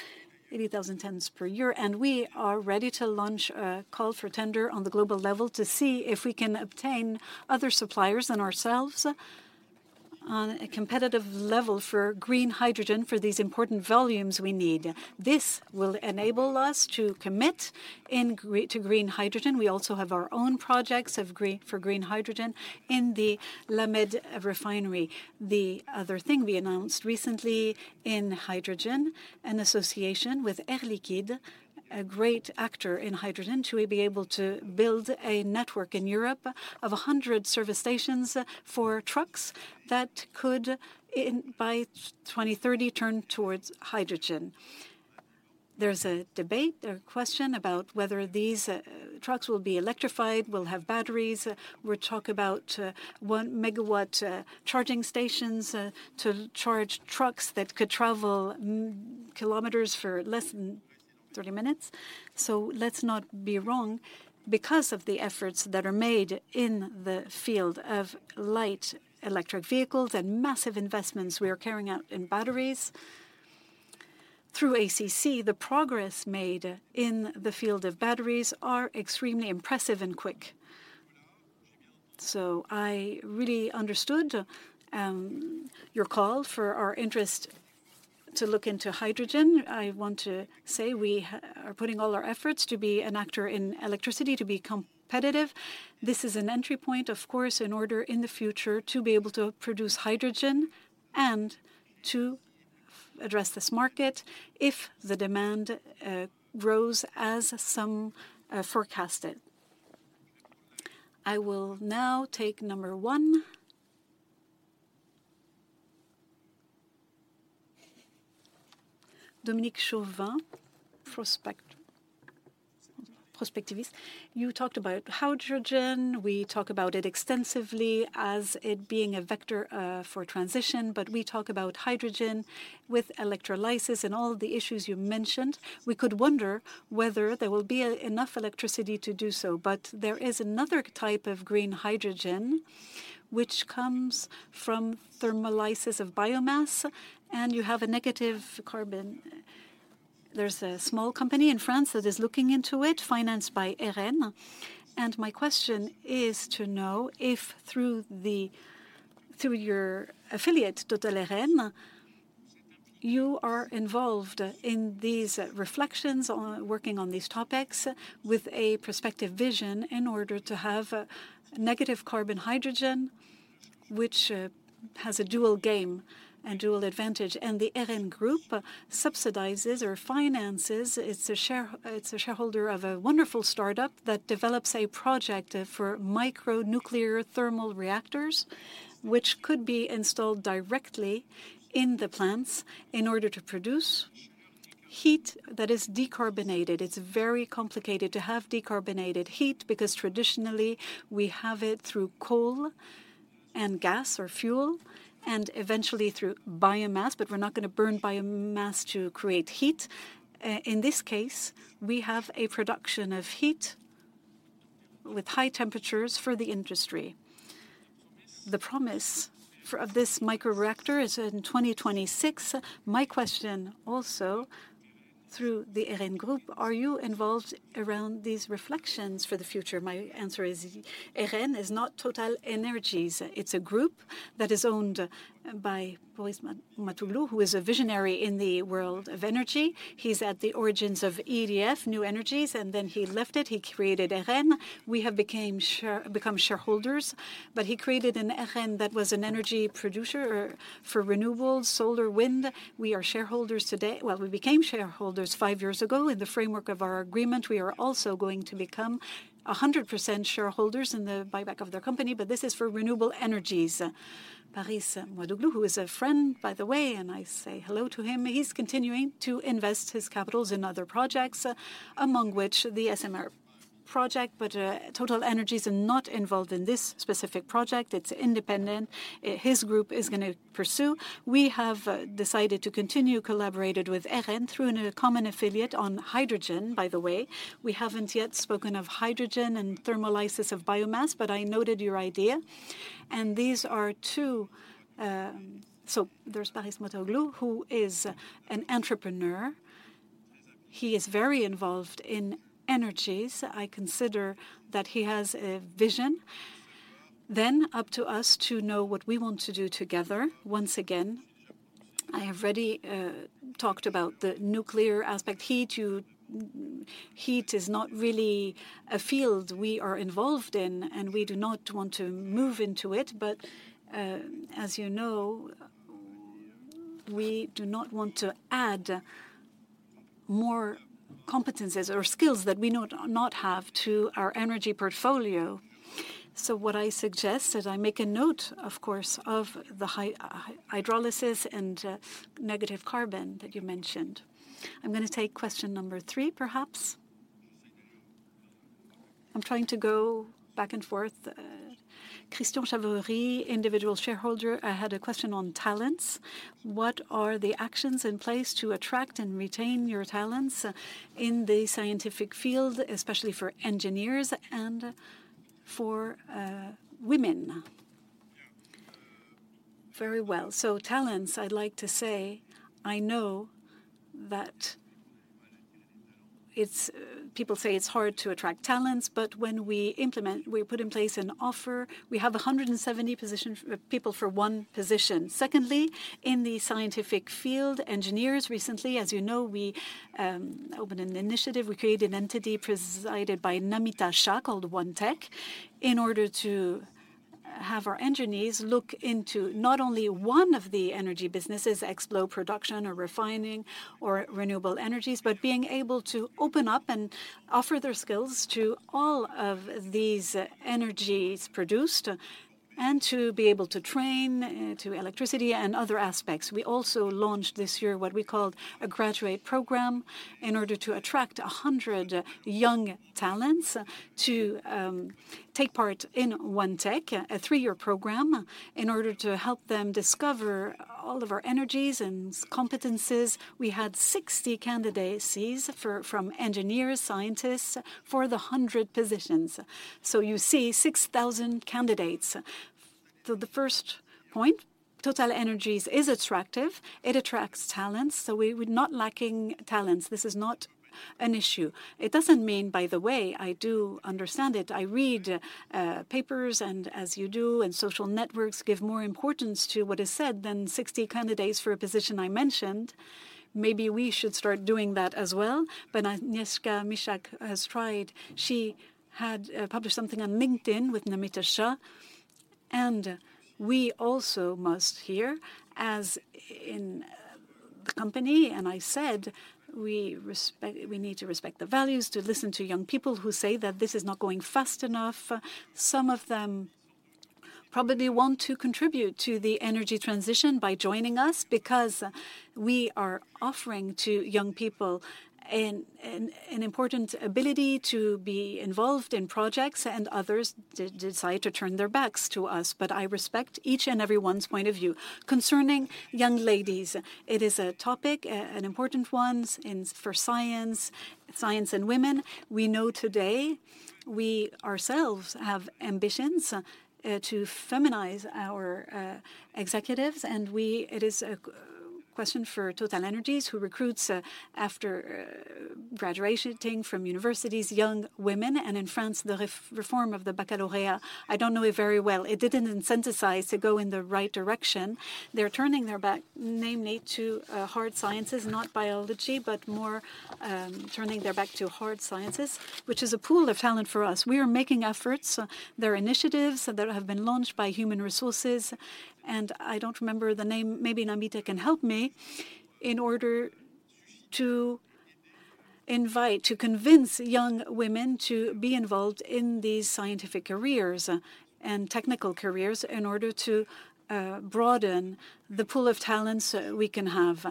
80,000 tons per year. We are ready to launch a call for tender on the global level to see if we can obtain other suppliers than ourselves on a competitive level for green hydrogen for these important volumes we need. This will enable us to commit to green hydrogen. We also have our own projects for green hydrogen in the La Mède refinery. The other thing we announced recently in hydrogen, an association with Air Liquide, a great actor in hydrogen, to be able to build a network in Europe of 100 service stations for trucks that could in, by 2030, turn towards hydrogen. There's a debate or question about whether these trucks will be electrified, will have batteries. We talk about 1 MW charging stations to charge trucks that could travel kilometers for less than 30 minutes. Let's not be wrong. Because of the efforts that are made in the field of light electric vehicles and massive investments we are carrying out in batteries, through ACC, the progress made in the field of batteries are extremely impressive and quick. I really understood your call for our interest to look into hydrogen. I want to say we are putting all our efforts to be an actor in electricity, to be competitive. This is an entry point, of course, in order in the future to be able to produce hydrogen and to address this market if the demand grows as some forecast it. I will now take number one. Dominique Chauvin, Prospectiviste. You talked about hydrogen. We talk about it extensively as it being a vector for transition, but we talk about hydrogen with electrolysis and all the issues you mentioned. We could wonder whether there will be enough electricity to do so, but there is another type of green hydrogen which comes from thermolysis of biomass, and you have a negative carbon. There's a small company in France that is looking into it, financed by Eren. My question is to know if through the, through your affiliate, Total Eren, you are involved in these reflections on working on these topics with a prospective vision in order to have a negative carbon hydrogen, which has a dual game and dual advantage. The EREN Groupe subsidizes or finances, it's a share, it's a shareholder of a wonderful startup that develops a project for micro nuclear thermal reactors, which could be installed directly in the plants in order to produce heat that is decarbonated. It's very complicated to have decarbonated heat because traditionally we have it through coal and gas or fuel, and eventually through biomass, but we're not gonna burn biomass to create heat. In this case, we have a production of heat with high temperatures for the industry. The promise of this microreactor is in 2026. My question also through the EREN Groupe, are you involved around these reflections for the future? My answer is, Eren is not TotalEnergies. It's a group that is owned by Pâris Mouratoglou, who is a visionary in the world of energy. He's at the origins of EDF Energies Nouvelles, and then he left it, he created Eren. We have become shareholders, but he created an Eren that was an energy producer for renewables, solar, wind. We are shareholders today. Well, we became shareholders five years ago in the framework of our agreement. We are also going to become 100% shareholders in the buyback of their company, but this is for renewable energies. Pâris Mouratoglou, who is a friend, by the way, and I say hello to him, he's continuing to invest his capitals in other projects, among which the SMR project. TotalEnergies are not involved in this specific project. It's independent. His group is gonna pursue. We have decided to continue collaborating with Eren through a common affiliate on hydrogen, by the way. We haven't yet spoken of hydrogen and thermolysis of biomass, but I noted your idea. These are two. There's Pâris Mouratoglou, who is an entrepreneur. He is very involved in energies. I consider that he has a vision. Up to us to know what we want to do together. Once again, I have already talked about the nuclear aspect. Heat, heat is not really a field we are involved in, and we do not want to move into it. As you know, we do not want to add more competencies or skills that we not have to our energy portfolio. What I suggest is I make a note, of course, of the hydrolysis and negative carbon that you mentioned. I'm gonna take question number three, perhaps. I'm trying to go back and forth. Christian Chavialle, individual shareholder, I had a question on talents: What are the actions in place to attract and retain your talents in the scientific field, especially for engineers and for women? Very well. Talents, I'd like to say, I know that people say it's hard to attract talents, but when we implement, we put in place an offer, we have 170 position people for 1 position. Secondly, in the scientific field, engineers, recently, as you know, we opened an initiative. We created an entity presided by Namita Shah, called OneTech, in order to have our engineers look into not only one of the energy businesses, explore production or refining or renewable energies, but being able to open up and offer their skills to all of these energies produced, and to be able to train to electricity and other aspects. We also launched this year what we called a graduate program, in order to attract 100 young talents to take part in OneTech, a three-year program, in order to help them discover all of our energies and competencies. We had 60 candidacies from engineers, scientists, for the 100 positions. You see, 6,000 candidates. The first point, TotalEnergies is attractive. It attracts talents, so we were not lacking talents. This is not an issue. It doesn't mean, by the way, I do understand it. I read papers, and as you do, and social networks give more importance to what is said than 60 candidates for a position I mentioned. Maybe we should start doing that as well, but Agnieszka Kmieciak has tried. She had published something on LinkedIn with Namita Shah. We also must hear, as in the company, and I said, we respect... We need to respect the values, to listen to young people who say that this is not going fast enough. Some of them probably want to contribute to the energy transition by joining us because we are offering to young people an important ability to be involved in projects, and others decide to turn their backs to us. I respect each and everyone's point of view. Concerning young ladies, it is a topic, an important one in, for science and women. We know today we ourselves have ambitions, to feminize our executives, and it is a question for TotalEnergies, who recruits, after graduating from universities, young women. In France, the reform of the Baccalaureate, I don't know it very well. It didn't incentivize to go in the right direction. They're turning their back, namely, to hard sciences, not biology, but more, turning their back to hard sciences, which is a pool of talent for us. We are making efforts. There are initiatives that have been launched by human resources, and I don't remember the name, maybe Namita can help me, in order to invite, to convince young women to be involved in these scientific careers and technical careers in order to broaden the pool of talents we can have.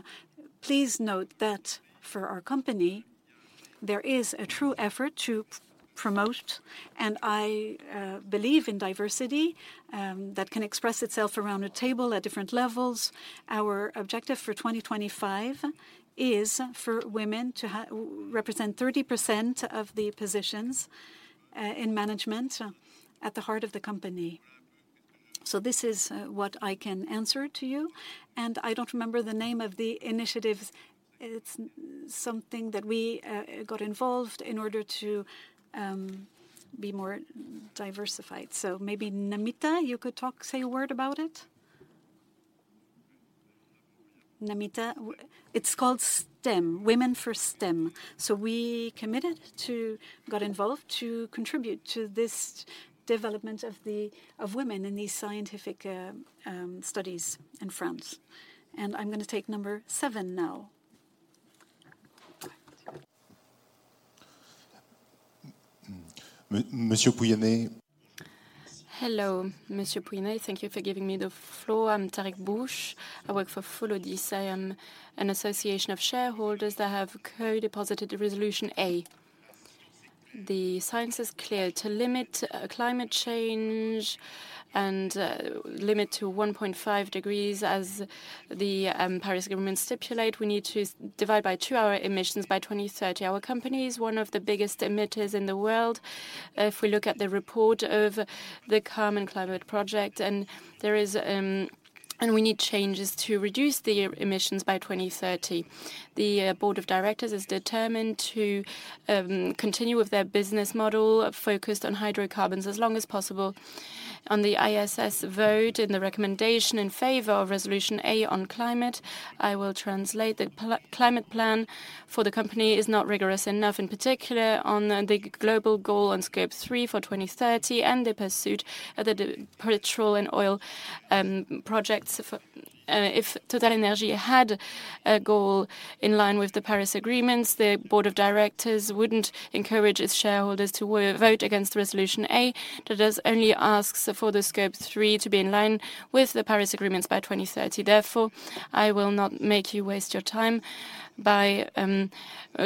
Please note that for our company, there is a true effort to promote, and I believe in diversity that can express itself around a table at different levels. Our objective for 2025 is for women to represent 30% of the positions, in management at the heart of the company. This is what I can answer to you, and I don't remember the name of the initiatives. It's something that we got involved in order to be more diversified. Maybe Namita, you could talk, say a word about it? Namita, it's called STEM, Women for STEM. We committed to got involved to contribute to this development of women in these scientific studies in France. I'm gonna take number seven now. Mr. Pouyanné. Hello, Mr. Pouyanné. Thank you for giving me the floor. I'm Tarek Bouhouch. I work for Follow This. I am an association of shareholders that have co-deposited the Resolution A. The science is clear: to limit climate change and limit to 1.5 degrees, as the Paris Agreement stipulate, we need to divide by two our emissions by 2030. Our company is one of the biggest emitters in the world, if we look at the report of the Carbon and Climate Project. We need changes to reduce the emissions by 2030. The board of directors is determined to continue with their business model, focused on hydrocarbons as long as possible. On the ISS vote and the recommendation in favor of Resolution A on climate, I will translate the climate plan for the company is not rigorous enough, in particular on the global goal on Scope 3 for 2030 and the pursuit of the petrol and oil projects for... If TotalEnergies had a goal in line with the Paris Agreement, the board of director wouldn't encourage its shareholders to vote against Resolution A, that just only asks for the Scope 3 to be in line with the Paris Agreement by 2030. Therefore, I will not make you waste your time by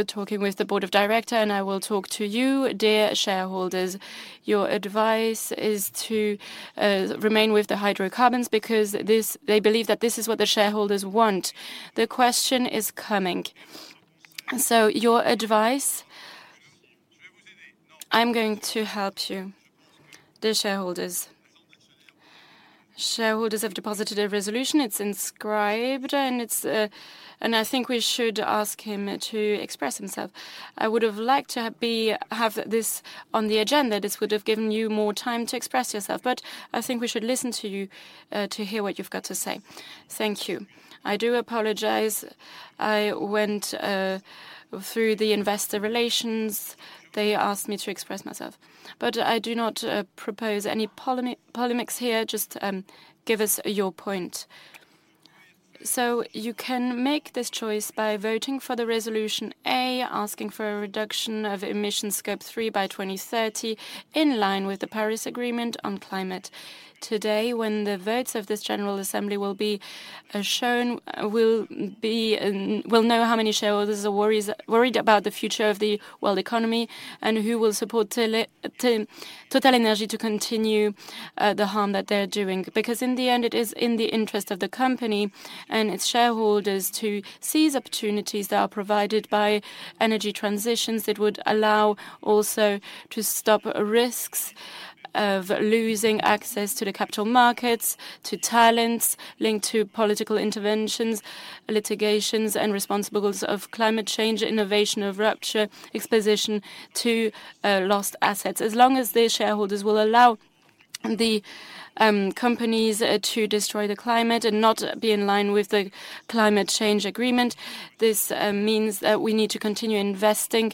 talking with the board of director, and I will talk to you, dear shareholders. Your advice is to remain with the hydrocarbons because they believe that this is what the shareholders want. The question is coming. Your advice. I'm going to help you, the shareholders. Shareholders have deposited a resolution. It's inscribed, and it's. I think we should ask him to express himself. I would have liked to have this on the agenda. This would have given you more time to express yourself, but I think we should listen to you to hear what you've got to say. Thank you. I do apologize. I went through the Investor Relations. They asked me to express myself. I do not propose any polemics here. Just give us your point. You can make this choice by voting for the Resolution A, asking for a reduction of emission Scope 3 by 2030, in line with the Paris Agreement on climate. Today, when the votes of this general assembly will be shown, we'll know how many shareholders are worried about the future of the world economy and who will support TotalEnergies to continue the harm that they are doing. In the end, it is in the interest of the company and its shareholders to seize opportunities that are provided by energy transitions that would allow also to stop risks of losing access to the capital markets, to talents linked to political interventions, litigations, and responsibles of climate change, innovation of rupture, exposition to lost assets. As long as the shareholders will allow the companies to destroy the climate and not be in line with the Climate Change Agreement, this means we need to continue investing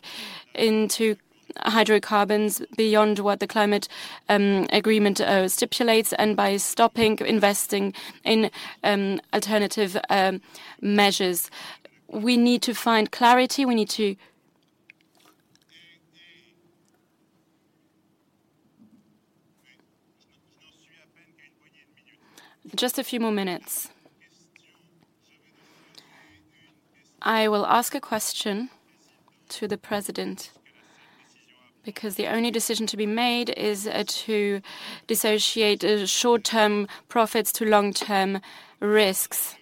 into hydrocarbons beyond what the climate agreement stipulates, and by stopping investing in alternative measures. We need to find clarity. Just a few more minutes. I will ask a question to the President, because the only decision to be made is to dissociate short-term profits to long-term risks.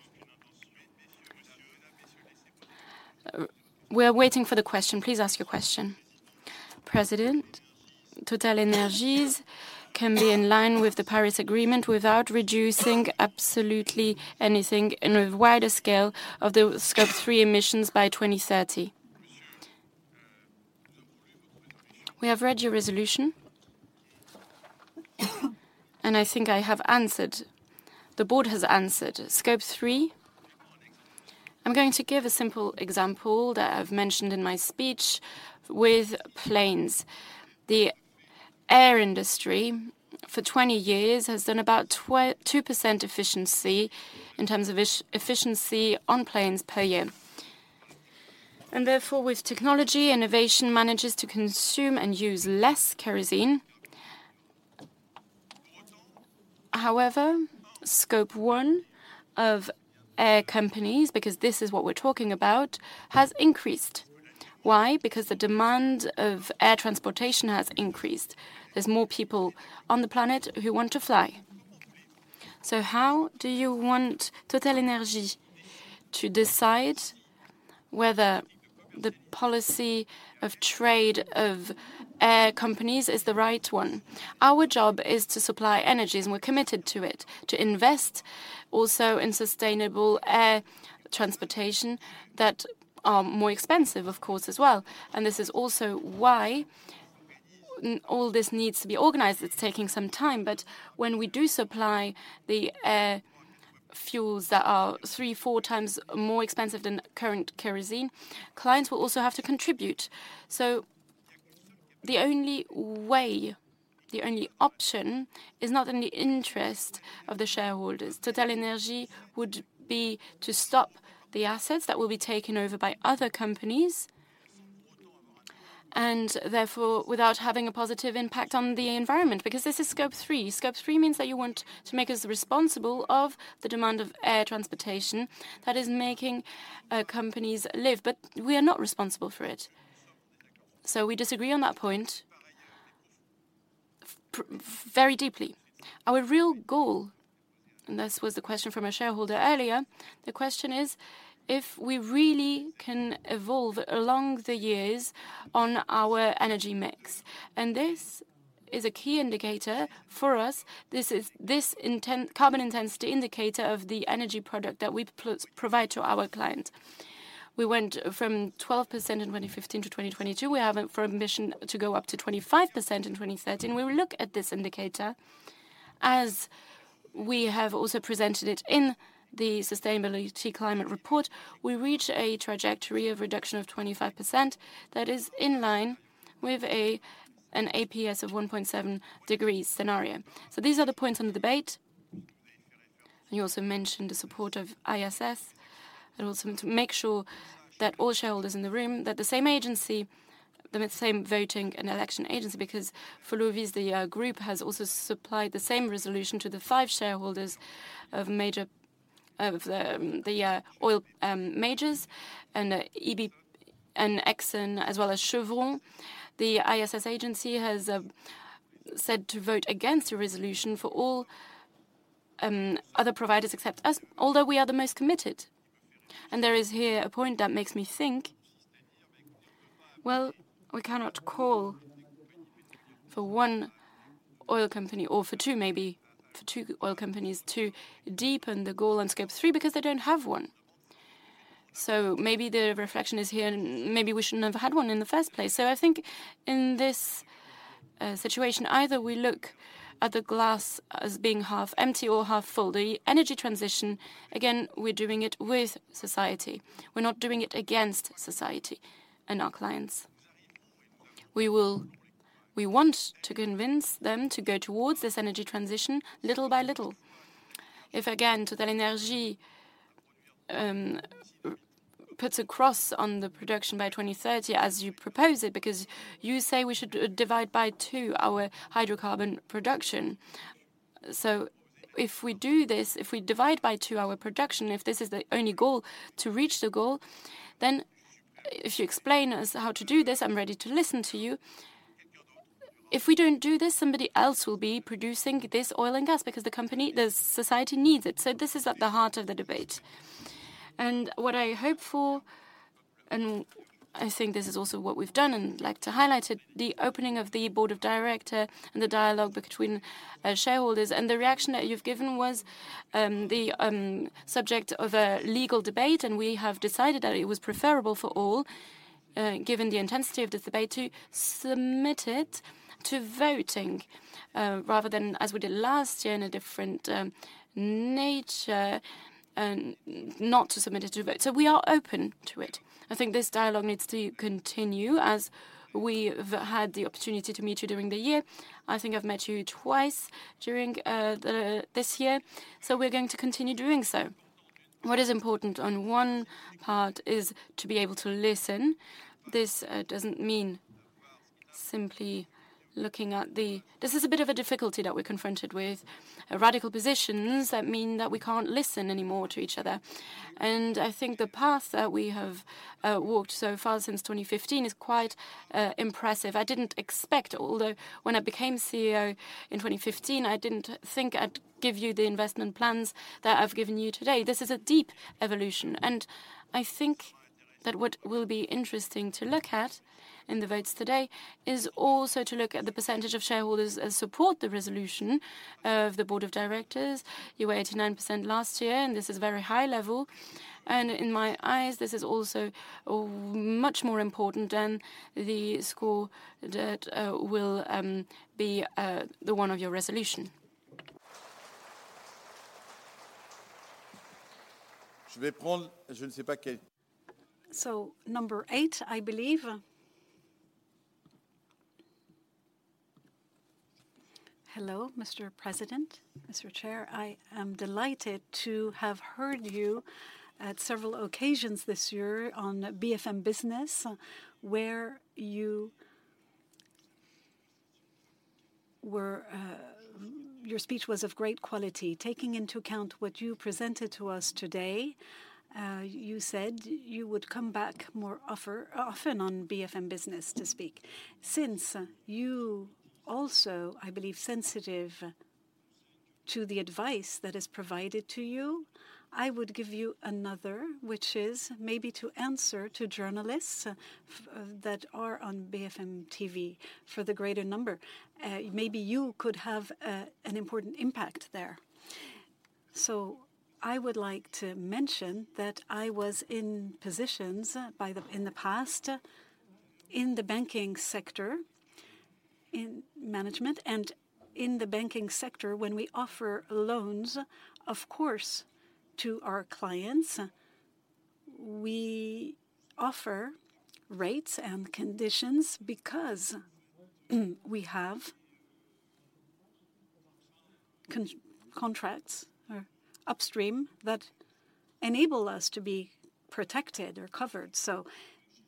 We are waiting for the question. Please ask your question. President, TotalEnergies can be in line with the Paris Agreement without reducing absolutely anything in a wider scale of the Scope 3 emissions by 2030. We have read your resolution, and I think I have answered. The board has answered. Scope 3, I'm going to give a simple example that I've mentioned in my speech with planes. The air industry, for 20 years, has done about 2% efficiency in terms of efficiency on planes per year, and therefore, with technology, innovation manages to consume and use less kerosene. However, Scope 1 of air companies, because this is what we're talking about, has increased. Why? The demand of air transportation has increased. There's more people on the planet who want to fly. How do you want TotalEnergies to decide- whether the policy of trade of air companies is the right one. Our job is to supply energy, and we're committed to it, to invest also in sustainable air transportation that are more expensive, of course, as well. This is also why all this needs to be organized. It's taking some time, but when we do supply the fuels that are 3x, 4x more expensive than current kerosene, clients will also have to contribute. The only way, the only option, is not in the interest of the shareholders. TotalEnergies would be to stop the assets that will be taken over by other companies, and therefore, without having a positive impact on the environment, because this is Scope 3. Scope 3 means that you want to make us responsible of the demand of air transportation that is making companies live. We are not responsible for it. We disagree on that point very deeply. Our real goal, this was the question from a shareholder earlier, the question is: if we really can evolve along the years on our energy mix, this is a key indicator for us. This is the carbon intensity indicator of the energy product that we provide to our clients. We went from 12% in 2015 to 2022. We have for a mission to go up to 25% in 2030. We will look at this indicator. As we have also presented it in the Sustainability Climate Report, we reach a trajectory of reduction of 25%. That is in line with an APS of 1.7 degrees scenario. These are the points on the debate. You also mentioned the support of ISS, to make sure that all shareholders in the room, that the same agency, the same voting and election agency, because for Lewis, the group has also supplied the same resolution to the five shareholders of the oil majors, BP and Exxon, as well as Chevron. The ISS agency has said to vote against the resolution for all other providers except us, although we are the most committed. There is here a point that makes me think, well, we cannot call for one oil company, or for two, maybe for two oil companies, to deepen the goal on Scope 3 because they don't have one. Maybe the reflection is here, and maybe we should never had one in the first place. I think in this situation, either we look at the glass as being half empty or half full. The energy transition, again, we're doing it with society. We're not doing it against society and our clients. We want to convince them to go towards this energy transition little by little. If, again, TotalEnergies puts a cross on the production by 2030, as you propose it, because you say we should divide by two our hydrocarbon production. If we do this, if we divide by two our production, if this is the only goal, to reach the goal, then if you explain us how to do this, I'm ready to listen to you. If we don't do this, somebody else will be producing this oil and gas because the company, the society needs it. This is at the heart of the debate. What I hope for, and I think this is also what we've done and I'd like to highlight it, the opening of the board of director and the dialogue between shareholders, and the reaction that you've given was the subject of a legal debate, and we have decided that it was preferable for all, given the intensity of the debate, to submit it to voting, rather than as we did last year in a different nature, and not to submit it to vote. We are open to it. I think this dialogue needs to continue as we've had the opportunity to meet you during the year. I think I've met you twice during this year, so we're going to continue doing so. What is important on one part is to be able to listen. This doesn't mean simply looking at. This is a bit of a difficulty that we're confronted with radical positions that mean that we can't listen anymore to each other. I think the path that we have walked so far since 2015 is quite impressive. I didn't expect, although when I became CEO in 2015, I didn't think I'd give you the investment plans that I've given you today. This is a deep evolution, and I think that what will be interesting to look at in the votes today is also to look at the % of shareholders that support the resolution of the board of directors. You were 89% last year. This is a very high level. In my eyes, this is also much more important than the score that will be the one of your resolution. Number eight, I believe. Hello, Mr. President, Mr. Chair. I am delighted to have heard you at several occasions this year on BFM Business, where you were. Your speech was of great quality. Taking into account what you presented to us today, you said you would come back more often on BFM Business to speak. Since you also, I believe, sensitive to the advice that is provided to you, I would give you another, which is maybe to answer to journalists that are on BFM TV for the greater number. Maybe you could have an important impact there. I would like to mention that I was in positions in the past, in the banking sector, in management. In the banking sector, when we offer loans, of course, to our clients, we offer rates and conditions because we have contracts or upstream that enable us to be protected or covered.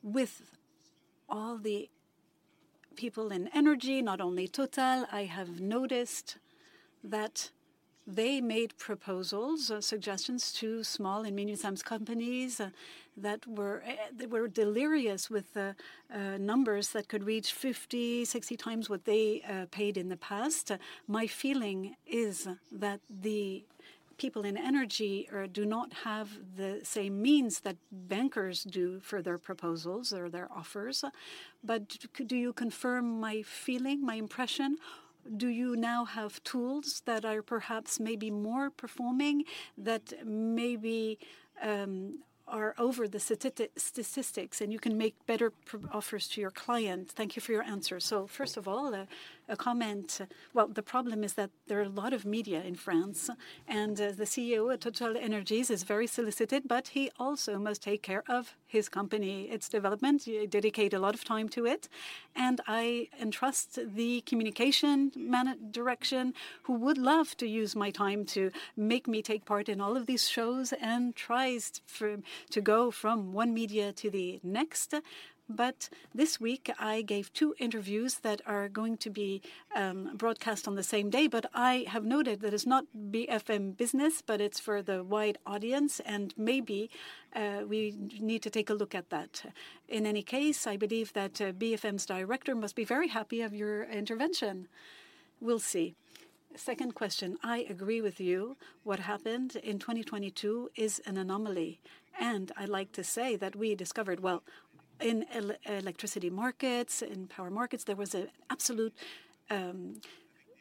With all the people in energy, not only TotalEnergies, I have noticed that they made proposals or suggestions to small and medium-sized companies, that were, they were delirious with the numbers that could reach 50x, 60x what they paid in the past. My feeling is that the people in energy do not have the same means that bankers do for their proposals or their offers. Do you confirm my feeling, my impression? Do you now have tools that are perhaps maybe more performing, that maybe are over the statistics, and you can make better offers to your clients? Thank you for your answer. First of all, a comment. Well, the problem is that there are a lot of media in France, and the CEO at TotalEnergies is very solicited, but he also must take care of his company, its development, he dedicate a lot of time to it. I entrust the communication direction, who would love to use my time to make me take part in all of these shows, and tries for, to go from one media to the next. This week, I gave two interviews that are going to be broadcast on the same day, but I have noted that it's not BFM Business, but it's for the wide audience, and maybe we need to take a look at that. In any case, I believe that BFM's director must be very happy of your intervention. We'll see. Second question, I agree with you. What happened in 2022 is an anomaly, and I'd like to say that we discovered, well, in electricity markets, in power markets, there was an absolute,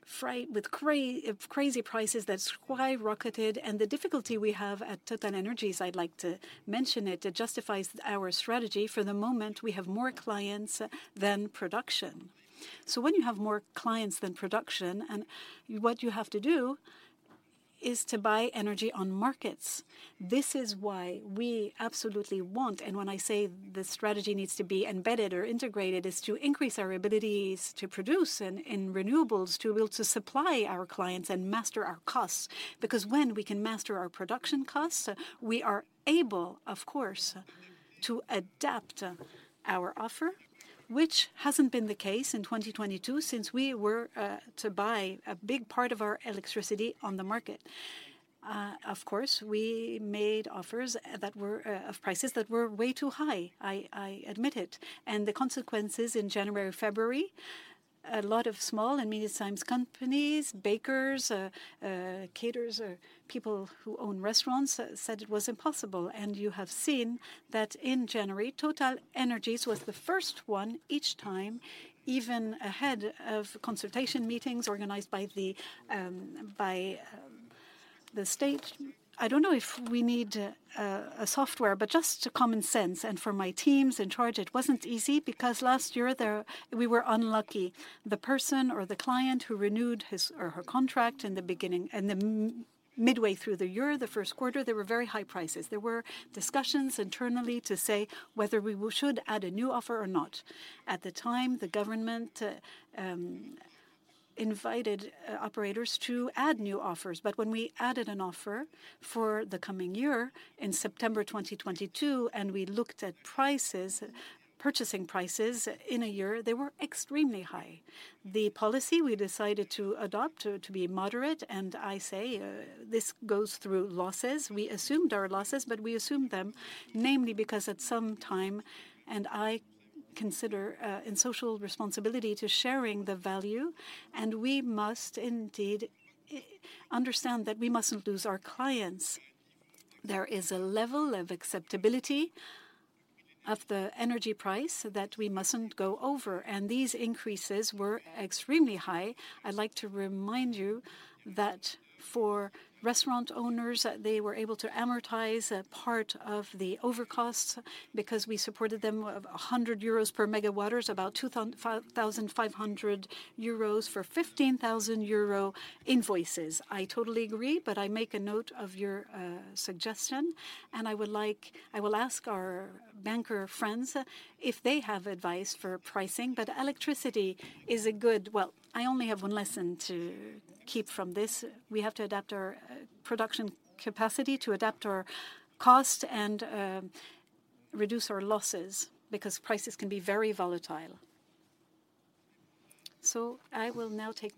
crazy prices that skyrocketed. The difficulty we have at TotalEnergies, I'd like to mention it justifies our strategy. For the moment, we have more clients than production. When you have more clients than production, and what you have to do is to buy energy on markets. This is why we absolutely want, and when I say the strategy needs to be embedded or integrated, is to increase our abilities to produce in renewables, to be able to supply our clients and master our costs. When we can master our production costs, we are able, of course, to adapt our offer, which hasn't been the case in 2022, since we were to buy a big part of our electricity on the market. Of course, we made offers that were of prices that were way too high. I admit it. The consequences in January, February, a lot of small and medium-sized companies, bakers, caterers, or people who own restaurants, said it was impossible. You have seen that in January, TotalEnergies was the first one each time, even ahead of consultation meetings organized by the state. I don't know if we need a software, but just common sense. For my teams in charge, it wasn't easy, because last year, we were unlucky. The person or the client who renewed his or her contract in the beginning, in the midway through the year, the first quarter, there were very high prices. There were discussions internally to say whether we should add a new offer or not. At the time, the government invited operators to add new offers. When we added an offer for the coming year in September 2022, and we looked at prices, purchasing prices in a year, they were extremely high. The policy we decided to adopt, to be moderate, and I say, this goes through losses. We assumed our losses, we assumed them, namely because at some time, I consider in social responsibility to sharing the value, we must indeed understand that we mustn't lose our clients. There is a level of acceptability of the energy price that we mustn't go over. These increases were extremely high. I'd like to remind you that for restaurant owners, they were able to amortize a part of the overcosts because we supported them, 100 euros per MW, about 5,500 euros for 15,000 euro invoices. I totally agree. I make a note of your suggestion. I will ask our banker friends if they have advice for pricing. Well, I only have one lesson to keep from this: we have to adapt our production capacity, to adapt our cost, and reduce our losses, because prices can be very volatile. I will now take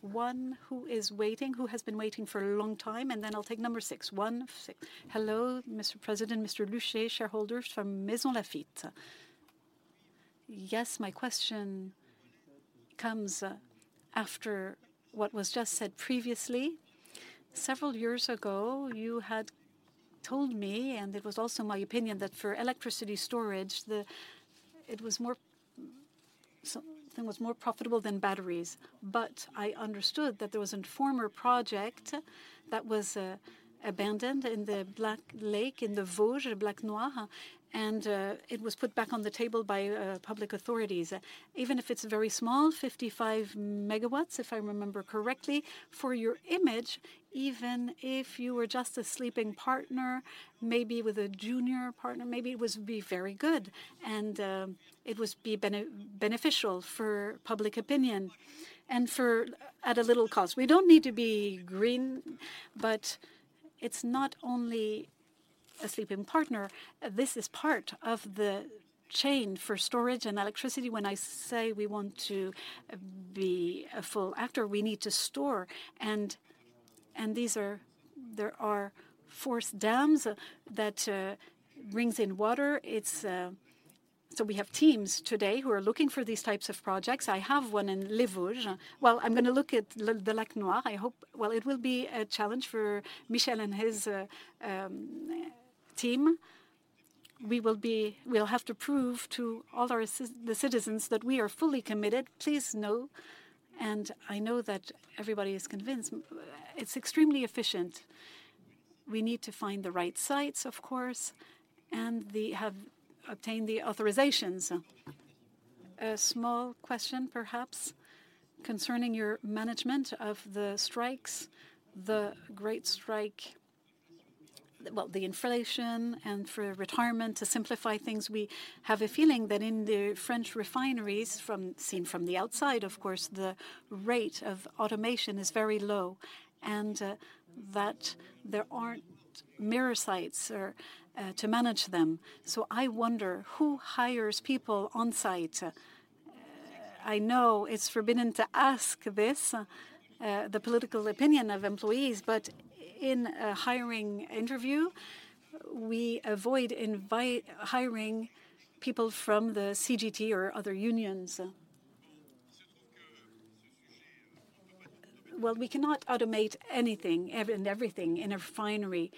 one, who is waiting, who has been waiting for a long time, and then I'll take six. one, six. Hello, Mr. President, Mr. Lucet, shareholders from Maisons Laffitte. Yes, my question comes after what was just said previously. Several years ago, you had told me, and it was also my opinion, that for electricity storage, it was more profitable than batteries. I understood that there was a former project that was abandoned in the Black Lake, in the Vosges, the Black Noir, huh? It was put back on the table by public authorities. Even if it's very small, 55 MW, if I remember correctly, for your image, even if you were just a sleeping partner, maybe with a junior partner, maybe it was be very good. It was beneficial for public opinion and for at a little cost. We don't need to be green, but it's not only a sleeping partner. This is part of the chain for storage and electricity. When I say we want to be a full actor, we need to store, and there are forced dams that brings in water. We have teams today who are looking for these types of projects. I have one in Les Vosges. Well, I'm gonna look at the Lac Noir. Well, it will be a challenge for Michelle and his team. We'll have to prove to all our citizens that we are fully committed. Please know, I know that everybody is convinced, it's extremely efficient. We need to find the right sites, of course, and have obtained the authorizations. A small question, perhaps, concerning your management of the strikes, the great strike, well, the inflation and for retirement? To simplify things, we have a feeling that in the French refineries, seen from the outside, of course, the rate of automation is very low, and that there aren't mirror sites or to manage them. I wonder, who hires people on site? I know it's forbidden to ask this, the political opinion of employees, but in a hiring interview, we avoid hiring people from the CGT or other unions. We cannot automate anything, and everything in a refinery.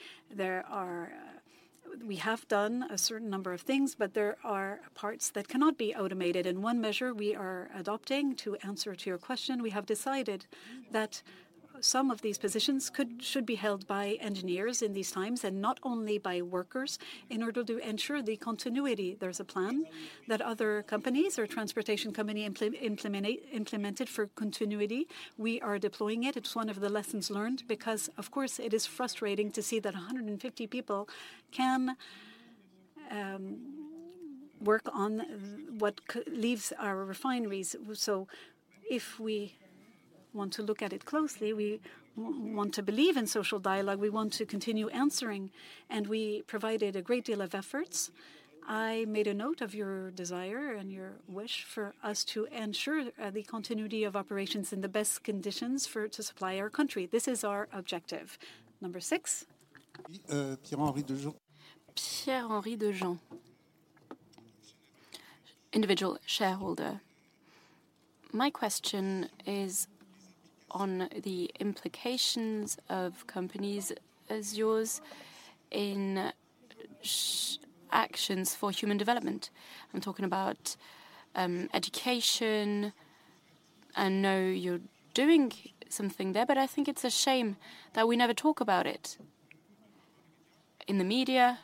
We have done a certain number of things, there are parts that cannot be automated. One measure we are adopting, to answer to your question, we have decided that some of these positions could, should be held by engineers in these times, and not only by workers, in order to ensure the continuity. There's a plan that other companies or transportation company implemented for continuity. We are deploying it. It's one of the lessons learned, because, of course, it is frustrating to see that 150 people can work on what leaves our refineries. If we want to look at it closely, we want to believe in social dialogue, we want to continue answering, and we provided a great deal of efforts. I made a note of your desire and your wish for us to ensure the continuity of operations in the best conditions for to supply our country. This is our objective. Number six? Pierre-Henri Dejean. My question is on the implications of companies as yours in actions for human development. I'm talking about education. I know you're doing something there, but I think it's a shame that we never talk about it in the media,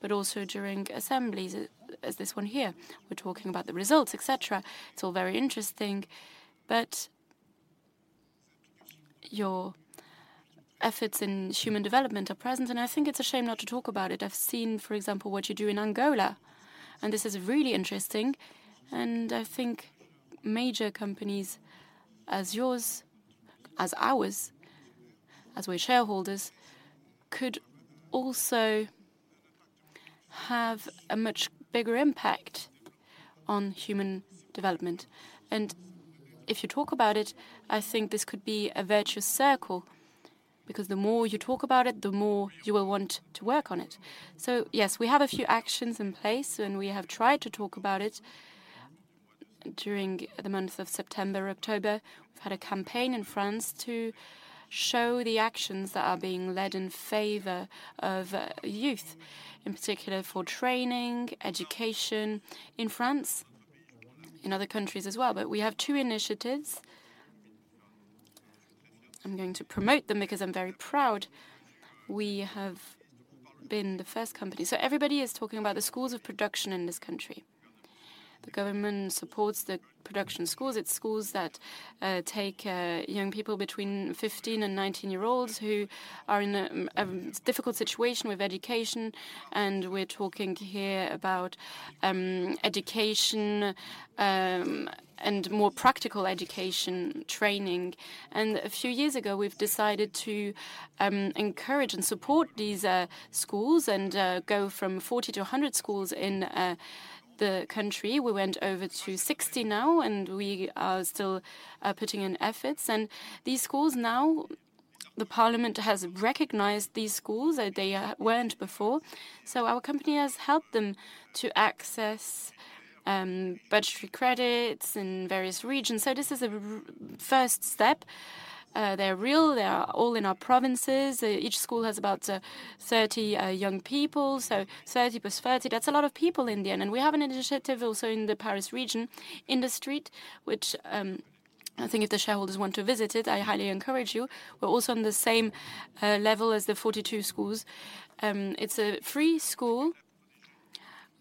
but also during assemblies as this one here. We're talking about the results, et cetera. It's all very interesting, but your efforts in human development are present, and I think it's a shame not to talk about it. I've seen, for example, what you do in Angola, and this is really interesting. I think major companies as yours, as ours, as we're shareholders, could also have a much bigger impact on human development. If you talk about it, I think this could be a virtuous circle, because the more you talk about it, the more you will want to work on it. Yes, we have a few actions in place. We have tried to talk about it during the months of September, October. We've had a campaign in France to show the actions that are being led in favor of youth, in particular for training, education in France, in other countries as well. We have two initiatives. I'm going to promote them because I'm very proud. We have been the first company. Everybody is talking about the schools of production in this country. The government supports the production schools. It's schools that take young people between 15 and 19 year olds who are in a difficult situation with education, and we're talking here about education and more practical education training. A few years ago, we've decided to encourage and support these schools and go from 40 to 100 schools in the country. We went over to 60 now, and we are still putting in efforts. These schools now. The parliament has recognized these schools, they weren't before. Our company has helped them to access budgetary credits in various regions. This is a first step. They're real, they are all in our provinces. Each school has about 30 young people, so 30 + 30, that's a lot of people in the end. We have an initiative also in the Paris region, in the street, which, I think if the shareholders want to visit it, I highly encourage you. We're also on the same level as the 42 schools. It's a free school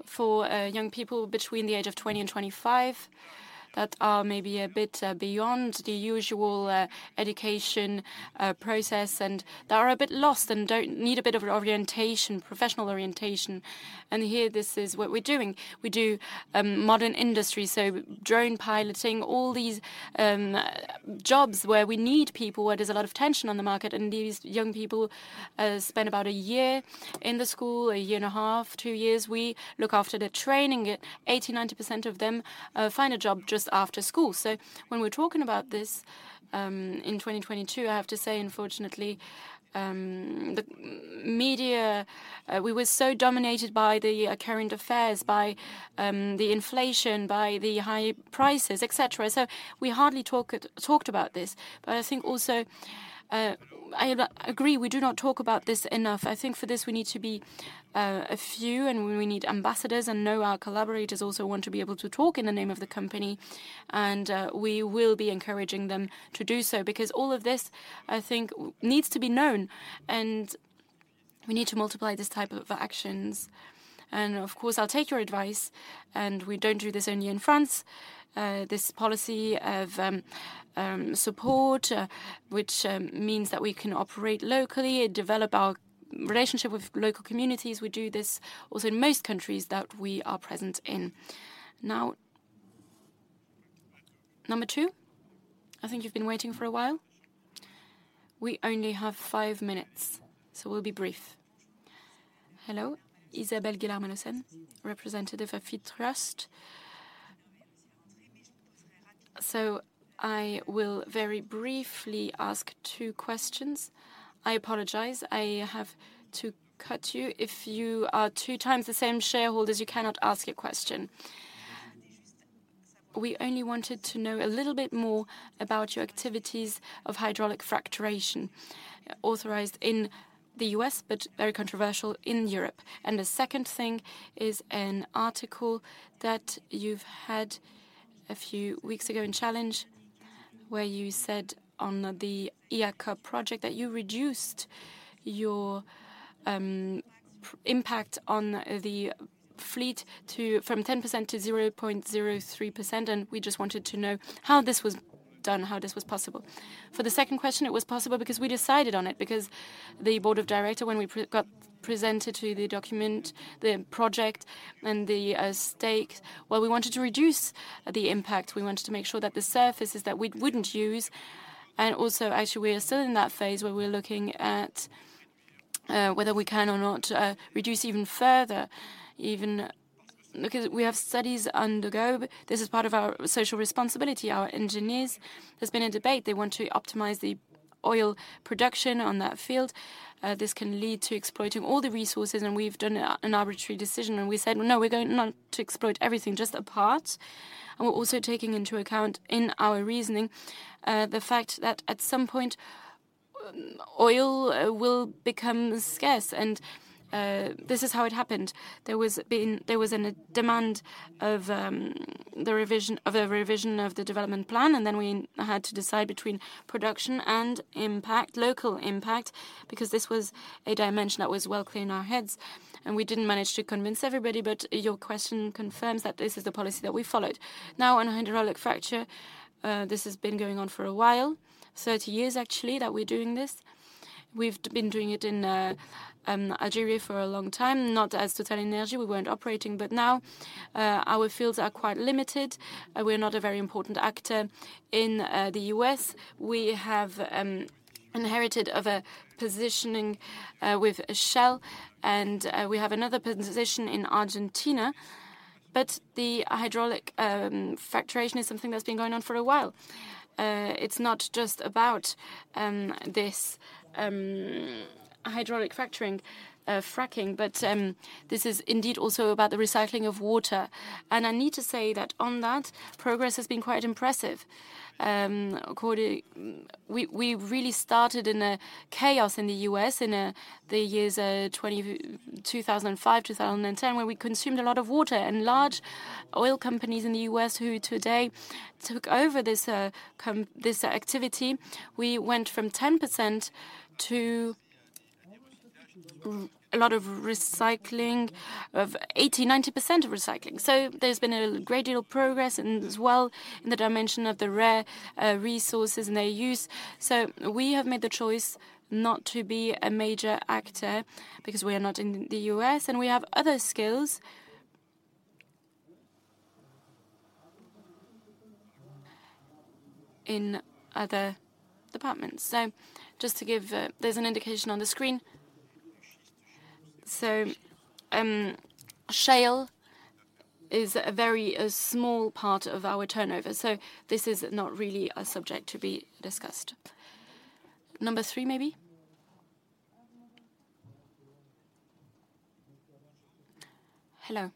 for young people between the age of 20 and 25 that are maybe a bit beyond the usual education process, and they are a bit lost and don't need a bit of orientation, professional orientation. Here, this is what we're doing. We do modern industry, so drone piloting, all these jobs where we need people, where there's a lot of tension on the market, and these young people spend about a year in the school, a year and a half, two years. We look after the training. 80%, 90% of them find a job just after school. When we're talking about this, in 2022, I have to say, unfortunately, the media, we were so dominated by the current affairs, by the inflation, by the high prices, et cetera, so we hardly talked about this. I think also, I agree, we do not talk about this enough. I think for this, we need to be a few, and we need ambassadors and know our collaborators also want to be able to talk in the name of the company, and we will be encouraging them to do so, because all of this, I think, needs to be known, and we need to multiply this type of actions. Of course, I'll take your advice. We don't do this only in France. This policy of support, which means that we can operate locally and develop our relationship with local communities. We do this also in most countries that we are present in. Number two, I think you've been waiting for a while. We only have five minutes. We'll be brief. Hello, Isabelle Guillaumin-Menesson, representative of Fiducial. I will very briefly ask questions. I apologize, I have to cut you. If you are two times the same shareholder, you cannot ask a question. We only wanted to know a little bit more about your activities of hydraulic fracturing, authorized in the U.S., but very controversial in Europe. The second thing is an article that you've had a few weeks ago in Challenge, where you said on the IACA project that you reduced your impact on the fleet to, from 10% to 0.03%, and we just wanted to know how this was done, how this was possible. For the second question, it was possible because we decided on it, because the board of directors, when we got presented to the document, the project and the stake, well, we wanted to reduce the impact. We wanted to make sure that the surfaces that we wouldn't use, and also actually, we are still in that phase where we're looking at, whether we can or not, reduce even further, even because we have studies undergo, but this is part of our social responsibility. Our engineers. There's been a debate. They want to optimize the oil production on that field. This can lead to exploiting all the resources, and we've done an arbitrary decision, and we said, "No, we're going not to exploit everything, just a part." We're also taking into account in our reasoning, the fact that at some point, oil, will become scarce, and, this is how it happened. There was a demand of the revision of the development plan. We had to decide between production and impact, local impact, because this was a dimension that was well clear in our heads, and we didn't manage to convince everybody, but your question confirms that this is the policy that we followed. On hydraulic fracture, this has been going on for a while, 30 years, actually, that we're doing this. We've been doing it in Algeria for a long time, not as TotalEnergies. We weren't operating. Our fields are quite limited. We are not a very important actor in the U.S. We have inherited of a positioning with Shell, we have another position in Argentina, the hydraulic fracturing is something that's been going on for a while. It's not just about this hydraulic fracturing, fracking, this is indeed also about the recycling of water. I need to say that on that, progress has been quite impressive. We really started in a chaos in the U.S. in the years 2005, 2010, where we consumed a lot of water, large oil companies in the U.S., who today took over this activity, we went from 10% to a lot of recycling, of 80%, 90% of recycling. There's been a great deal of progress and as well in the dimension of the rare resources and their use. We have made the choice not to be a major actor because we are not in the U.S., and we have other skills in other departments. Just to give, there's an indication on the screen. shale is a very small part of our turnover, this is not really a subject to be discussed. Number three, maybe? Hello.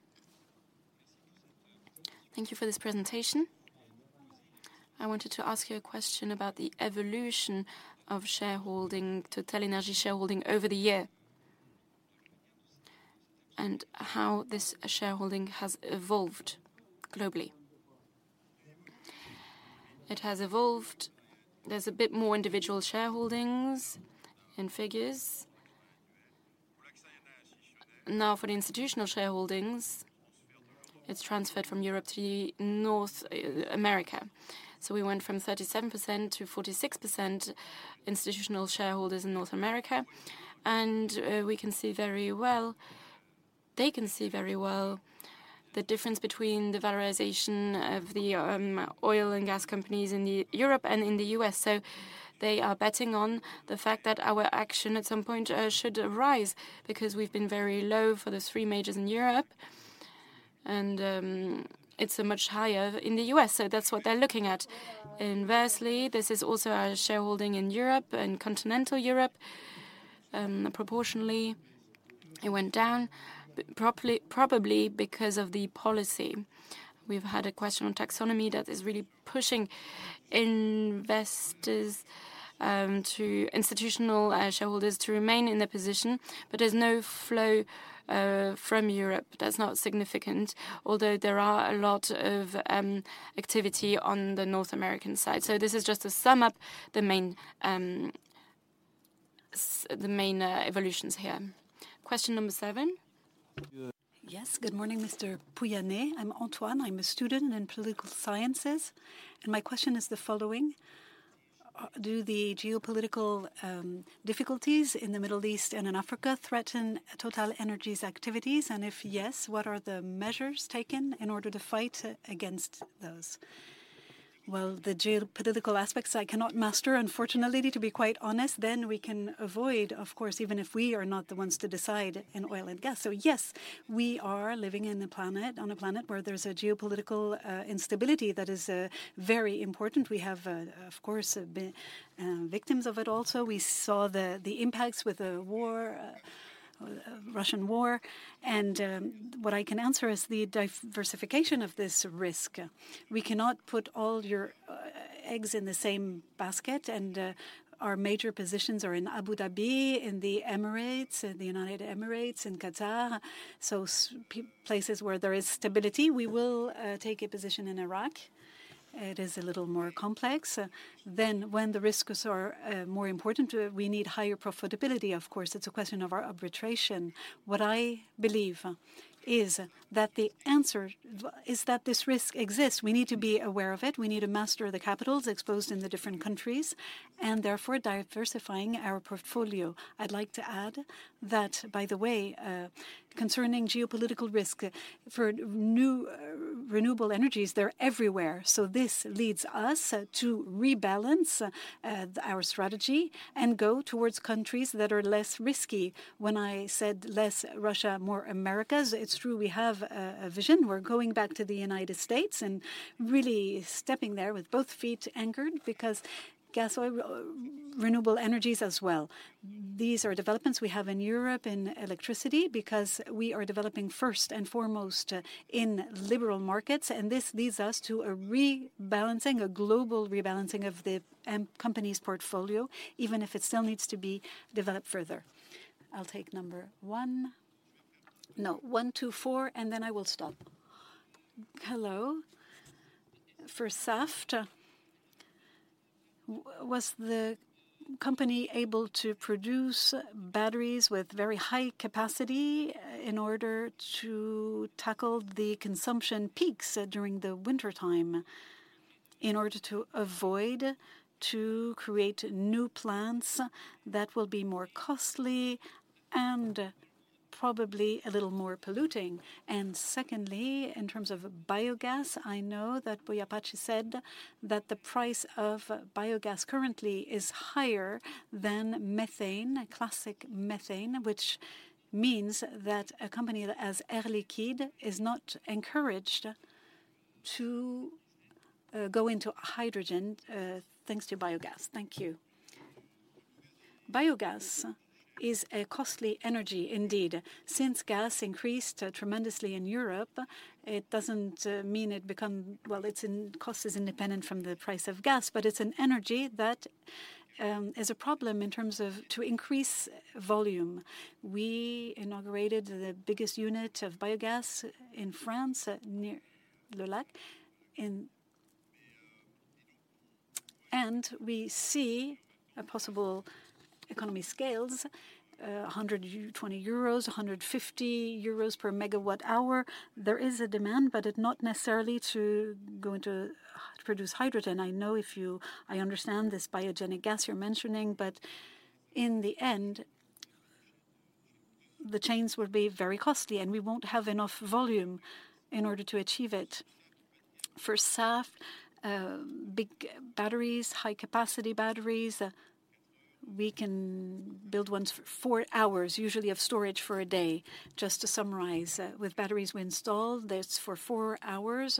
Thank you for this presentation. I wanted to ask you a question about the evolution of shareholding, TotalEnergies shareholding over the year, and how this shareholding has evolved globally. It has evolved. There's a bit more individual shareholdings in figures. Now, for the institutional shareholdings, it's transferred from Europe to North America. We went from 37% to 46% institutional shareholders in North America, They can see very well the difference between the valorization of the oil and gas companies in the Europe and in the U.S. They are betting on the fact that our action, at some point, should rise because we've been very low for the three majors in Europe, and it's a much higher in the U.S. That's what they're looking at. Inversely, this is also our shareholding in Europe and continental Europe. Proportionally, it went down, probably because of the policy. We've had a question on taxonomy that is really pushing investors to institutional shareholders to remain in their position, but there's no flow from Europe. That's not significant, although there are a lot of activity on the North American side. This is just to sum up the main evolutions here. Question number seven? Yes. Good morning, Mr. Pouyanné. I'm Antoine. I'm a student in political sciences. My question is the following: Do the geopolitical difficulties in the Middle East and in Africa threaten TotalEnergies' activities? If yes, what are the measures taken in order to fight against those? The geopolitical aspects I cannot master, unfortunately, to be quite honest. We can avoid, of course, even if we are not the ones to decide in oil and gas. Yes, we are living on a planet where there's a geopolitical instability that is very important. We have, of course, been victims of it also. We saw the impacts with the war, Russian war, and what I can answer is the diversification of this risk. We cannot put all your eggs in the same basket, and our major positions are in Abu Dhabi, in the Emirates, the United Emirates, in Qatar, places where there is stability. We will take a position in Iraq. It is a little more complex. When the risks are more important, we need higher profitability, of course. It's a question of our arbitration. What I believe is that the answer is that this risk exists. We need to be aware of it. We need to master the capitals exposed in the different countries, and therefore diversifying our portfolio. I'd like to add that, by the way, concerning geopolitical risk, for new renewable energies, they're everywhere. This leads us to rebalance our strategy and go towards countries that are less risky. When I said less Russia, more Americas, it's true, we have a vision. We're going back to the United States and really stepping there with both feet anchored because gas, oil, renewable energies as well. These are developments we have in Europe, in electricity, because we are developing first and foremost in liberal markets. This leads us to a rebalancing, a global rebalancing of the company's portfolio, even if it still needs to be developed further. I'll take number one. One to four, then I will stop. Hello. For Saft, was the company able to produce batteries with very high capacity in order to tackle the consumption peaks during the wintertime, in order to avoid to create new plants that will be more costly and probably a little more polluting? Secondly, in terms of biogas, I know that Patrick Pouyanné said that the price of biogas currently is higher than methane, classic methane, which means that a company as Air Liquide is not encouraged to go into hydrogen thanks to biogas. Thank you. Biogas is a costly energy indeed. Since gas increased tremendously in Europe, it doesn't mean its cost is independent from the price of gas, but it's an energy that is a problem in terms of to increase volume. We inaugurated the biggest unit of biogas in France, near Lacq. We see a possible economy scales, 120 euros, 150 euros per MW hour. There is a demand, but it not necessarily to go into produce hydrogen. I understand this biogenic gas you're mentioning, but in the end, the chains will be very costly, and we won't have enough volume in order to achieve it.... for Saft, big batteries, high-capacity batteries, we can build ones four hours, usually of storage for a day. Just to summarize, with batteries we installed, that's for four hours.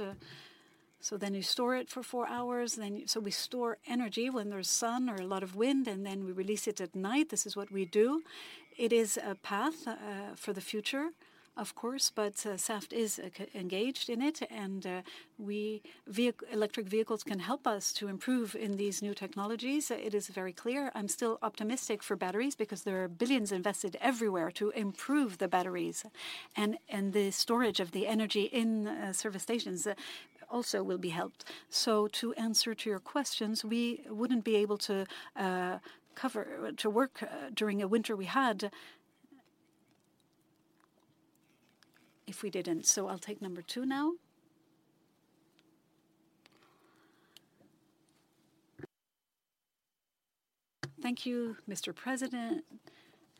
You store it for four hours. We store energy when there's sun or a lot of wind, and then we release it at night. This is what we do. It is a path for the future, of course, but Saft is engaged in it, and electric vehicles can help us to improve in these new technologies. It is very clear. I'm still optimistic for batteries because there are billions invested everywhere to improve the batteries, and the storage of the energy in service stations also will be helped. To answer to your questions, we wouldn't be able to work during a winter we had if we didn't. I'll take number two now. Thank you, Mr. President.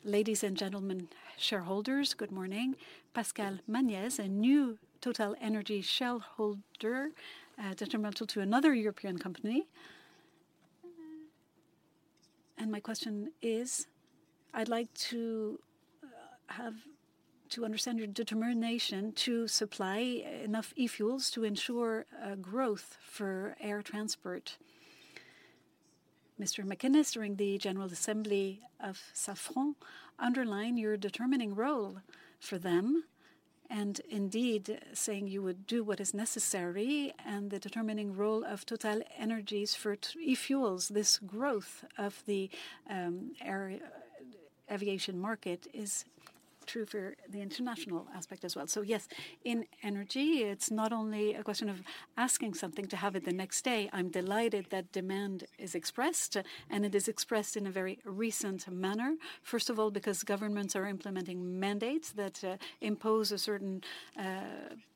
Ladies and gentlemen, shareholders, good morning. Pascal Magnez, a new TotalEnergies shareholder, detrimental to another European company. My question is, I'd like to understand your determination to supply enough e-fuels to ensure growth for air transport. Mr. McInnes, during the General Assembly of Safran, underline your determining role for them, and indeed, saying you would do what is necessary and the determining role of TotalEnergies for e-fuels. This growth of the air aviation market is true for the international aspect as well. Yes, in energy, it's not only a question of asking something to have it the next day. I'm delighted that demand is expressed, and it is expressed in a very recent manner. First of all, because governments are implementing mandates that impose a certain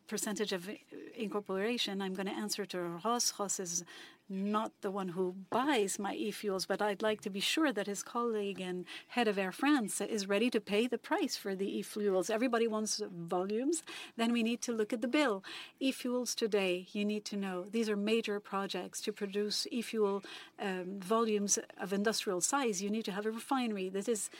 percentage of incorporation. I'm gonna answer to Ross. Ross is not the one who buys my e-fuels, but I'd like to be sure that his colleague and head of Air France is ready to pay the price for the e-fuels. Everybody wants volumes. We need to look at the bill. E-fuels today, you need to know, these are major projects. To produce e-fuel volumes of industrial size, you need to have a refinery. This is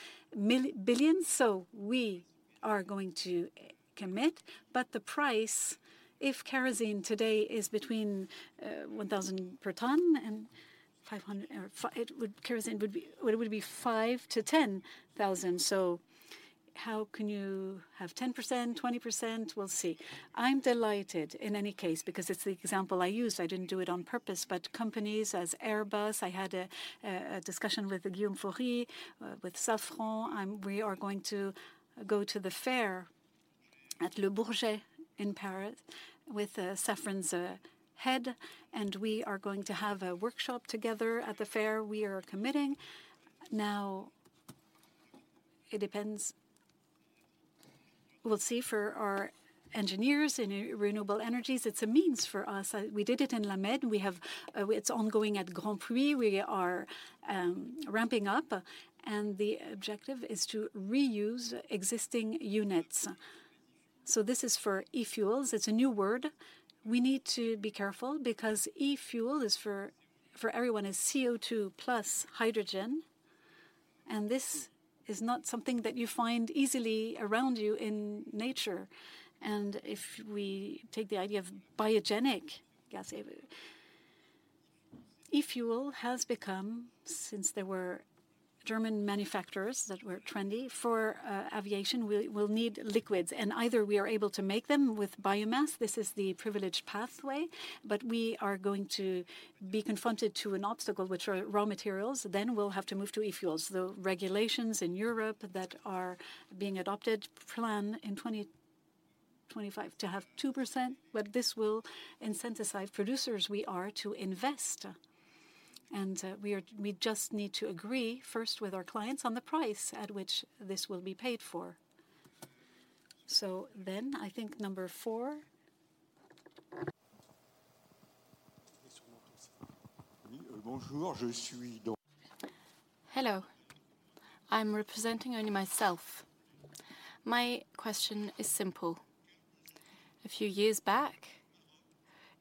billions, so we are going to commit. The price, if kerosene today is between $1,000 per ton and $500 or it would, kerosene would be, it would be $5,000-$10,000. How can you have 10%, 20%? We'll see. I'm delighted in any case because it's the example I used. I didn't do it on purpose, companies as Airbus, I had a discussion with Guillaume Faury, with Safran. We are going to go to the fair at Le Bourget in Paris with Safran's head, we are going to have a workshop together at the fair. We are committing. It depends. We'll see. For our engineers in renewable energies, it's a means for us. We did it in La Mède. We have, it's ongoing at Grandpuits. We are ramping up, the objective is to reuse existing units. This is for e-fuels. It's a new word. We need to be careful because e-fuel is for everyone is CO2 plus hydrogen, and this is not something that you find easily around you in nature. If we take the idea of biogenic gas, e-fuel has become, since there were German manufacturers that were trendy for aviation, we'll need liquids, and either we are able to make them with biomass, this is the privileged pathway, but we are going to be confronted to an obstacle, which are raw materials, then we'll have to move to e-fuels. The regulations in Europe that are being adopted plan in 2025 to have 2%. This will incentivize producers we are to invest, and we just need to agree first with our clients on the price at which this will be paid for. I think number four. Hello. I'm representing only myself. My question is simple. A few years back,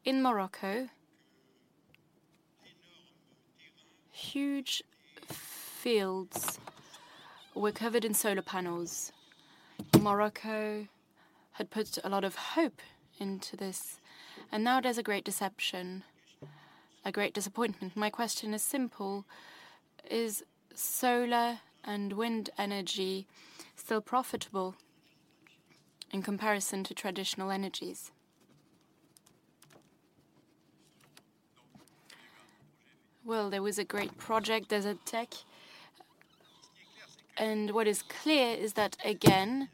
in Morocco, huge fields were covered in solar panels. Morocco had put a lot of hope into this. Now there's a great deception, a great disappointment. My question is simple: Is solar and wind energy still profitable in comparison to traditional energies? There was a great project, Desertec, what is clear is that, again,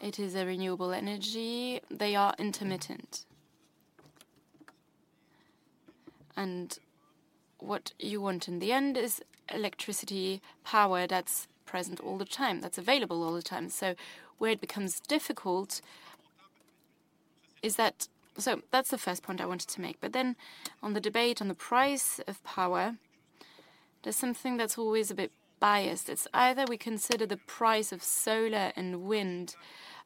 it is a renewable energy. They are intermittent. What you want in the end is electricity, power that's present all the time, that's available all the time. Where it becomes difficult is that... That's the first point I wanted to make. On the debate on the price of power-... There's something that's always a bit biased. It's either we consider the price of solar and wind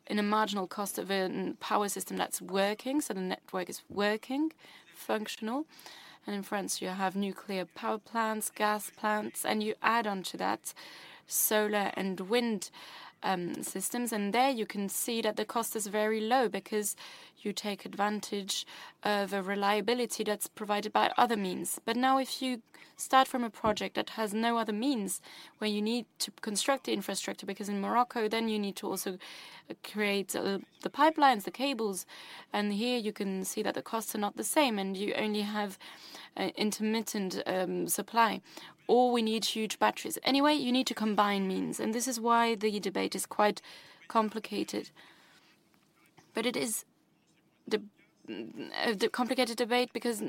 in a marginal cost of a power system that's working, so the network is working, functional. In France, you have nuclear power plants, gas plants, and you add on to that solar and wind systems. There you can see that the cost is very low because you take advantage of a reliability that's provided by other means. Now, if you start from a project that has no other means, where you need to construct the infrastructure, because in Morocco, you need to also create the pipelines, the cables, and here you can see that the costs are not the same, and you only have intermittent supply, or we need huge batteries. You need to combine means, and this is why the debate is quite complicated. It is the complicated debate because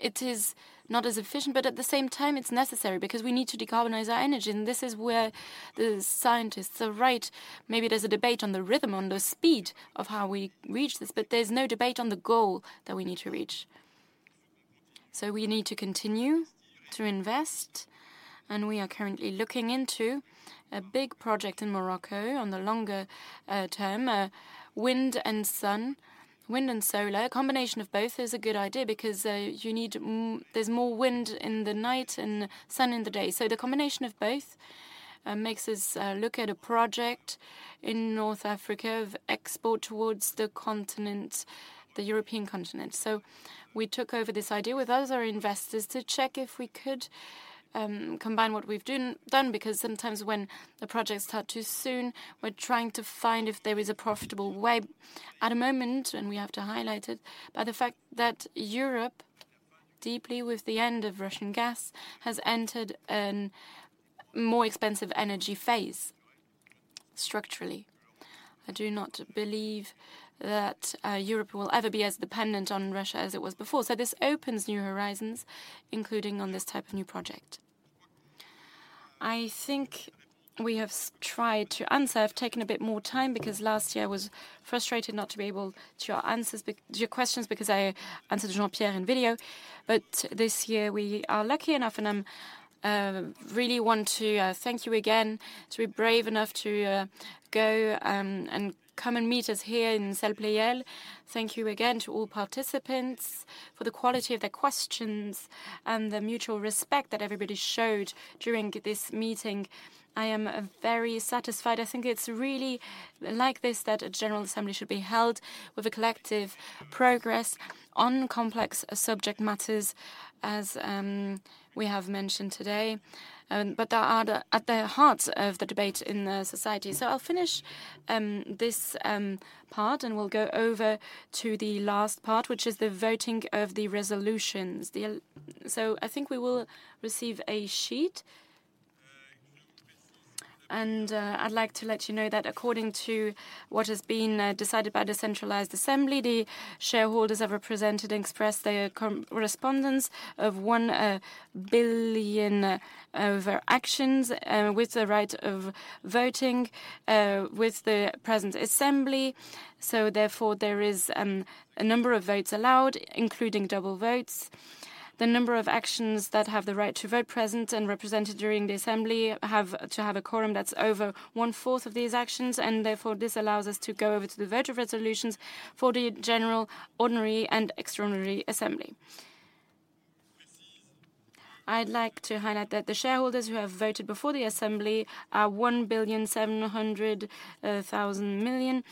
it is not as efficient, but at the same time, it's necessary because we need to decarbonize our energy, and this is where the scientists are right. Maybe there's a debate on the rhythm, on the speed of how we reach this, but there's no debate on the goal that we need to reach. We need to continue to invest, and we are currently looking into a big project in Morocco on the longer term, wind and sun, wind and solar. A combination of both is a good idea because you need there's more wind in the night and sun in the day. The combination of both makes us look at a project in North Africa of export towards the continent, the European continent. We took over this idea with other investors to check if we could combine what we've done, because sometimes when the projects start too soon, we're trying to find if there is a profitable way. At the moment, and we have to highlight it, by the fact that Europe, deeply with the end of Russian gas, has entered a more expensive energy phase structurally. I do not believe that Europe will ever be as dependent on Russia as it was before. This opens new horizons, including on this type of new project. I think we have tried to answer. I've taken a bit more time because last year I was frustrated not to be able to answer your questions because I answered Jean-Pierre in video. This year, we are lucky enough, and I'm really want to thank you again to be brave enough to go and come and meet us here in Salle Pleyel. Thank you again to all participants for the quality of their questions and the mutual respect that everybody showed during this meeting. I am very satisfied. I think it's really like this, that a general assembly should be held with a collective progress on complex subject matters, as we have mentioned today, but that are at the heart of the debate in the society. I'll finish this part, and we'll go over to the last part, which is the voting of the resolutions. I think we will receive a sheet. I'd like to let you know that according to what has been decided by the centralized assembly, the shareholders have represented and expressed their correspondence of 1 billion actions with the right of voting with the present assembly. Therefore, there is a number of votes allowed, including double votes. The number of actions that have the right to vote present and represented during the assembly have to have a quorum that's over one-fourth of these actions. Therefore, this allows us to go over to the vote of resolutions for the general, ordinary, and extraordinary assembly. I'd like to highlight that the shareholders who have voted before the assembly are 1 billion, 700 billion,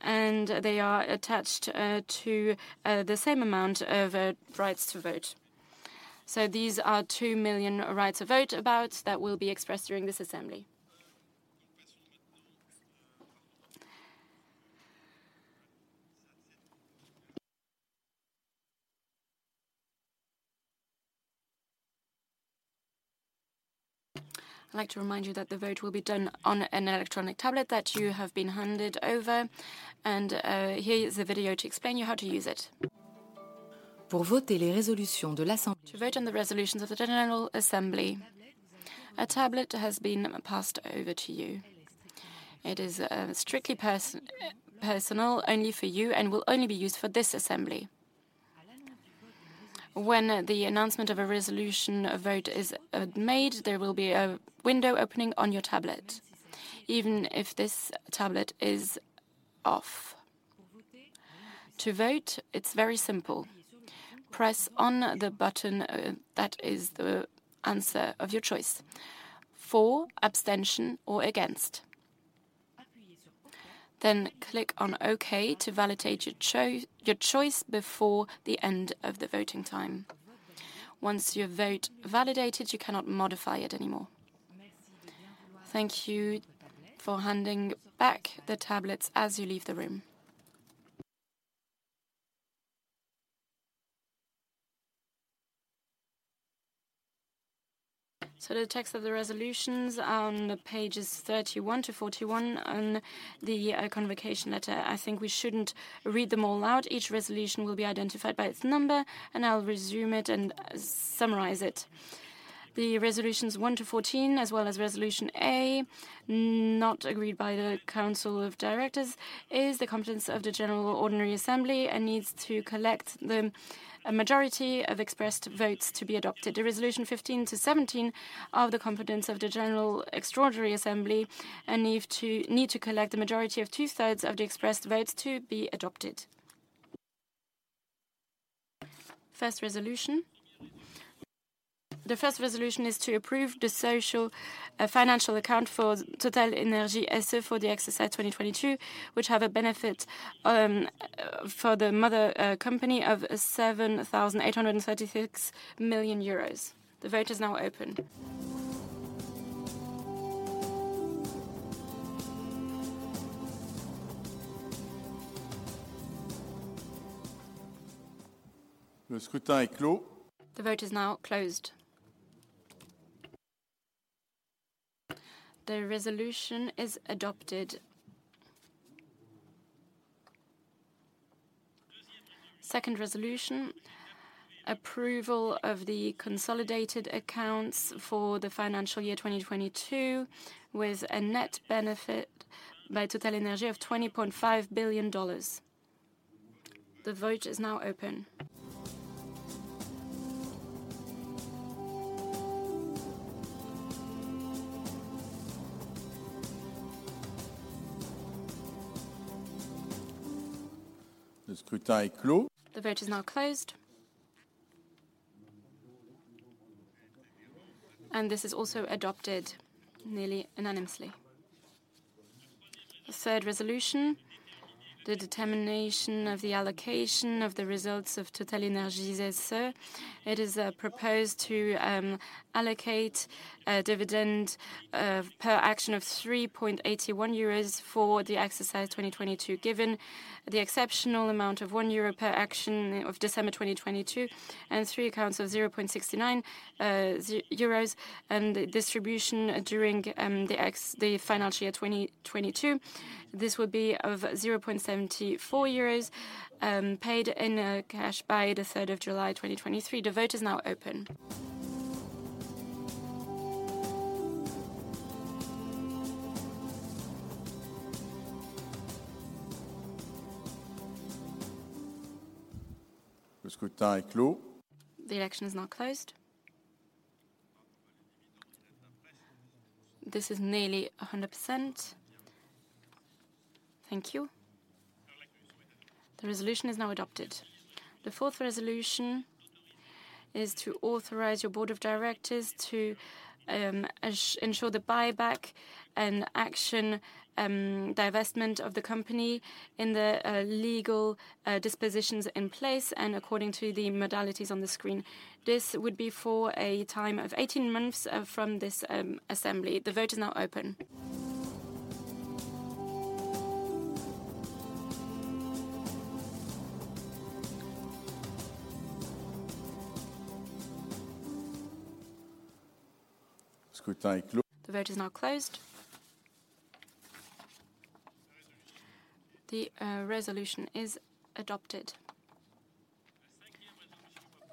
and they are attached to the same amount of rights to vote. These are 2 million rights of vote about that will be expressed during this assembly. I'd like to remind you that the vote will be done on an electronic tablet that you have been handed over, and here is a video to explain you how to use it. To vote on the resolutions of the General Assembly, a tablet has been passed over to you. It is strictly personal, only for you, and will only be used for this assembly. When the announcement of a resolution vote is made, there will be a window opening on your tablet, even if this tablet is off. To vote, it's very simple. Press on the button that is the answer of your choice, for, abstention, or against. Click on OK to validate your choice before the end of the voting time. Once your vote validated, you cannot modify it anymore. Thank you for handing back the tablets as you leave the room. The text of the Resolutions are on pages 31 -41 on the convocation letter. I think we shouldn't read them all aloud. Each Resolution will be identified by its number, and I'll resume it and summarize it. The Resolutions 1-14, as well as Resolution A, not agreed by the council of directors, is the competence of the General Ordinary Assembly and needs to collect a majority of expressed votes to be adopted. The Resolution 15-17 are the competence of the general extraordinary assembly, need to collect the majority of two-thirds of the expressed votes to be adopted. First resolution. The first resolution is to approve the social financial account for TotalEnergies SE for the exercise 2022, which have a benefit for the mother company of 7,836 million euros. The vote is now open. The vote is now closed. The resolution is adopted. Second resolution, approval of the consolidated accounts for the financial year 2022, with a net benefit by TotalEnergies of $20.5 billion. The vote is now open. The vote is now closed. This is also adopted nearly unanimously. The third resolution, the determination of the allocation of the results of TotalEnergies SE. It is proposed to allocate a dividend per action of 3.81 euros for the exercise 2022, given the exceptional amount of 1 euro per action of December 2022, and three accounts of 0.69 euros, and the distribution during the financial year 2022. This would be of 0.74 euros paid in cash by the 3rd of July, 2023. The vote is now open. The election is now closed. This is nearly 100%. Thank you. The resolution is now adopted. The 4th resolution is to authorize your board of directors to ensure the buyback and action divestment of the company in the legal dispositions in place and according to the modalities on the screen. This would be for a time of 18 months from this assembly. The vote is now open. The vote is now closed. The resolution is adopted.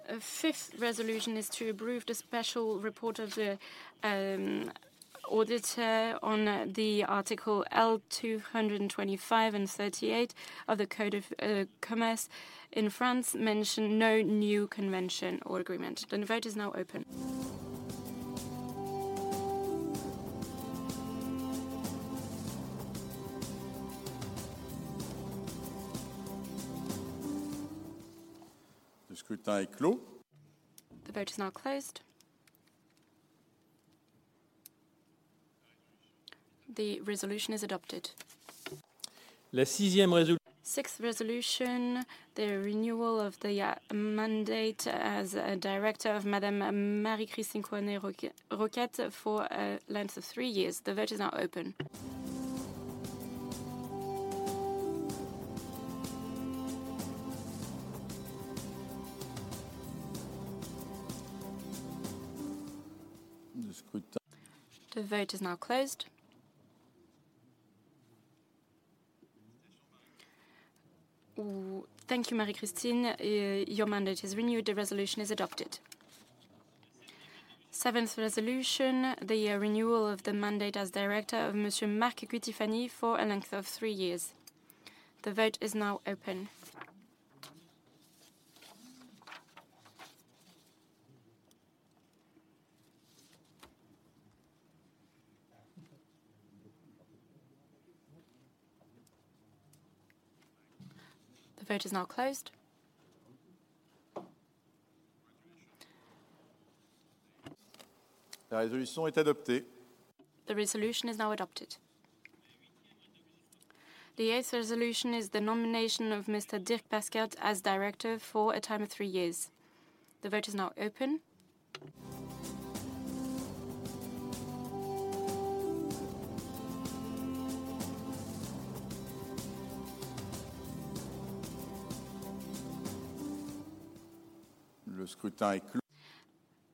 A fifth resolution is to approve the special report of the auditor on the Article L 225 and 38 of the Code de commerce in France mention no new convention or agreement. The vote is now open. The vote is now closed. The resolution is adopted. Sixth resolution, the renewal of the mandate as a director of Madame Marie-Christine Coisne-Roquette for a length of three years. The vote is now open. The vote is now closed. Thank you, Marie-Christine. Your mandate is renewed. The resolution is adopted. Seventh resolution, the renewal of the mandate as director of Monsieur Mark Cutifani for a length of three years. The vote is now open. The vote is now closed. The resolution is adopted. The resolution is now adopted. The eighth resolution is the nomination of Mr. Dierk Paskert as director for a time of three years. The vote is now open.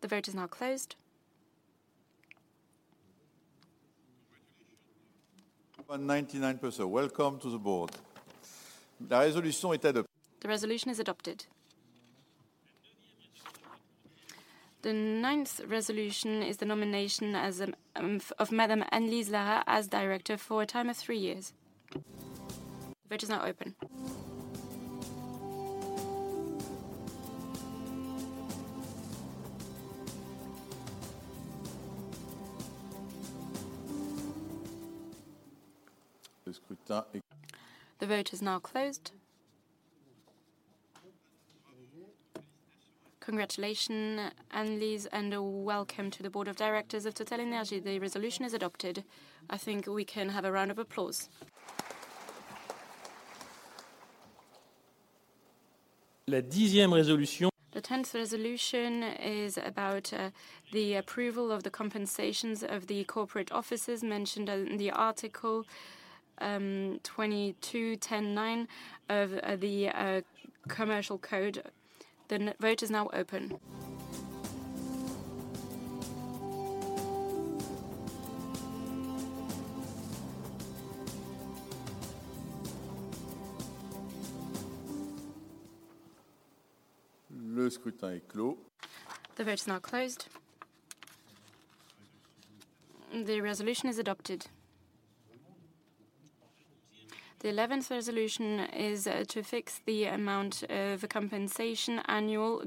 The vote is now closed. 99%. Welcome to the board. The resolution is adopted. The resolution is adopted. The ninth resolution is the nomination as of Madam Anelise Lara as director for a time of three years. Vote is now open. The vote is now closed. Congratulations, Anelise, welcome to the board of directors of TotalEnergies. The resolution is adopted. I think we can have a round of applause. The tenth resolution is about the approval of the compensations of the corporate offices mentioned in the Article 22-10-9 of the Code de commerce. The vote is now open. The vote is now closed. The resolution is adopted. The eleventh resolution is to fix the amount of compensation annual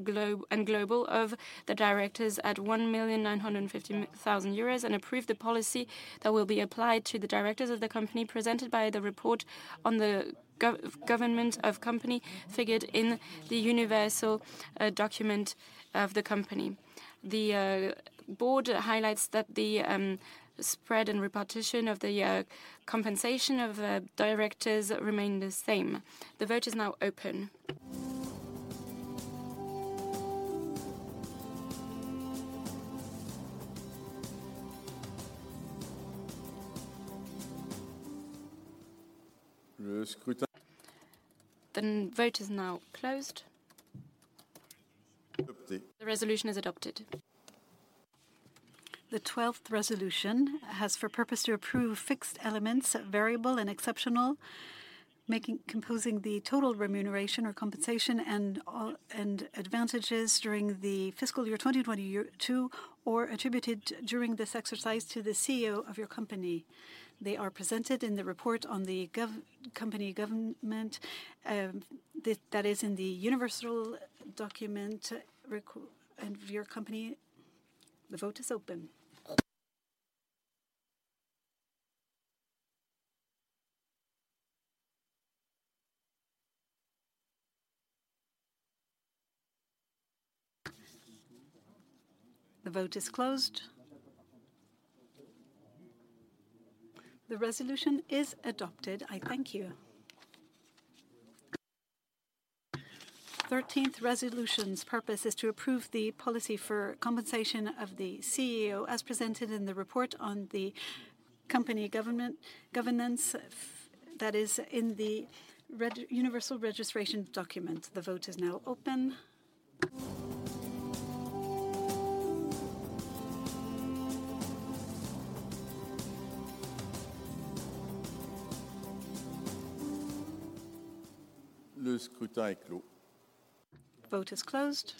and global of the directors at 1,950,000 euros, and approve the policy that will be applied to the directors of the company presented by the report on the government of company figured in the universal document of the company. The board highlights that the spread and repartition of the compensation of directors remain the same. The vote is now open. The vote is now closed. The resolution is adopted. The 12th resolution has for purpose to approve fixed elements, variable and exceptional, composing the total remuneration or compensation and all, and advantages during the fiscal year 2022, or attributed during this exercise to the CEO of your company. They are presented in the report on the company government, that is in the universal document and of your company. The vote is open. The vote is closed. The resolution is adopted. I thank you. 13th resolution's purpose is to approve the policy for compensation of the CEO, as presented in the report on the company government, governance, that is in the universal registration document. The vote is now open. Le scrutin est clos. Vote is closed.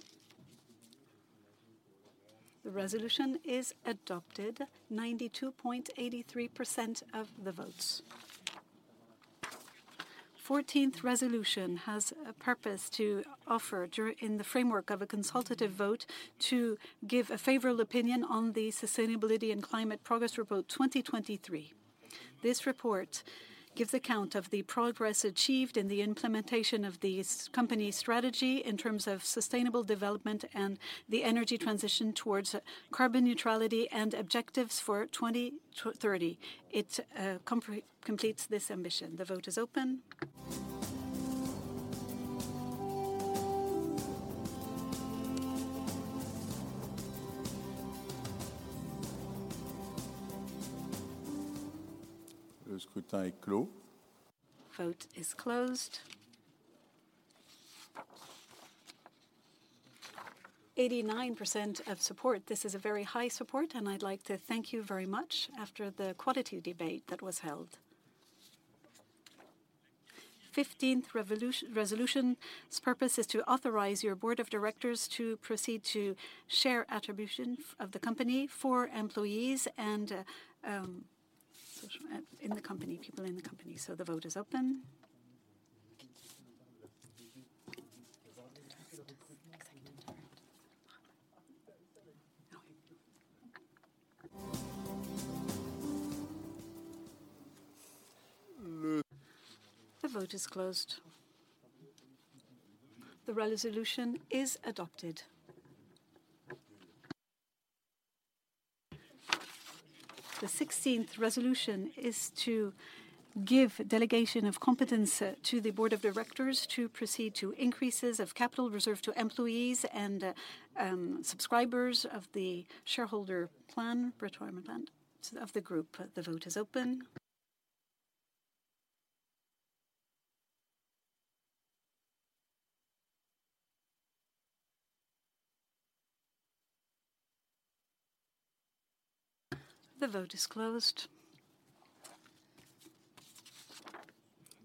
The resolution is adopted, 92.83% of the votes. 14th resolution has a purpose to offer in the framework of a consultative vote, to give a favorable opinion on the Sustainability & Climate – 2023 Progress Report. This report gives account of the progress achieved in the implementation of the company's strategy in terms of sustainable development and the energy transition towards carbon neutrality and objectives for 2030. It completes this ambition. The vote is open. Le scrutin est clos. Vote is closed. 89% of support. This is a very high support. I'd like to thank you very much after the quality debate that was held. 15th resolution's purpose is to authorize your board of directors to proceed to share attribution of the company for employees and social in the company, people in the company. The vote is open. Le- The vote is closed. The resolution is adopted. The 16th resolution is to give delegation of competence to the board of directors to proceed to increases of capital reserve to employees and subscribers of the shareholder plan, retirement plan of the group. The vote is open. The vote is closed.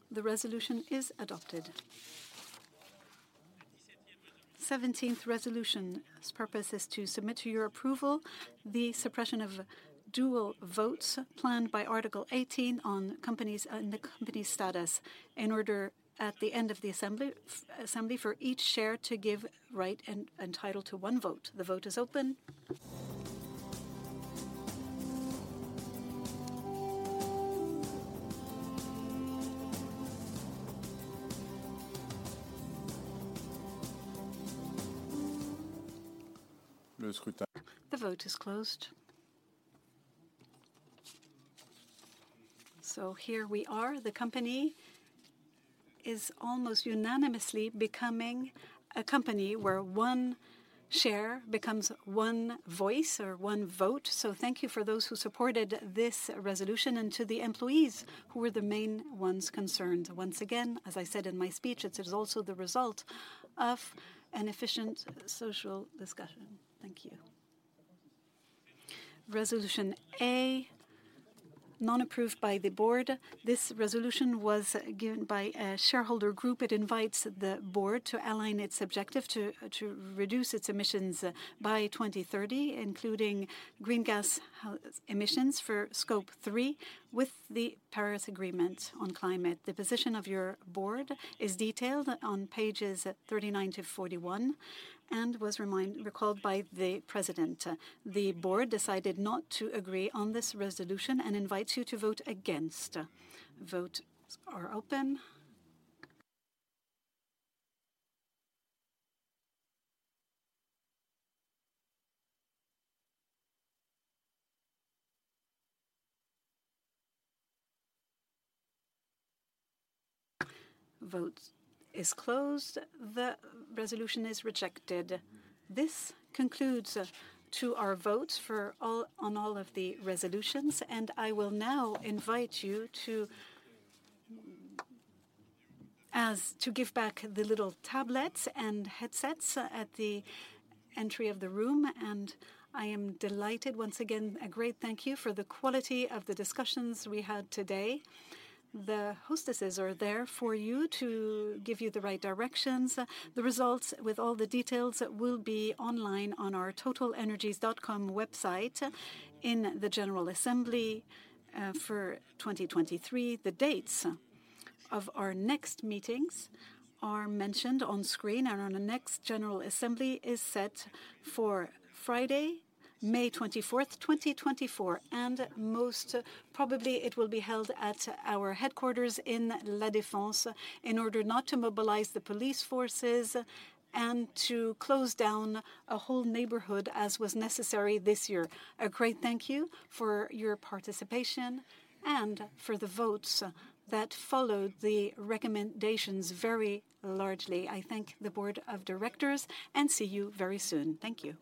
The resolution is adopted. 17th resolution's purpose is to submit to your approval the suppression of dual votes planned by Article 18 on companies, on the company status, in order at the end of the assembly, for each share to give right and title to one vote. The vote is open. The vote is closed. Here we are. The company is almost unanimously becoming a company where one share becomes one voice or one vote. Thank you for those who supported this resolution and to the employees who were the main ones concerned. Once again, as I said in my speech, it is also the result of an efficient social discussion. Thank you. Resolution A, non-approved by the board. This resolution was given by a shareholder group. It invites the board to align its objective to reduce its emissions by 2030, including greenhouse emissions for Scope 3, with the Paris Agreement on climate. The position of your board is detailed on pages 39-41 and was recalled by the president. The board decided not to agree on this resolution and invites you to vote against. Votes are open. Votes is closed. The resolution is rejected. This concludes to our votes on all of the resolutions, and I will now invite you to as to give back the little tablets and headsets at the entry of the room, and I am delighted once again. A great thank you for the quality of the discussions we had today. The hostesses are there for you to give you the right directions. The results with all the details will be online on our TotalEnergies.com website in the General Assembly for 2023. The dates of our next meetings are mentioned on screen, and our next General Assembly is set for Friday, May 24th, 2024, and most probably it will be held at our headquarters in La Défense, in order not to mobilize the police forces and to close down a whole neighborhood, as was necessary this year. A great thank you for your participation and for the votes that followed the recommendations very largely. I thank the board of directors and see you very soon. Thank you.